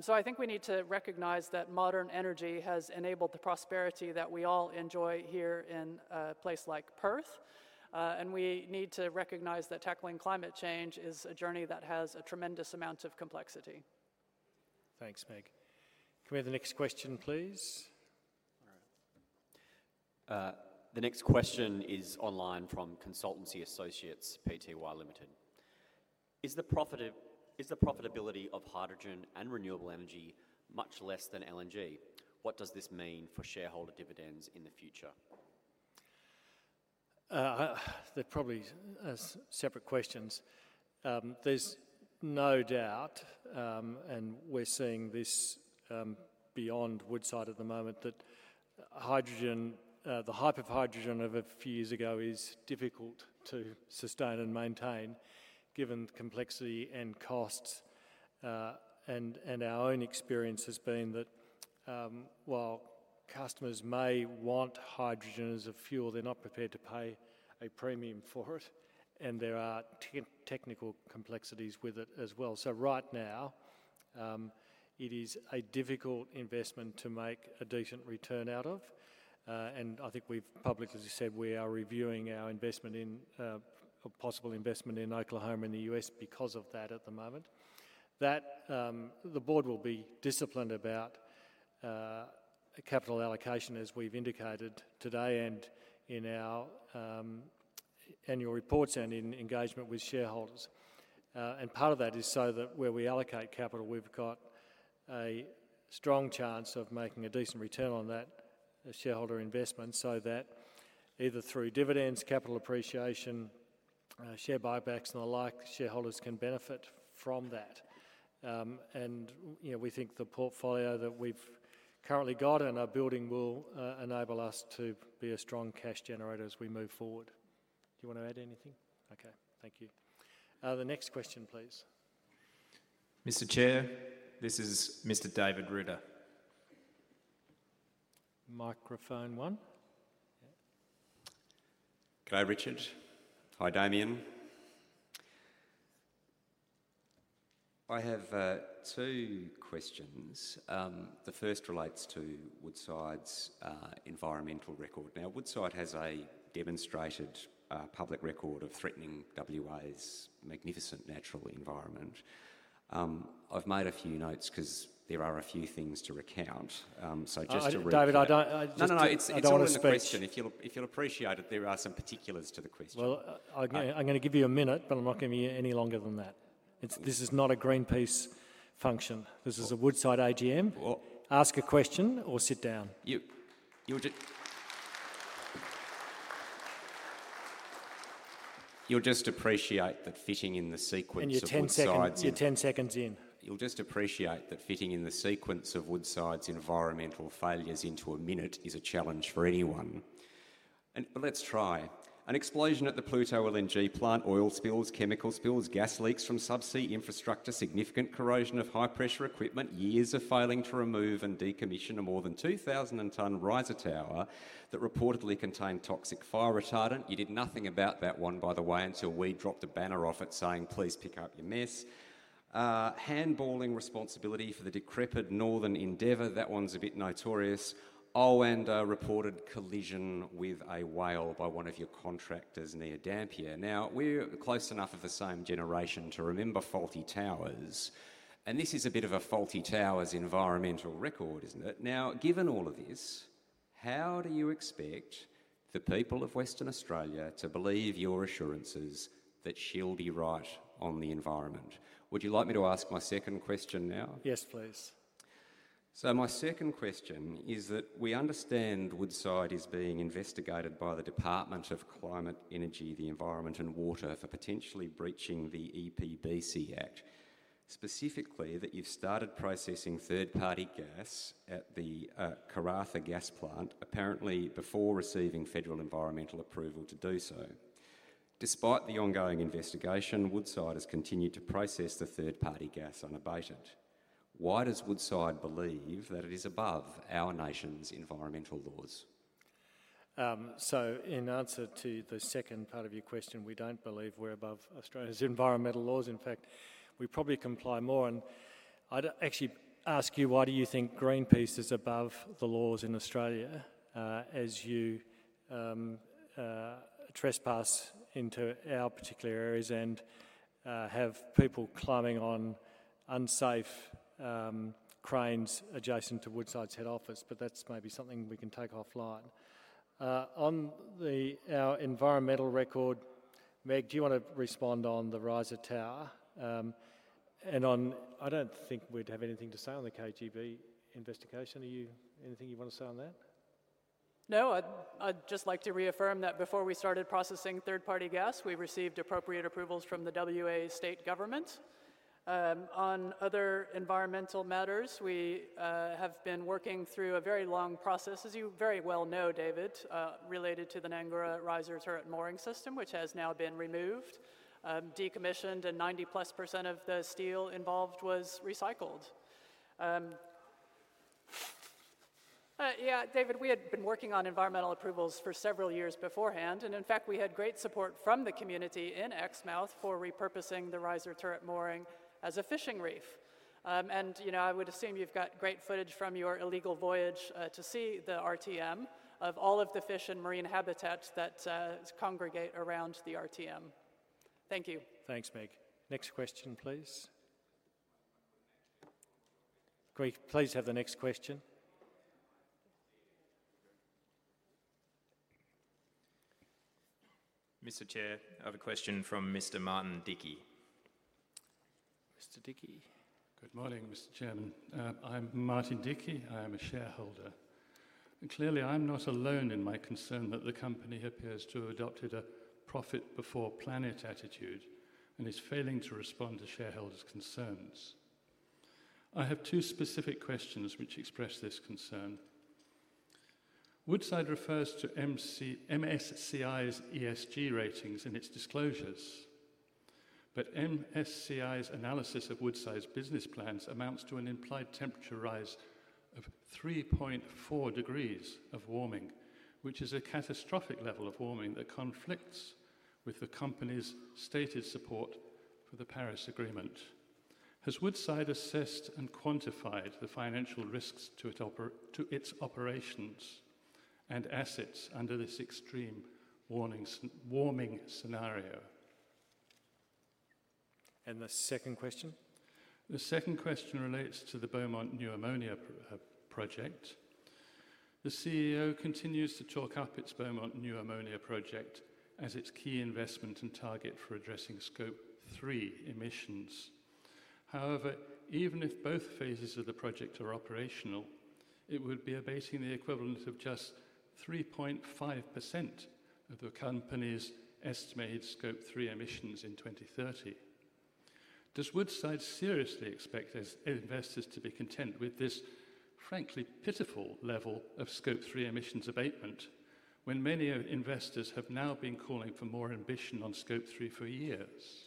So I think we need to recognize that modern energy has enabled the prosperity that we all enjoy here in a place like Perth. And we need to recognize that tackling climate change is a journey that has a tremendous amount of complexity. Thanks, Meg O'Neill. Can we have the next question, please? The next question is online from Consultancy Associates Pty Ltd. Is the profitability of hydrogen and renewable energy much less than LNG? What does this mean for shareholder dividends in the future? They're probably separate questions. There's no doubt, and we're seeing this beyond Woodside at the moment, that the hype of hydrogen a few years ago is difficult to sustain and maintain, given the complexity and costs. And our own experience has been that while customers may want hydrogen as a fuel, they're not prepared to pay a premium for it. And there are technical complexities with it as well. So right now, it is a difficult investment to make a decent return out of. And I think we've publicly said we are reviewing our investment in a possible investment in Oklahoma in the U.S. because of that at the moment. The board will be disciplined about capital allocation, as we've indicated today and in our annual reports and in engagement with shareholders. And part of that is so that where we allocate capital, we've got a strong chance of making a decent return on that shareholder investment so that either through dividends, capital appreciation, share buybacks, and the like, shareholders can benefit from that. And we think the portfolio that we've currently got and our building will enable us to be a strong cash generator as we move forward. Do you want to add anything? Okay. Thank you. The next question, please. Mr. Chair, this is Mr. David Ritter. Microphone one. Goyder Richard. Hi, Damien Gare. I have two questions. The first relates to Woodside's environmental record. Now, Woodside has a demonstrated public record of threatening W.A. magnificent natural environment. I've made a few notes because there are a few things to recount. So just to reiterate. David Ritter, I don't. No, no, no. It's a wonderful question. If you'll appreciate it, there are some particulars to the question. I'm going to give you a minute, but I'm not going to be any longer than that. This is not a Greenpeace function. This is a Woodside AGM. Ask a question or sit down. You'll just appreciate that fitting in the sequence of Woodside's. You're 10 seconds in. You'll just appreciate that fitting in the sequence of Woodside's environmental failures into a minute is a challenge for anyone. But let's try. An explosion at the Pluto LNG plant. Oil spills, chemical spills, gas leaks from subsea infrastructure, significant corrosion of high-pressure equipment, years of failing to remove and decommission a more than 2,000-ton riser tower that reportedly contained toxic fire retardant. You did nothing about that one, by the way, until we dropped a bAnnr off it saying, "Please pick up your mess." Handballing responsibility for the decrepit Northern Endeavour. That one's a bit notorious. Oh, and a reported collision with a whale by one of your contractors near Dampier. Now, we're close enough of the same generation to remember faulty towers. And this is a bit of a faulty tower's environmental record, isn't it? Now, given all of this, how do you expect the people of Western Australia to believe your assurances that she'll be right on the environment? Would you like me to ask my second question now? Yes, please. So my second question is that we understand Woodside is being investigated by the Department of Climate Change, Energy, the Environment, and Water for potentially breaching the EPBC Act. Specifically, that you've started processing third-party gas at the Karratha Gas Plant, apparently before receiving federal environmental approval to do so. Despite the ongoing investigation, Woodside has continued to process the third-party gas unabated. Why does Woodside believe that it is above our nation's environmental laws? In answer to the second part of your question, we don't believe we're above Australia's environmental laws. In fact, we probably comply more. I'd actually ask you, why do you think Greenpeace is above the laws in Australia as you trespass into our particular areas and have people climbing on unsafe cranes adjacent to Woodside's head office? That's maybe something we can take offline. On our environmental record, Meg O'Neill, do you want to respond on the riser turret? I don't think we'd have anything to say on the Gorgon investigation. Anything you want to say on that? No, I'd just like to reaffirm that before we started processing third-party gas, we received appropriate approvals from the W.A. state government. On other environmental matters, we have been working through a very long process, as you very well know, David Ritter, related to the Northern Endeavour riser turret mooring system, which has now been removed, decommissioned, and 90-plus% of the steel involved was recycled. Yeah, David, we had been working on environmental approvals for several years beforehand. And in fact, we had great support from the community in Exmouth for repurposing the riser turret mooring as a fishing reef. And I would assume you've got great footage from your illegal voyage to see the RTM of all of the fish and marine habitat that congregate around the RTM. Thank you. Thanks, Meg O'Neill. Next question, please. [Greg], please have the next question. Mr. Chair, I have a question from Mr. Martin Dickie. Mr. Martin Dickie. Good morning, Mr. Chairman. I'm Martin Dickie. I am a shareholder, and clearly, I'm not alone in my concern that the company appears to have adopted a profit-before-planet attitude and is failing to respond to shareholders' concerns. I have two specific questions which express this concern. Woodside refers to MSCI's ESG ratings in its disclosures, but MSCI's analysis of Woodside's business plans amounts to an implied temperature rise of 3.4 degrees of warming, which is a catastrophic level of warming that conflicts with the company's stated support for the Paris Agreement. Has Woodside assessed and quantified the financial risks to its operations and assets under this extreme warming scenario? The second question? The second question relates to the Beaumont New Ammonia project. The CEO continues to chalk up its Beaumont New Ammonia project as its key investment and target for addressing Scope 3 emissions. However, even if both phases of the project are operational, it would be abating the equivalent of just 3.5% of the company's estimated Scope 3 emissions in 2030. Does Woodside seriously expect its investors to be content with this frankly pitiful level of Scope 3 emissions abatement when many investors have now been calling for more ambition on Scope 3 for years?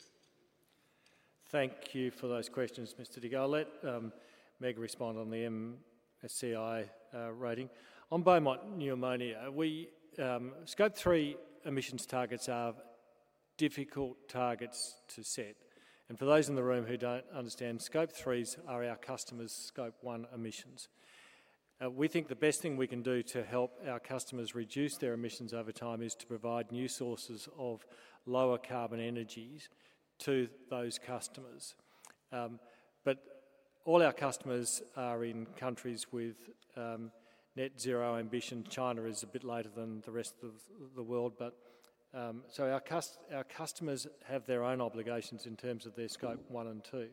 Thank you for those questions, Mr. Martin Dickie. Meg O'Neill, respond on the MSCI rating. On Beaumont New Ammonia, Scope 3 emissions targets are difficult targets to set, and for those in the room who don't understand, Scope 3s are our customers' Scope 1 emissions. We think the best thing we can do to help our customers reduce their emissions over time is to provide new sources of lower carbon energies to those customers, but all our customers are in countries with net zero ambition. China is a bit later than the rest of the world, so our customers have their own obligations in terms of their Scope 1 and 2.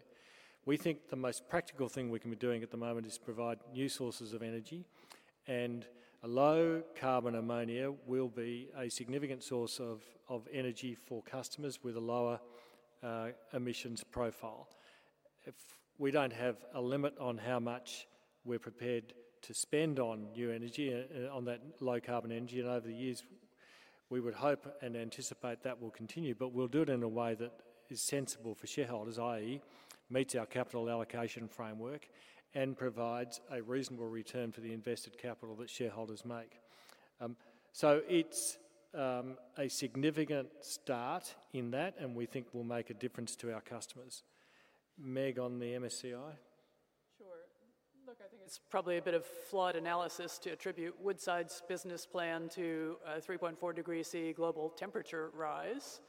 We think the most practical thing we can be doing at the moment is to provide new sources of energy, and low carbon ammonia will be a significant source of energy for customers with a lower emissions profile. We don't have a limit on how much we're prepared to spend on new energy, on that low carbon energy. And over the years, we would hope and anticipate that will continue. But we'll do it in a way that is sensible for shareholders, i.e., meets our capital allocation framework and provides a reasonable return for the invested capital that shareholders make. So it's a significant start in that, and we think will make a difference to our customers. Meg O'Neill on the MSCI? Sure. Look, I think it's probably a bit of flawed analysis to attribute Woodside's business plan to a 3.4 degrees Celsius global temperature rise.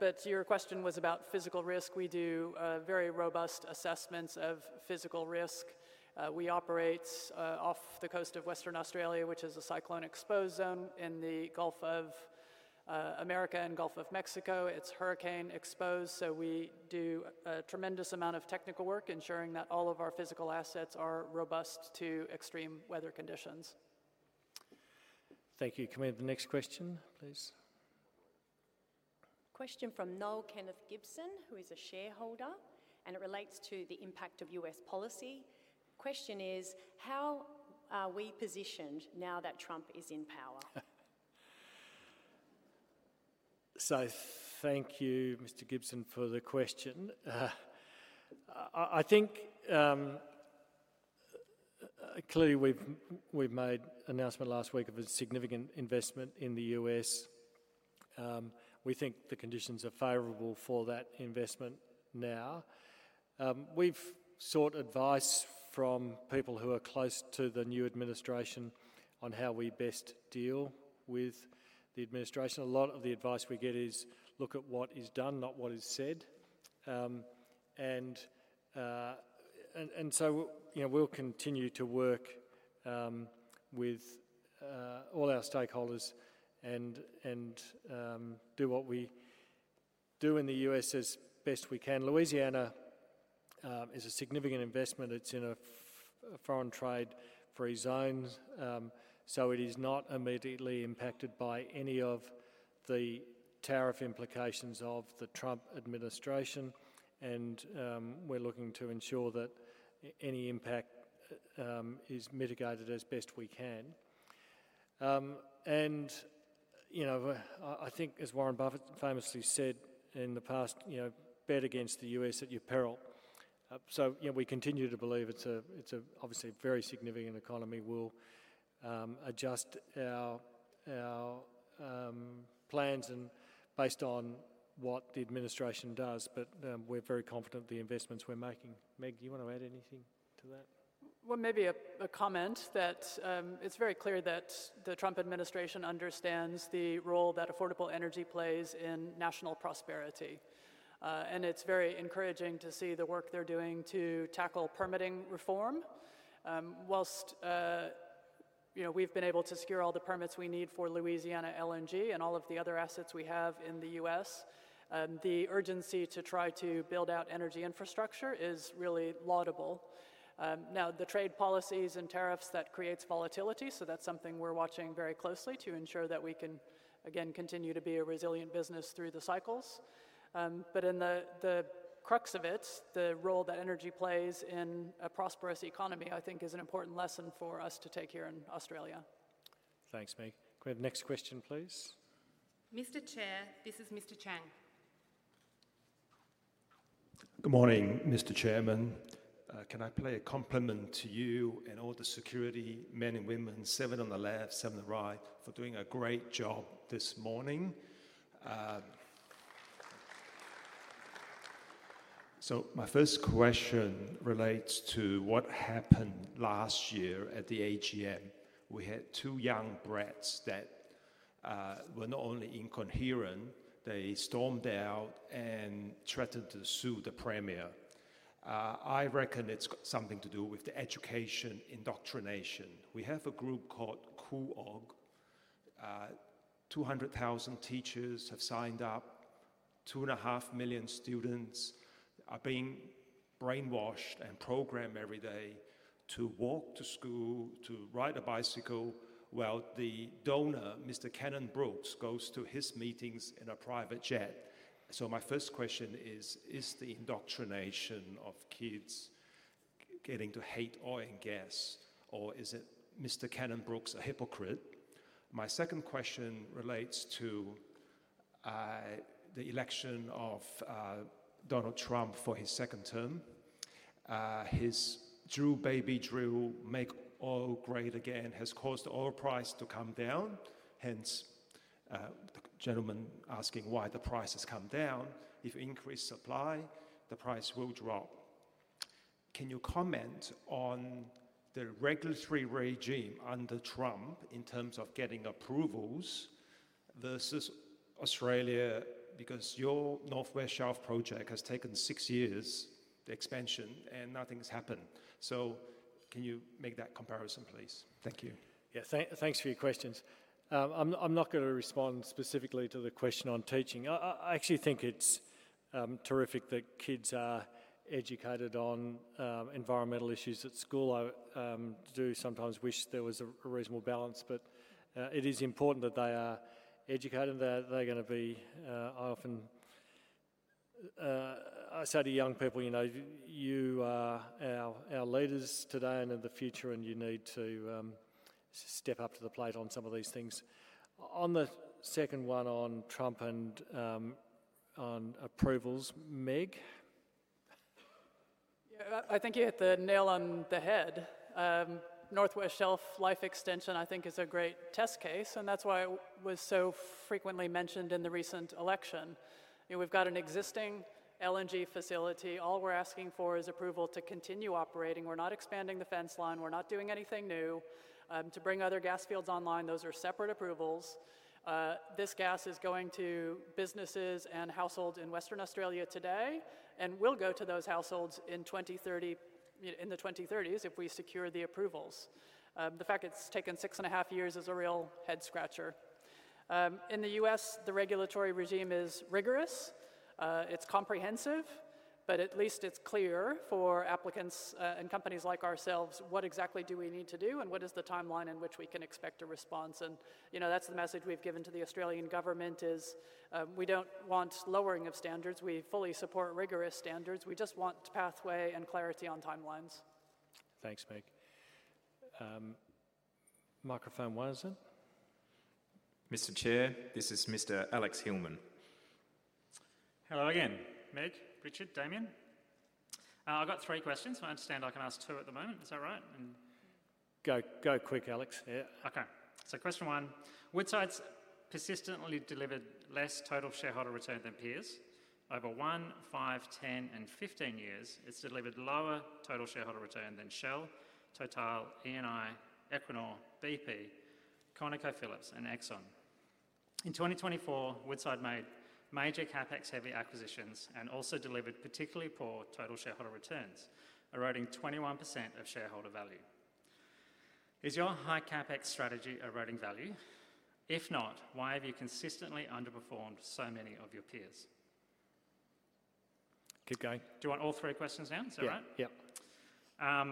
But your question was about physical risk. We do very robust assessments of physical risk. We operate off the coast of Western Australia, which is a cyclone-exposed zone, and in the Gulf of Mexico. It's hurricane-exposed. So we do a tremendous amount of technical work ensuring that all of our physical assets are robust to extreme weather conditions. Thank you. Can we have the next question, please? Question from Noel Kenneth Gibson, who is a shareholder. It relates to the impact of U.S. policy. Question is, how are we positioned now that Donald Trump is in power? So thank you, Mr. Noel Kenneth Gibson, for the question. I think clearly we've made an announcement last week of a significant investment in the U.S. We think the conditions are favorable for that investment now. We've sought advice from people who are close to the new administration on how we best deal with the administration. A lot of the advice we get is, "Look at what is done, not what is said." And so we'll continue to work with all our stakeholders and do what we do in the U.S. as best we can. Louisiana is a significant investment. It's in a Foreign Trade Zone. So it is not immediately impacted by any of the tariff implications of the Donald Trump administration. And we're looking to ensure that any impact is mitigated as best we can. And I think, as Warren Buffett famously said in the past, "Bet against the U.S. at your peril." So we continue to believe it's obviously a very significant economy. We'll adjust our plans based on what the administration does. But we're very confident in the investments we're making. Meg O'Neill, do you want to add anything to that? Maybe a comment that it's very clear that the Donald Trump administration understands the role that affordable energy plays in national prosperity, and it's very encouraging to see the work they're doing to tackle permitting reform. While we've been able to secure all the permits we need for Louisiana LNG and all of the other assets we have in the U.S., the urgency to try to build out energy infrastructure is really laudable. Now, the trade policies and tariffs that create volatility, so that's something we're watching very closely to ensure that we can, again, continue to be a resilient business through the cycles, but in the crux of it, the role that energy plays in a prosperous economy, I think, is an important lesson for us to take here in Australia. Thanks, Meg O'Neill. [Greg], next question, please. Mr. Chair, this is [Mr. Chang]. Good morning, Mr. Chairman. Can I pay a compliment to you and all the security men and women, seven on the left, seven on the right, for doing a great job this morning? So my first question relates to what happened last year at the AGM. We had two young brats that were not only incoherent, they stormed out and threatened to sue the premier. I reckon it's got something to do with the education indoctrination. We have a group called Cool.org. 200,000 teachers have signed up. Two and 1/2 million students are being brainwashed and programmed every day to walk to school, to ride a bicycle while the donor, Mr. Mike Cannon-Brookes, goes to his meetings in a private jet. So my first question is, is the indoctrination of kids getting to hate oil and gas, or is it Mr. Mike Cannon-Brookes a hypocrite? My second question relates to the election of Donald Trump for his second term. His "Drill, baby, drill, make oil great again" has caused oil price to come down. Hence, the gentleman asking why the price has come down. If you increase supply, the price will drop. Can you comment on the regulatory regime under Trump in terms of getting approvals versus Australia? Because your North West Shelf project has taken six years to expansion, and nothing's happened. So can you make that comparison, please? Thank you. Yeah, thanks for your questions. I'm not going to respond specifically to the question on teaching. I actually think it's terrific that kids are educated on environmental issues at school. I do sometimes wish there was a reasonable balance. But it is important that they are educated and that they're going to be. Often I say to young people, you know, you are our leaders today and in the future, and you need to step up to the plate on some of these things. On the second one on Donald Trump and on approvals, Meg O'Neill? Yeah, I think you hit the nail on the head. North West Shelf life extension, I think, is a great test case, and that's why it was so frequently mentioned in the recent election. We've got an existing LNG facility. All we're asking for is approval to continue operating. We're not expanding the fence line. We're not doing anything new. To bring other gas fields online, those are separate approvals. This gas is going to businesses and households in Western Australia today, and we'll go to those households in the 2030s if we secure the approvals. The fact it's taken six and a half years is a real head-scratcher. In the U.S., the regulatory regime is rigorous. It's comprehensive, but at least it's clear for applicants and companies like ourselves what exactly do we need to do and what is the timeline in which we can expect a response. And that's the message we've given to the Australian government is we don't want lowering of standards. We fully support rigorous standards. We just want pathway and clarity on timelines. Thanks, Meg O'Neill. Microphone wasn't. Mr. Chair, this is Mr. Alex Hillman. Hello again. Meg O'Neill, Richard Goyder, Damien Gare. I've got three questions. I understand I can ask two at the moment. Is that right? Go quick, Alex Hillman. Okay. So question one. Woodside's persistently delivered less total shareholder return than peers. Over one, five, 10, and 15 years, it's delivered lower total shareholder return than Shell, Total, Eni, Equinor, BP, ConocoPhillips, and Exxon. In 2024, Woodside made major CapEx-heavy acquisitions and also delivered particularly poor total shareholder returns, eroding 21% of shareholder value. Is your high CapEx strategy eroding value? If not, why have you consistently underperformed so many of your peers? Keep going. Do you want all three questions now? Is that right? Yeah.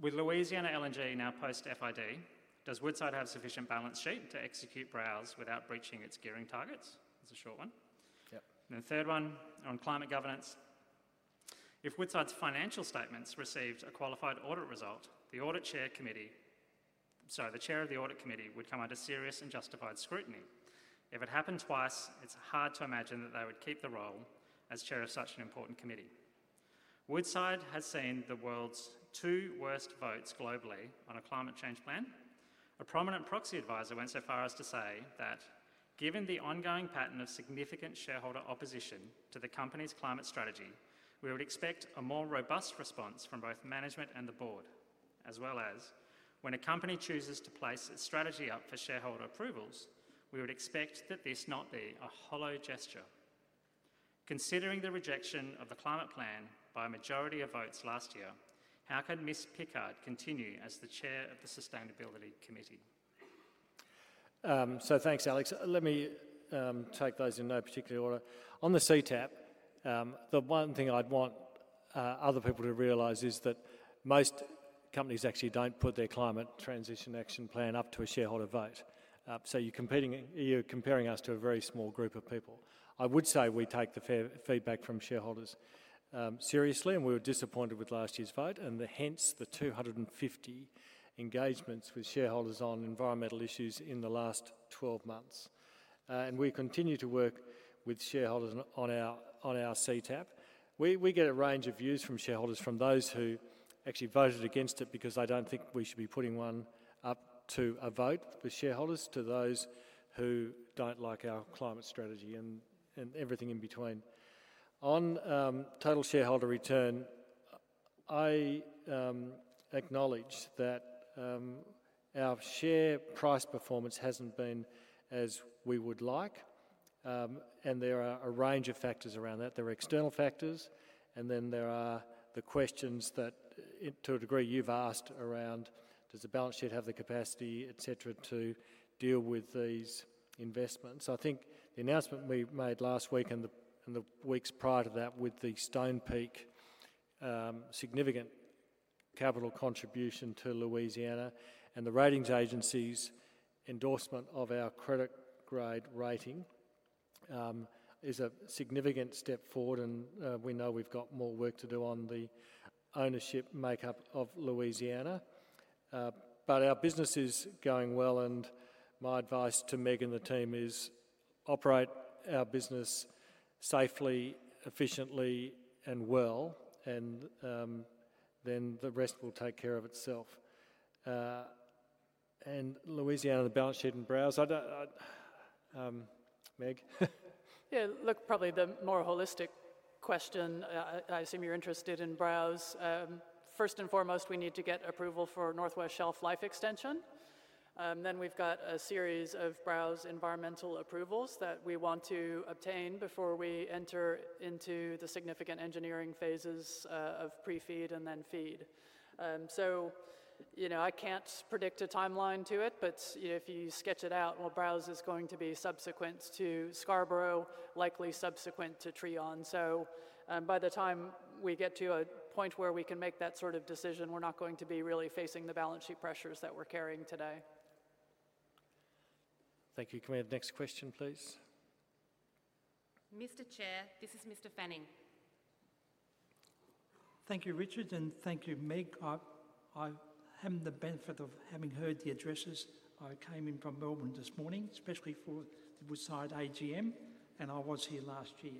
With Louisiana LNG now post-FID, does Woodside have a sufficient balance sheet to execute BRAS without breaching its gearing targets? That's a short one. Yeah. The third one on climate governance. If Woodside's financial statements received a qualified audit result, the audit chair committee sorry, the chair of the audit committee would come under serious and justified scrutiny. If it happened twice, it's hard to imagine that they would keep the role as chair of such an important committee. Woodside has seen the world's two worst votes globally on a climate change plan. A prominent proxy advisor went so far as to say that, "Given the ongoing pattern of significant shareholder opposition to the company's climate strategy, we would expect a more robust response from both management and the board," as well as, "When a company chooses to place its strategy up for shareholder approvals, we would expect that this not be a hollow gesture." Considering the rejection of the climate plan by a majority of votes last year, how could Ms. Ann Pickard continue as the chair of the sustainability committee? Thanks, Alex Hillman. Let me take those in no particular order. On the CTAP, the one thing I'd want other people to realize is that most companies actually don't put their climate transition action plan up to a shareholder vote. You're comparing us to a very small group of people. I would say we take the feedback from shareholders seriously. We were disappointed with last year's vote and hence the 250 engagements with shareholders on environmental issues in the last 12 months. We continue to work with shareholders on our CTAP. We get a range of views from shareholders, from those who actually voted against it because they don't think we should be putting one up to a vote with shareholders, to those who don't like our climate strategy and everything in between. On total shareholder return, I acknowledge that our share price performance hasn't been as we would like, and there are a range of factors around that. There are external factors, and then there are the questions that, to a degree, you've asked around, does the balance sheet have the capacity, et cetera, to deal with these investments? I think the announcement we made last week and the weeks prior to that with the Stonepeak significant capital contribution to Louisiana and the rating agency's endorsement of our credit rating is a significant step forward, and we know we've got more work to do on the ownership makeup of Louisiana, but our business is going well, and my advice to Meg O'Neill and the team is operate our business safely, efficiently, and well, and then the rest will take care of itself and Louisiana, the balance sheet and brass, I don't, Meg O'Neill? Yeah, look, probably the more holistic question. I assume you're interested in Browse. First and foremost, we need to get approval for North West Shelf life extension. Then we've got a series of Browse environmental approvals that we want to obtain before we enter into the significant engineering phases of pre-FEED and then FEED. So I can't predict a timeline to it. But if you sketch it out, well, Browse is going to be subsequent to Scarborough, likely subsequent to Trion. So by the time we get to a point where we can make that sort of decision, we're not going to be really facing the balance sheet pressures that we're carrying today. Thank you. Committee, next question, please. Mr. Chair, this is Mr. Paul Fanning. Thank you, Richard Goyder. And thank you, Meg O'Neill. I have the benefit of having heard the addresses. I came in from Melbourne this morning, especially for the Woodside AGM. And I was here last year.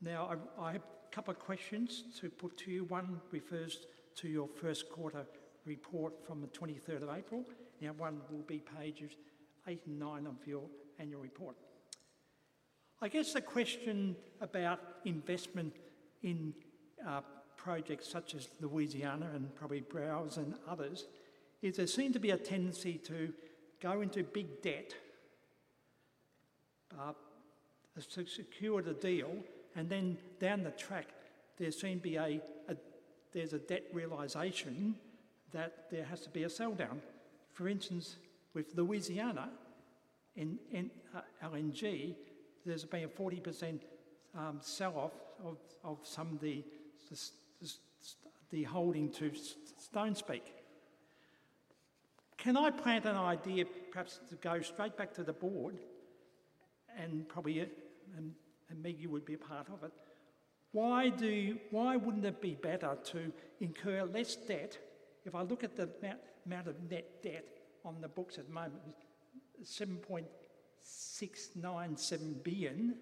Now, I have a couple of questions to put to you. One refers to your first quarter report from the 23rd of April. And one will be pages eight and nine of your annual report. I guess the question about investment in projects such as Louisiana LNG and probably Browse and others is there seems to be a tendency to go into big debt to secure the deal. And then down the track, there seems to be a realization that there has to be a sell down. For instance, with Louisiana LNG, there's been a 40% sell off of some of the holding to Stonepeak. Can I plant an idea, perhaps to go straight back to the board and probably Meg O'Neill, you would be a part of it? Why wouldn't it be better to incur less debt? If I look at the amount of net debt on the books at the moment, 7.697 billion.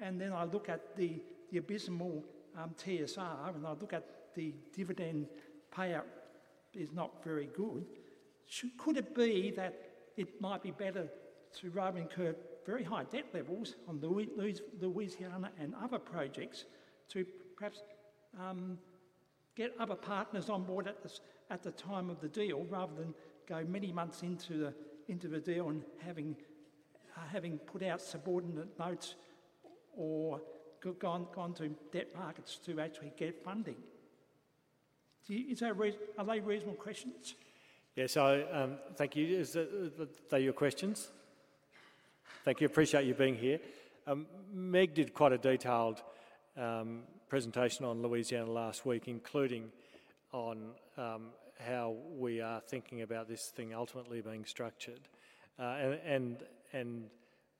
And then I look at the abysmal TSR, and I look at the dividend payout is not very good. Could it be that it might be better to rather incur very high debt levels on Louisiana and other projects to perhaps get other partners on board at the time of the deal rather than go many months into the deal and having put out subordinate notes or gone to debt markets to actually get funding? Are they reasonable questions? Yeah, so thank you. Are they your questions? Thank you. Appreciate you being here. Meg O'Neill did quite a detailed presentation on Louisiana last week, including on how we are thinking about this thing ultimately being structured and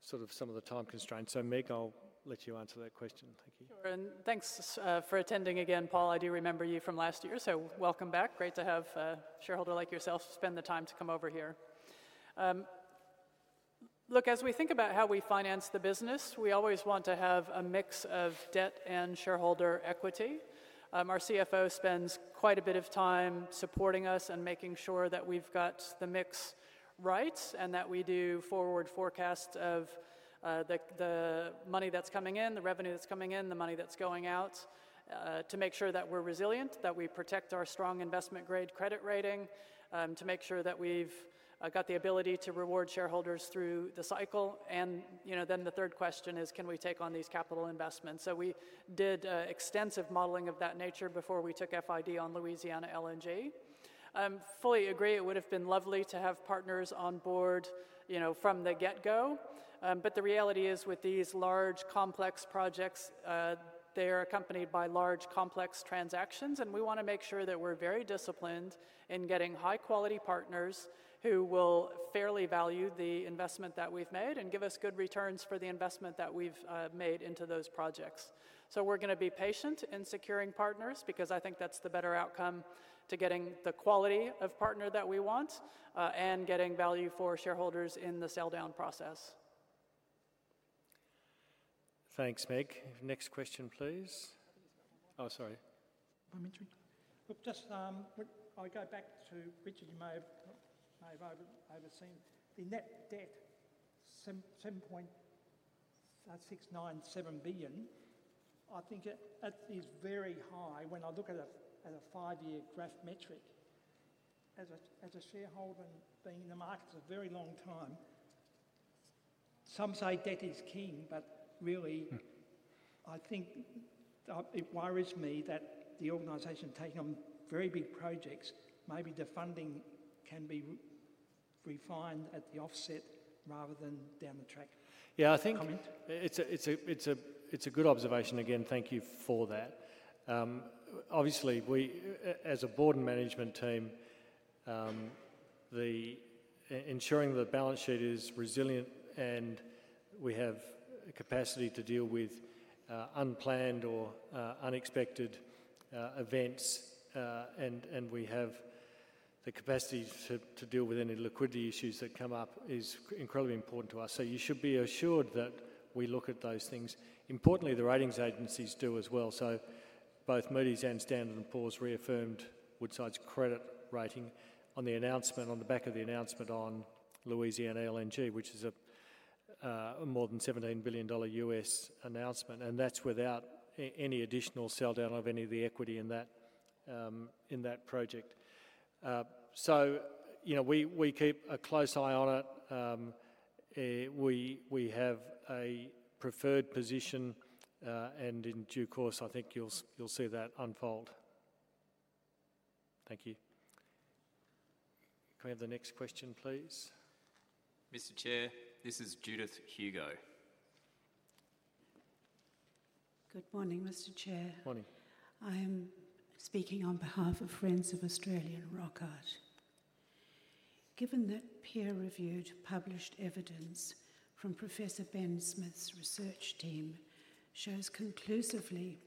sort of some of the time constraints. So Meg O'Neill, I'll let you answer that question. Thank you. Sure. And thanks for attending again, Paul Fanning. I do remember you from last year. So welcome back. Great to have a shareholder like yourself spend the time to come over here. Look, as we think about how we finance the business, we always want to have a mix of debt and shareholder equity. Our CFO spends quite a bit of time supporting us and making sure that we've got the mix right and that we do forward forecast of the money that's coming in, the revenue that's coming in, the money that's going out to make sure that we're resilient, that we protect our strong investment-grade credit rating, to make sure that we've got the ability to reward shareholders through the cycle. And then the third question is, can we take on these capital investments? So we did extensive modeling of that nature before we took FID on Louisiana LNG. Fully agree. It would have been lovely to have partners on board from the get-go. But the reality is, with these large, complex projects, they are accompanied by large, complex transactions. And we want to make sure that we're very disciplined in getting high-quality partners who will fairly value the investment that we've made and give us good returns for the investment that we've made into those projects. So we're going to be patient in securing partners because I think that's the better outcome to getting the quality of partner that we want and getting value for shareholders in the sell down process. Thanks, Meg O'Neill. Next question, please. Oh, sorry. Pardon me. Just I'll go back to Richard Goyder. You may have overseen the net debt, 7.697 billion. I think it is very high when I look at a five-year graph metric. As a shareholder and being in the market for a very long time, some say debt is king. But really, I think it worries me that the organization taking on very big projects, maybe the funding can be refined at the offset rather than down the track. Yeah, I think it's a good observation. Again, thank you for that. Obviously, as a board and management team, ensuring the balance sheet is resilient and we have capacity to deal with unplAnnd or unexpected events and we have the capacity to deal with any liquidity issues that come up is incredibly important to us. So you should be assured that we look at those things. Importantly, the ratings agencies do as well. So both Moody's and Standard & Poor's reaffirmed Woodside's credit rating on the announcement, on the back of the announcement on Louisiana LNG, which is a more than $17 billion U.S. announcement. And that's without any additional sell down of any of the equity in that project. So we keep a close eye on it. We have a preferred position. And in due course, I think you'll see that unfold. Thank you. Can we have the next question, please? Mr. Chair, this is Judith Hugo. Good morning, Mr. Chair. Morning. I am speaking on behalf of Friends of Australian Rock Art. Given that peer-reviewed published evidence from Professor Ben Smith's research team shows conclusively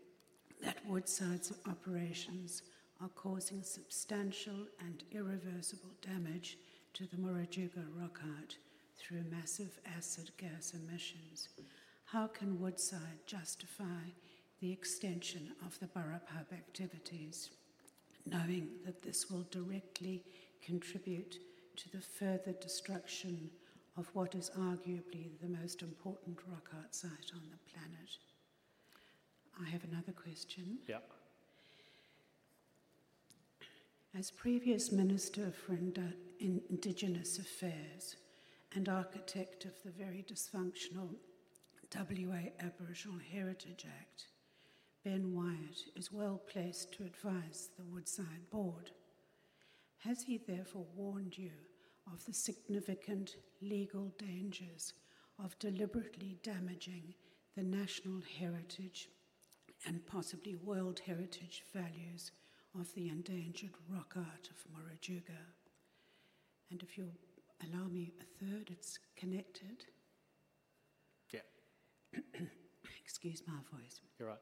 that Woodside's operations are causing substantial and irreversible damage to the Murujuga Rock Art through massive acid gas emissions, how can Woodside justify the extension of the Burrup Hub activities knowing that this will directly contribute to the further destruction of what is arguably the most important rock art site on the planet? I have another question. Yeah. As previous Minister for Indigenous Affairs and Architect of the very dysfunctional WA Aboriginal Heritage Act, Ben Wyatt is well placed to advise the Woodside board. Has he therefore warned you of the significant legal dangers of deliberately damaging the national heritage and possibly world heritage values of the endangered rock art of Murujuga? And if you'll allow me a third, it's connected. Yeah. Excuse my voice. You're right.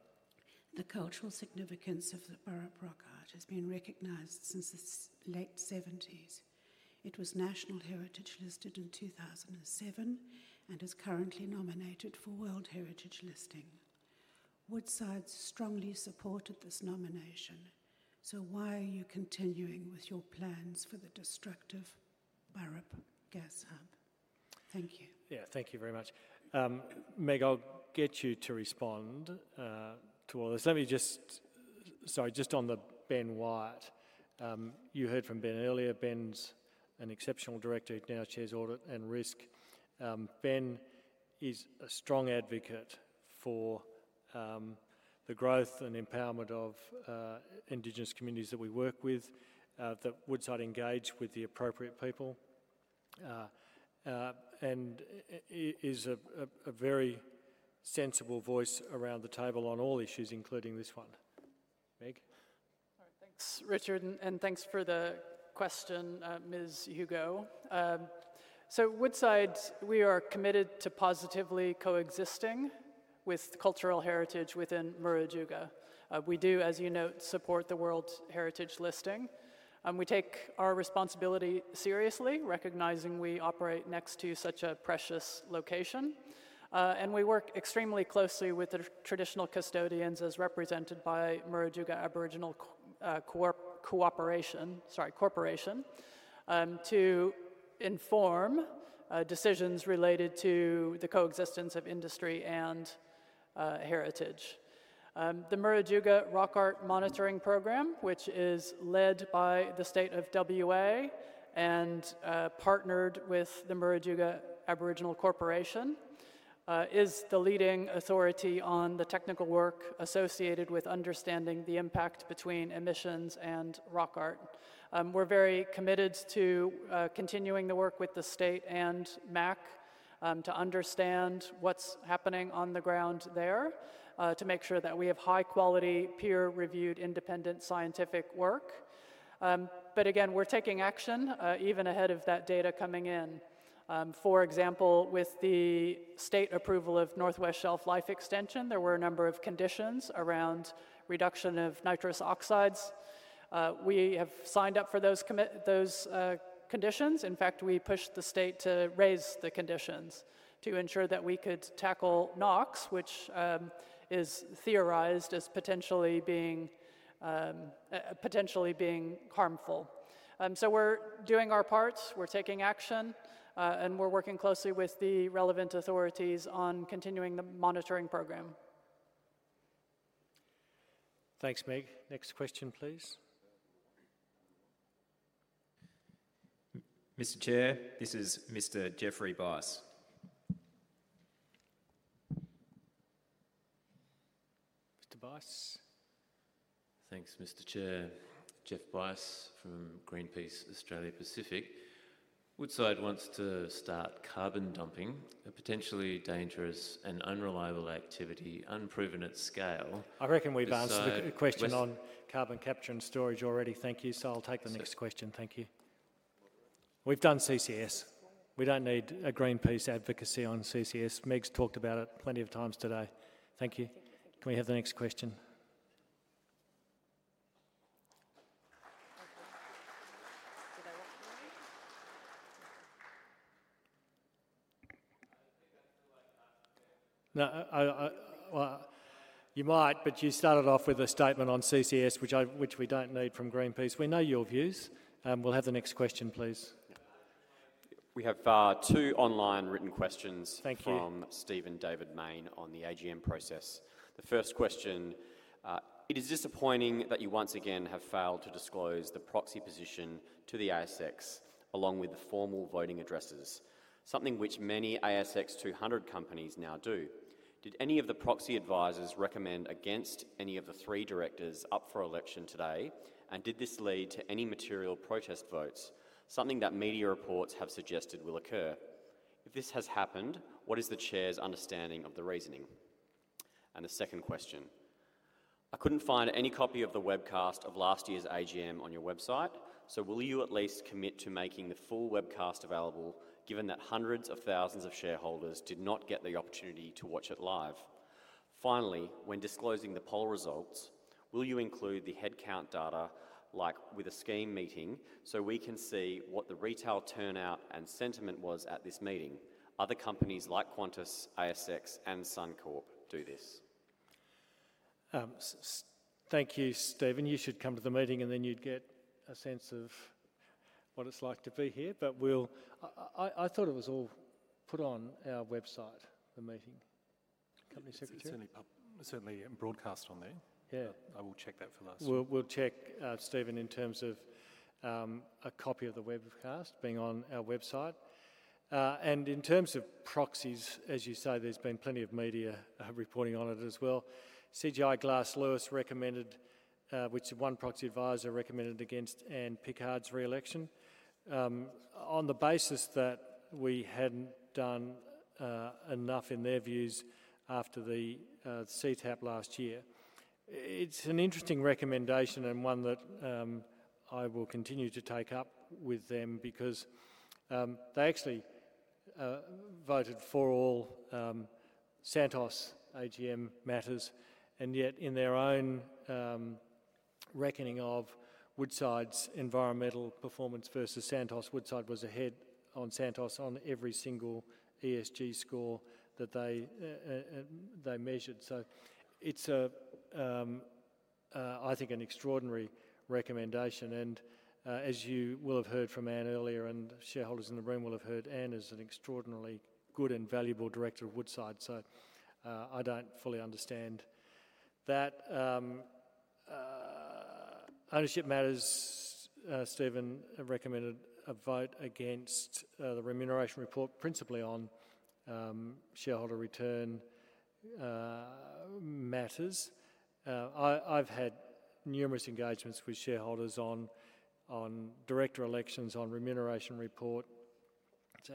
The cultural significance of the Burrup rock art has been recognized since the late '70s. It was national heritage listed in 2007 and is currently nominated for World Heritage Listing. Woodside strongly supported this nomination. So why are you continuing with your plans for the destructive Burrup Gas Hub? Thank you. Yeah, thank you very much. Meg O'Neill, I'll get you to respond to all this. Let me just sorry, just on the Ben Wyatt, you heard from Ben earlier. Ben Wyatt an exceptional director. He now chairs Audit and Risk. Ben is a strong advocate for the growth and empowerment of Indigenous communities that we work with, that Woodside engage with the appropriate people, and is a very sensible voice around the table on all issues, including this one. Meg O'Neill. All right. Thanks, Richard Goyder. And thanks for the question, Ms. Judith Hugo. So Woodside, we are committed to positively coexisting with cultural heritage within Murujuga. We do, as you note, support the World Heritage Listing. We take our responsibility seriously, recognizing we operate next to such a precious location. And we work extremely closely with the traditional custodians, as represented by Murujuga Aboriginal Corporation, to inform decisions related to the coexistence of industry and heritage. The Murujuga Rock Art Monitoring Program, which is led by the state of W.A. and partnered with the Murujuga Aboriginal Corporation, is the leading authority on the technical work associated with understanding the impact between emissions and rock art. We're very committed to continuing the work with the state and MAC to understand what's happening on the ground there to make sure that we have high-quality, peer-reviewed, independent scientific work. But again, we're taking action even ahead of that data coming in. For example, with the state approval of North West Shelf life extension, there were a number of conditions around reduction of nitrous oxides. We have signed up for those conditions. In fact, we pushed the state to raise the conditions to ensure that we could tackle NOx, which is theorized as potentially being harmful. So we're doing our parts. We're taking action. And we're working closely with the relevant authorities on continuing the monitoring program. Thanks, Meg O'Neill. Next question, please. Mr. Chair, this is Mr. Geoff Bice. Mr. Geoff Bice. Thanks, Mr. Chair. Geoff Bice from Greenpeace Australia Pacific. Woodside wants to start carbon dumping, a potentially dangerous and unreliable activity, unproven at scale. I reckon we've answered the question on carbon capture and storage already. Thank you. So I'll take the next question. Thank you. We've done CCS. We don't need a Greenpeace advocacy on CCS. Meg O'Neill talked about it plenty of times today. Thank you. Can we have the next question? You might, but you started off with a statement on CCS, which we don't need from Greenpeace. We know your views. We'll have the next question, please. We have two online written questions from. Thank you. [Stephen] Mayne on the AGM process. The first question, it is disappointing that you once again have failed to disclose the proxy position to the ASX along with the formal voting addresses, something which many ASX 200 companies now do. Did any of the proxy advisors recommend against any of the three directors up for election today? And did this lead to any material protest votes, something that media reports have suggested will occur? If this has happened, what is the chair's understanding of the reasoning? And the second question, I couldn't find any copy of the webcast of last year's AGM on your website, so will you at least commit to making the full webcast available, given that hundreds of thousands of shareholders did not get the opportunity to watch it live? Finally, when disclosing the poll results, will you include the headcount data, like with a scheme meeting, so we can see what the retail turnout and sentiment was at this meeting? Other companies like Qantas ASX and Suncorp do this. Thank you, Stephen Mayne. You should come to the meeting, and then you'd get a sense of what it's like to be here. But I thought it was all put on our website, the meeting. Company secretary. It's only broadcast on there. Yeah. I will check that for those. We'll check, [Stephen] Mayne, in terms of a copy of the webcast being on our website. In terms of proxies, as you say, there's been plenty of media reporting on it as well. CGI Glass Lewis recommended, which one proxy advisor recommended against Ann Pickard's reelection on the basis that we hadn't done enough in their views after the CTAP last year. It's an interesting recommendation and one that I will continue to take up with them because they actually voted for all Santos AGM matters. Yet, in their own reckoning of Woodside's environmental performance versus Santos, Woodside was ahead of Santos on every single ESG score that they measured. So it's, I think, an extraordinary recommendation. You will have heard from Ann earlier and shareholders in the room will have heard. Ann is an extraordinarily good and valuable director of Woodside. I don't fully understand that. Ownership Matters. [Stephen] Mayne recommended a vote against the remuneration report, principally on shareholder return matters. I've had numerous engagements with shareholders on director elections, on remuneration report,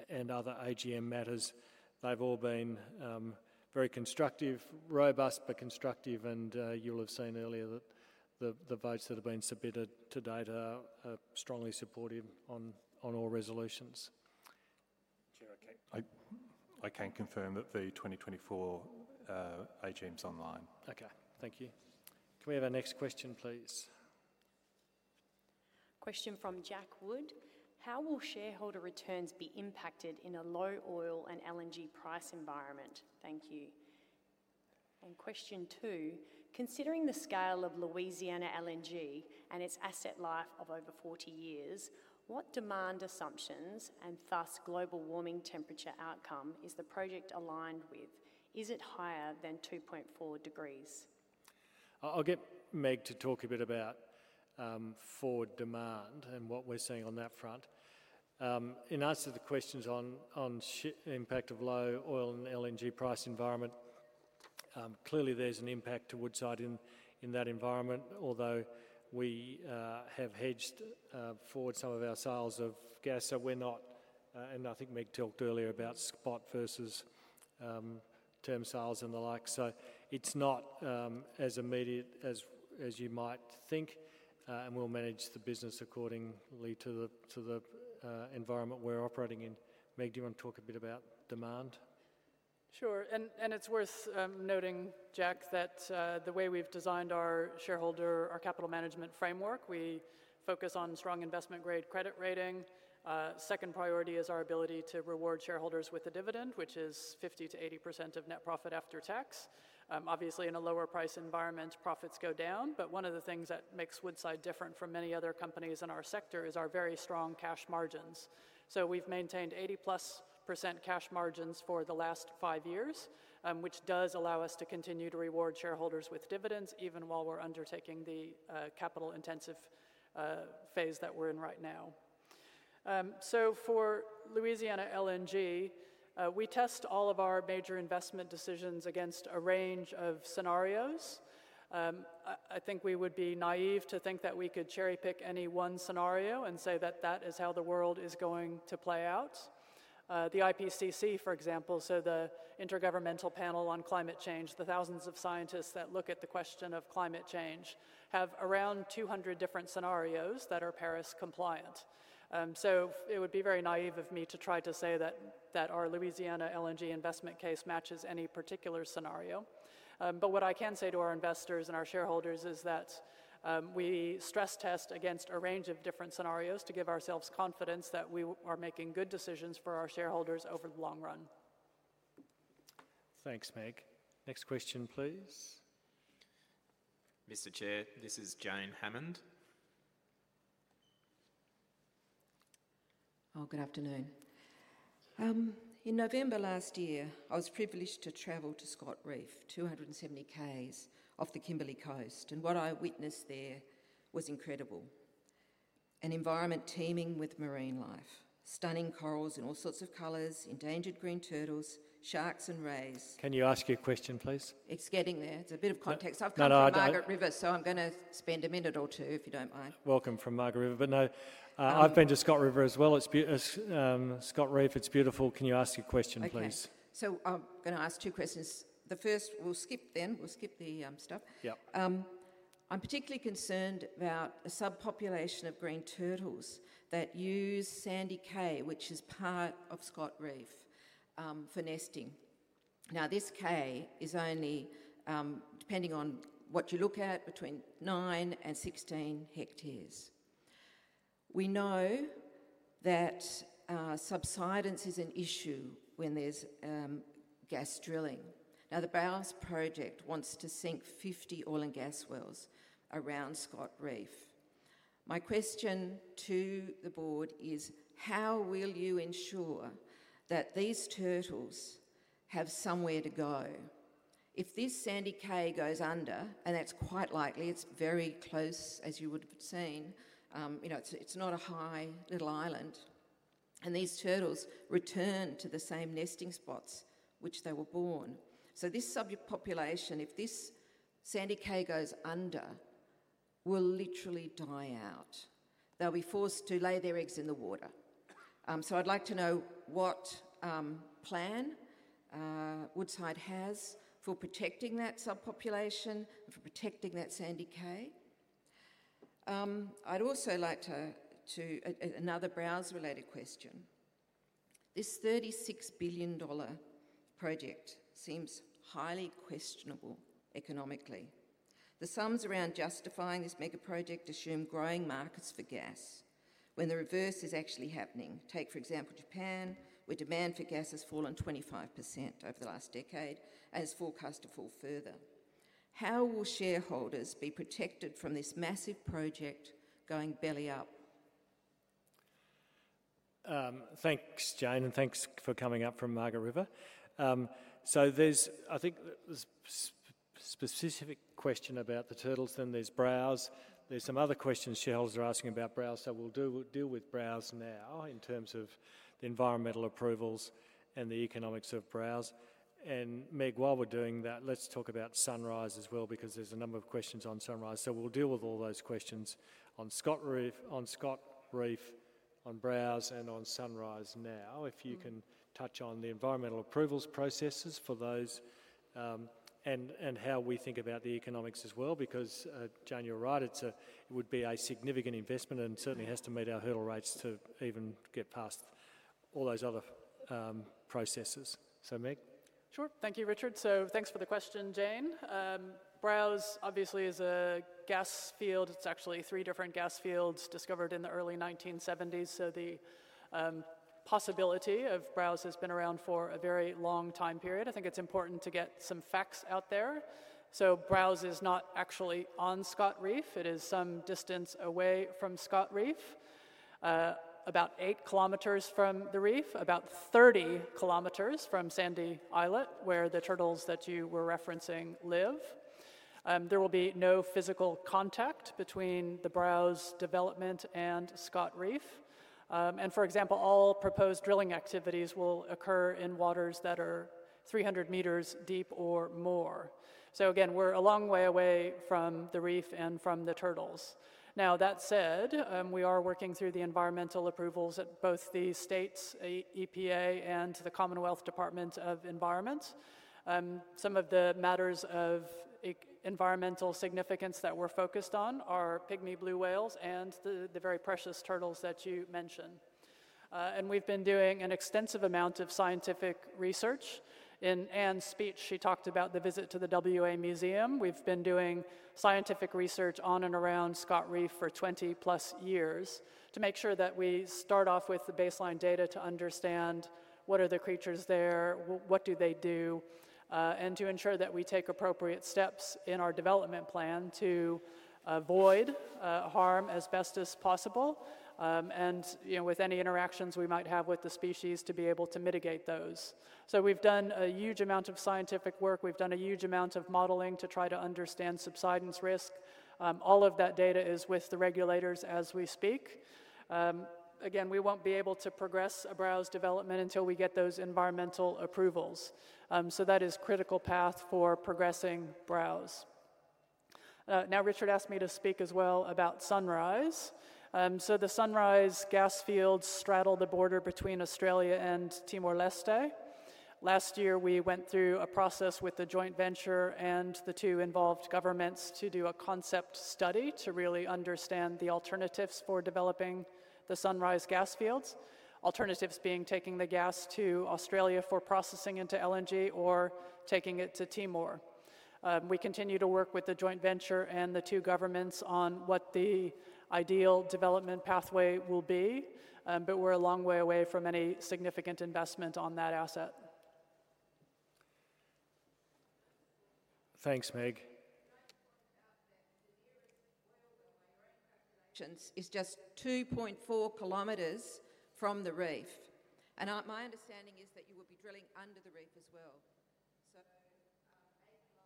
and other AGM matters. They've all been very constructive, robust, but constructive, and you'll have seen earlier that the votes that have been submitted today are strongly supportive on all resolutions. I can confirm that the 2024 AGM is online. Okay. Thank you. Can we have our next question, please? Question from Jack Wood. How will shareholder returns be impacted in a low oil and LNG price environment? Thank you. And question two, considering the scale of Louisiana LNG and its asset life of over 40 years, what demand assumptions and thus global warming temperature outcome is the project aligned with? Is it higher than 2.4 degrees? I'll get Meg O'Neill to talk a bit about forward demand and what we're seeing on that front. In answer to the questions on impact of low oil and LNG price environment, clearly there's an impact to Woodside in that environment, although we have hedged forward some of our sales of gas, so we're not, and I think Meg O'Neill talked earlier about spot versus term sales and the like, so it's not as immediate as you might think, and we'll manage the business accordingly to the environment we're operating in. Meg O'Neill, do you want to talk a bit about demand? Sure. And it's worth noting, Jack Wood, that the way we've designed our shareholder, our capital management framework, we focus on strong investment-grade credit rating. Second priority is our ability to reward shareholders with a dividend, which is 50%-80% of net profit after tax. Obviously, in a lower price environment, profits go down. But one of the things that makes Woodside different from many other companies in our sector is our very strong cash margins. So we've maintained 80-plus% cash margins for the last five years, which does allow us to continue to reward shareholders with dividends even while we're undertaking the capital-intensive phase that we're in right now. So for Louisiana LNG, we test all of our major investment decisions against a range of scenarios. I think we would be naive to think that we could cherry-pick any one scenario and say that that is how the world is going to play out. The IPCC, for example, so the Intergovernmental Panel on Climate Change, the thousands of scientists that look at the question of climate change have around 200 different scenarios that are Paris-compliant. So it would be very naive of me to try to say that our Louisiana LNG investment case matches any particular scenario. But what I can say to our investors and our shareholders is that we stress-test against a range of different scenarios to give ourselves confidence that we are making good decisions for our shareholders over the long-run. Thanks, Meg O'Neill. Next question, please. Mr. Chair, this is Jane Hammond. Oh, good afternoon. In November last year, I was privileged to travel to Scott Reef, 270 km off the Kimberley Coast, and what I witnessed there was incredible: an environment teeming with marine life, stunning corals in all sorts of colors, endangered green turtles, sharks, and rays. Can you ask your question, please? It's getting there. It's a bit of context. I've come from the Margaret River, so I'm going to spend a minute or two, if you don't mind. Welcome from Margaret River. But no, I've been to Scott Reef as well. Scott Reef, it's beautiful. Can you ask your question, please? Okay. So I'm going to ask two questions. The first, we'll skip then. We'll skip the stuff. Yeah. I'm particularly concerned about a subpopulation of green turtles that use Sandy Cay, which is part of Scott Reef, for nesting. Now, this cay is only, depending on what you look at, between nine and 16 hectares. We know that subsidence is an issue when there's gas drilling. Now, the BALS project wants to sink 50 oil and gas wells around Scott Reef. My question to the board is, how will you ensure that these turtles have somewhere to go? If this Sandy Cay goes under, and that's quite likely, it's very close, as you would have seen. It's not a high little island. And these turtles return to the same nesting spots which they were born. So this subpopulation, if this Sandy Cay goes under, will literally die out. They'll be forced to lay their eggs in the water. So I'd like to know what plan Woodside has for protecting that sub-population and for protecting that Sandy Cay. I'd also like to ask another BALS-related question. This $36 billion project seems highly questionable economically. The sums around justifying this megaproject assume growing markets for gas when the reverse is actually happening. Take, for example, Japan, where demand for gas has fallen 25% over the last decade and is forecast to fall further. How will shareholders be protected from this massive project going belly up? Thanks, Jane Hammond, and thanks for coming up from Margaret River. So there's, I think, a specific question about the turtles then. There's Browse. There's some other questions shareholders are asking about Browse. So we'll deal with Browse now in terms of the environmental approvals and the economics of Browse. And Meg O'Neill, while we're doing that, let's talk about Sunrise as well, because there's a number of questions on Sunrise. So we'll deal with all those questions on Scott Reef, on Browse, and on Sunrise now, if you can touch on the environmental approvals processes for those and how we think about the economics as well. Because, Jane, you're right, it would be a significant investment and certainly has to meet our hurdle rates to even get past all those other processes. So, Meg O'Neill? Sure. Thank you, Richard Goyder. So thanks for the question, Jane Hammond. Browse, obviously, is a gas field. It's actually three different gas fields discovered in the early 1970s. So the possibility of Browse has been around for a very long time period. I think it's important to get some facts out there. So Browse is not actually on Scott Reef. It is some distance away from Scott Reef, about 8 kilometers from the reef, about 30 kilometers from Sandy Cay, where the turtles that you were referencing live. There will be no physical contact between the Browse development and Scott Reef. And, for example, all proposed drilling activities will occur in waters that are 300 meters deep or more. So again, we're a long way away from the reef and from the turtles. Now, that said, we are working through the environmental approvals at both the state's EPA and the Commonwealth Department of Environment. Some of the matters of environmental significance that we're focused on are pygmy blue whales and the very precious turtles that you mentioned, and we've been doing an extensive amount of scientific research. In Ann's speech, she talked about the visit to the W.A. Museum. We've been doing scientific research on and around Scott Reef for 20-plus years to make sure that we start off with the baseline data to understand what are the creatures there, what do they do, and to ensure that we take appropriate steps in our development plan to avoid harm as best as possible and with any interactions we might have with the species to be able to mitigate those, so we've done a huge amount of scientific work. We've done a huge amount of modeling to try to understand subsidence risk. All of that data is with the regulators as we speak. Again, we won't be able to progress BRAOS development until we get those environmental approvals. So that is a critical path for progressing BRAOS. Now, Richard Goyder asked me to speak as well about Sunrise. So the Sunrise gas fields straddle the border between Australia and Timor-Leste. Last year, we went through a process with the joint venture and the two involved governments to do a concept study to really understand the alternatives for developing the Sunrise gas fields, alternatives being taking the gas to Australia for processing into LNG or taking it to Timor. We continue to work with the joint venture and the two governments on what the ideal development pathway will be. But we're a long way away from any significant investment on that asset. Thanks, Meg O'Neill. The nearest oil and mineral concentrations is just 2.4 km from the reef. And my understanding is that you will be drilling under the reef as well. So 8 km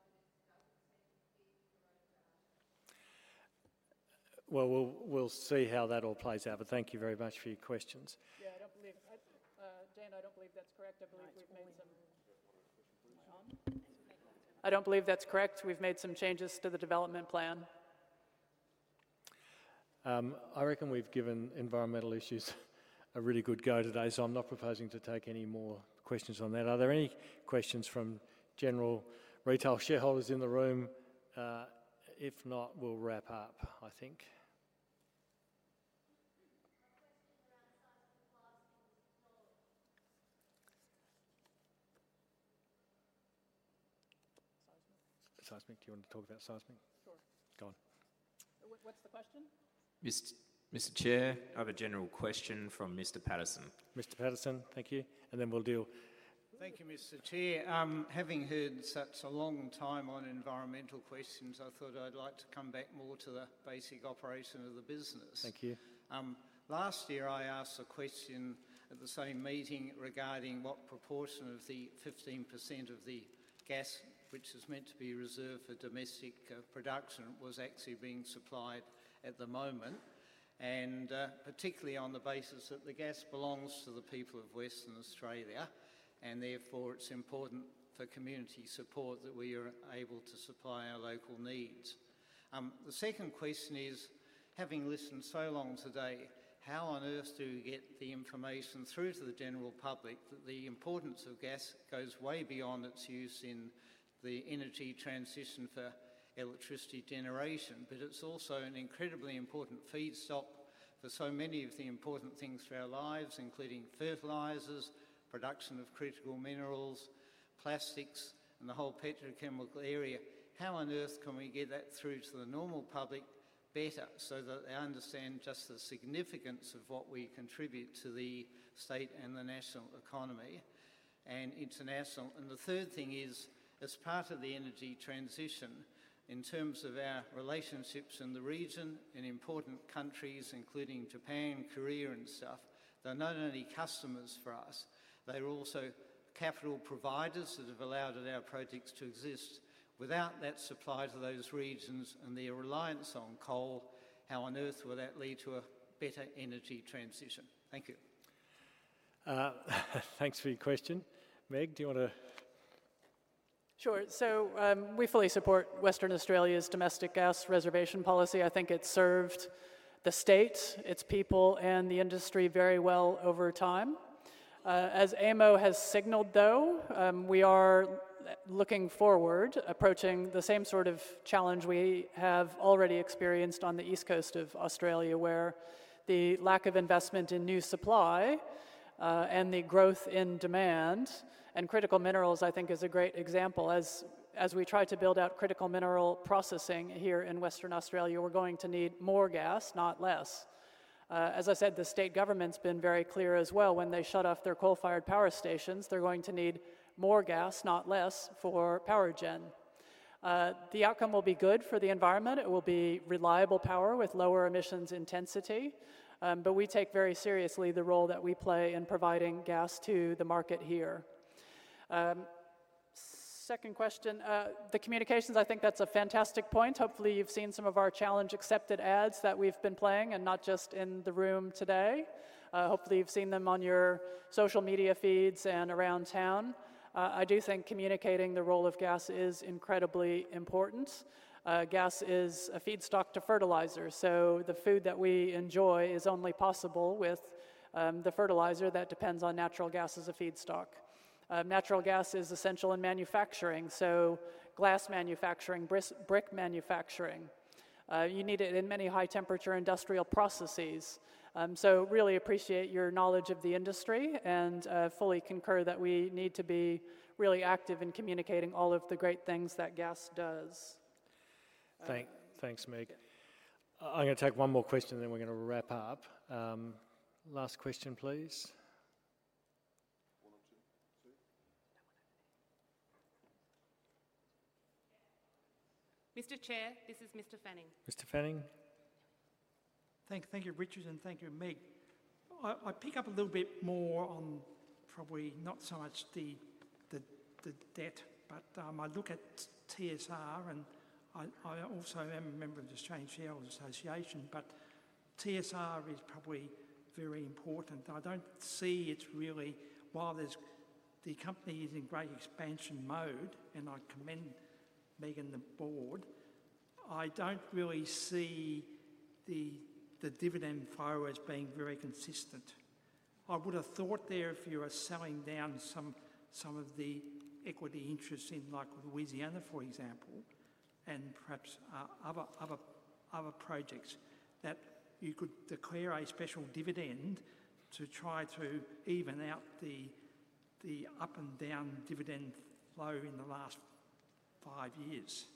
doesn't seem to be too far out there. We'll see how that all plays out. Thank you very much for your questions. Yeah, I don't believe Jane Hammond. I don't believe that's correct. I believe we've made some. I don't believe that's correct. We've made some changes to the development plan. I reckon we've given environmental issues a really good go today. So I'm not proposing to take any more questions on that. Are there any questions from general retail shareholders in the room? If not, we'll wrap up, I think. A question around the Seismic. Seismic. Do you want to talk about seismic? Sure. Go on. What's the question? Mr. Chair, I have a general question from [Mr. Patterson]. [Mr. Patterson], thank you, and then we'll deal. Thank you, Mr. Chair. Having heard such a long time on environmental questions, I thought I'd like to come back more to the basic operation of the business. Thank you. Last year, I asked a question at the same meeting regarding what proportion of the 15% of the gas, which is meant to be reserved for domestic production, was actually being supplied at the moment, and particularly on the basis that the gas belongs to the people of Western Australia, and therefore, it's important for community support that we are able to supply our local needs. The second question is, having listened so long today, how on earth do we get the information through to the general public that the importance of gas goes way beyond its use in the energy transition for electricity generation, but it's also an incredibly important feedstock for so many of the important things for our lives, including fertilizers, production of critical minerals, plastics, and the whole petrochemical area. How on earth can we get that through to the normal public better so that they understand just the significance of what we contribute to the state and the national economy and international, and the third thing is, as part of the energy transition, in terms of our relationships in the region and important countries, including Japan, Korea and stuff, they're not only customers for us, they're also capital providers that have allowed our projects to exist. Without that supply to those regions and their reliance on coal, how on earth will that lead to a better energy transition? Thank you. Thanks for your question. Meg O'Neill, do you want to? Sure. So we fully support Western Australia's domestic gas reservation policy. I think it's served the state, its people, and the industry very well over time. As AEMO has signaled, though, we are looking forward, approaching the same sort of challenge we have already experienced on the East Coast of Australia, where the lack of investment in new supply and the growth in demand and critical minerals, I think, is a great example. As we try to build out critical mineral processing here in Western Australia, we're going to need more gas, not less. As I said, the state government's been very clear as well. When they shut off their coal-fired power stations, they're going to need more gas, not less, for power gen. The outcome will be good for the environment. It will be reliable power with lower emissions intensity. But we take very seriously the role that we play in providing gas to the market here. Second question, the communications, I think that's a fantastic point. Hopefully, you've seen some of our Challenge Accepted ads that we've been playing and not just in the room today. Hopefully, you've seen them on your social media feeds and around town. I do think communicating the role of gas is incredibly important. Gas is a feedstock to fertilizer. So the food that we enjoy is only possible with the fertilizer that depends on natural gas as a feedstock. Natural gas is essential in manufacturing, so glass manufacturing, brick manufacturing. You need it in many high-temperature industrial processes. So really appreciate your knowledge of the industry and fully concur that we need to be really active in communicating all of the great things that gas does. Thanks, Meg O'Neill. I'm going to take one more question, then we're going to wrap up. Last question, please. Mr. Chair, this is Mr. Paul Fanning. Mr. Paul Fanning. Thank you, Richard Goyder, and thank you, Meg O'Neill. I pick up a little bit more on probably not so much the debt, but I look at TSR, and I also am a member of the Australian Shareholders Association. But TSR is probably very important. I don't see it's really while the company is in great expansion mode, and I commend Meg and the board. I don't really see the dividend profile being very consistent. I would have thought there if you were selling down some of the equity interests in, like, Louisiana, for example, and perhaps other projects, that you could declare a special dividend to try to even out the up-and-down dividend flow in the last five years.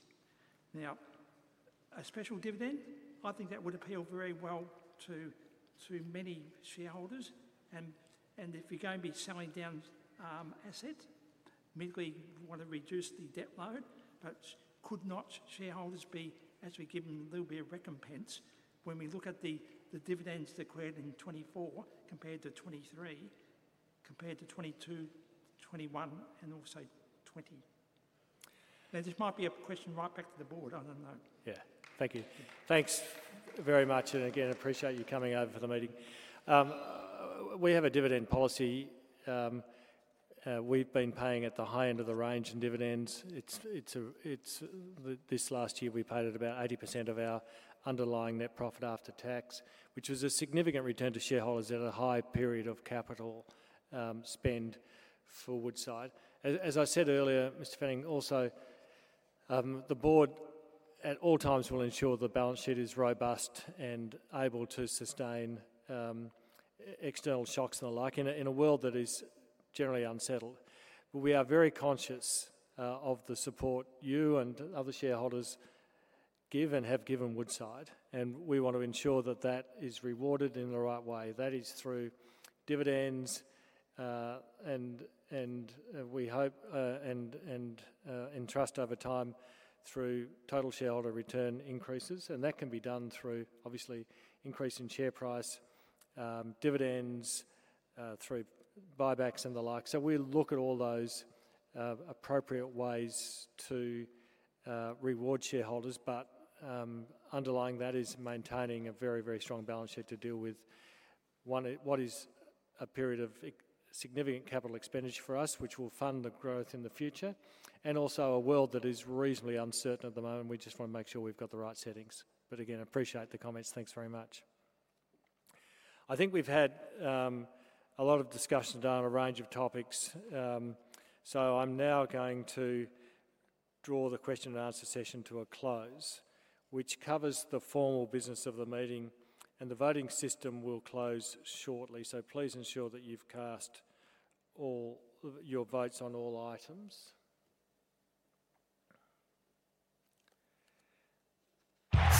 Now, a special dividend, I think that would appeal very well to many shareholders. And if you're going to be selling down assets, immediately want to reduce the debt load, but could not shareholders be actually given a little bit of recompense when we look at the dividends declared in 2024 compared to 2023, compared to 2022, 2021, and also 2020? Now, this might be a question right back to the board. I don't know. Yeah. Thank you. Thanks very much. And again, appreciate you coming over for the meeting. We have a dividend policy we've been paying at the high end of the range in dividends. This last year, we paid at about 80% of our underlying net profit after tax, which was a significant return to shareholders at a high period of capital spend for Woodside. As I said earlier, Mr. Paul Fanning, also, the board at all times will ensure the balance sheet is robust and able to sustain external shocks and the like in a world that is generally unsettled. But we are very conscious of the support you and other shareholders give and have given Woodside. And we want to ensure that that is rewarded in the right way. That is through dividends, and we hope and entrust over time through total shareholder return increases. And that can be done through, obviously, increase in share price, dividends, through buybacks and the like. So we look at all those appropriate ways to reward shareholders. But underlying that is maintaining a very, very strong balance sheet to deal with what is a period of significant capital expenditure for us, which will fund the growth in the future, and also a world that is reasonably uncertain at the moment. We just want to make sure we've got the right settings. But again, appreciate the comments. Thanks very much. I think we've had a lot of discussion on a range of topics. So I'm now going to draw the Q&A session to a close, which covers the formal business of the meeting. And the voting system will close shortly. So please ensure that you've cast all your votes on all items.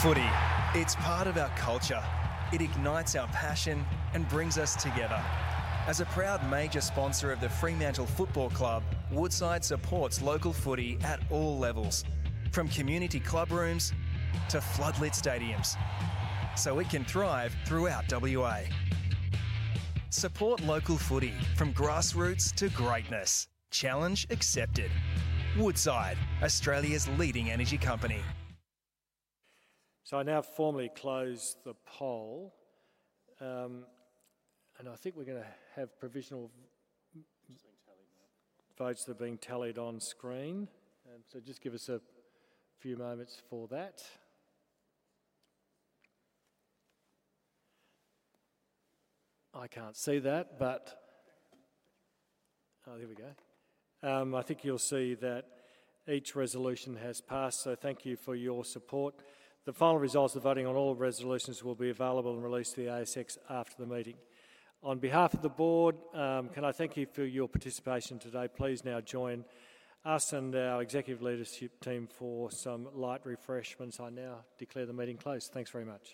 Footy. It's part of our culture. It ignites our passion and brings us together. As a proud major sponsor of the Fremantle Football Club, Woodside supports local footy at all levels, from community clubrooms to floodlit stadiums, so it can thrive throughout W.A. Support local footy from grassroots to greatness. Challenge accepted. Woodside, Australia's leading energy company. I now formally close the poll. I think we're going to have provisional votes that have been tallied on screen. Just give us a few moments for that. I can't see that, but oh, there we go. I think you'll see that each resolution has passed. Thank you for your support. The final results of voting on all resolutions will be available and released to the ASX after the meeting. On behalf of the board, can I thank you for your participation today? Please now join us and our executive leadership team for some light refreshments. I now declare the meeting closed. Thanks very much.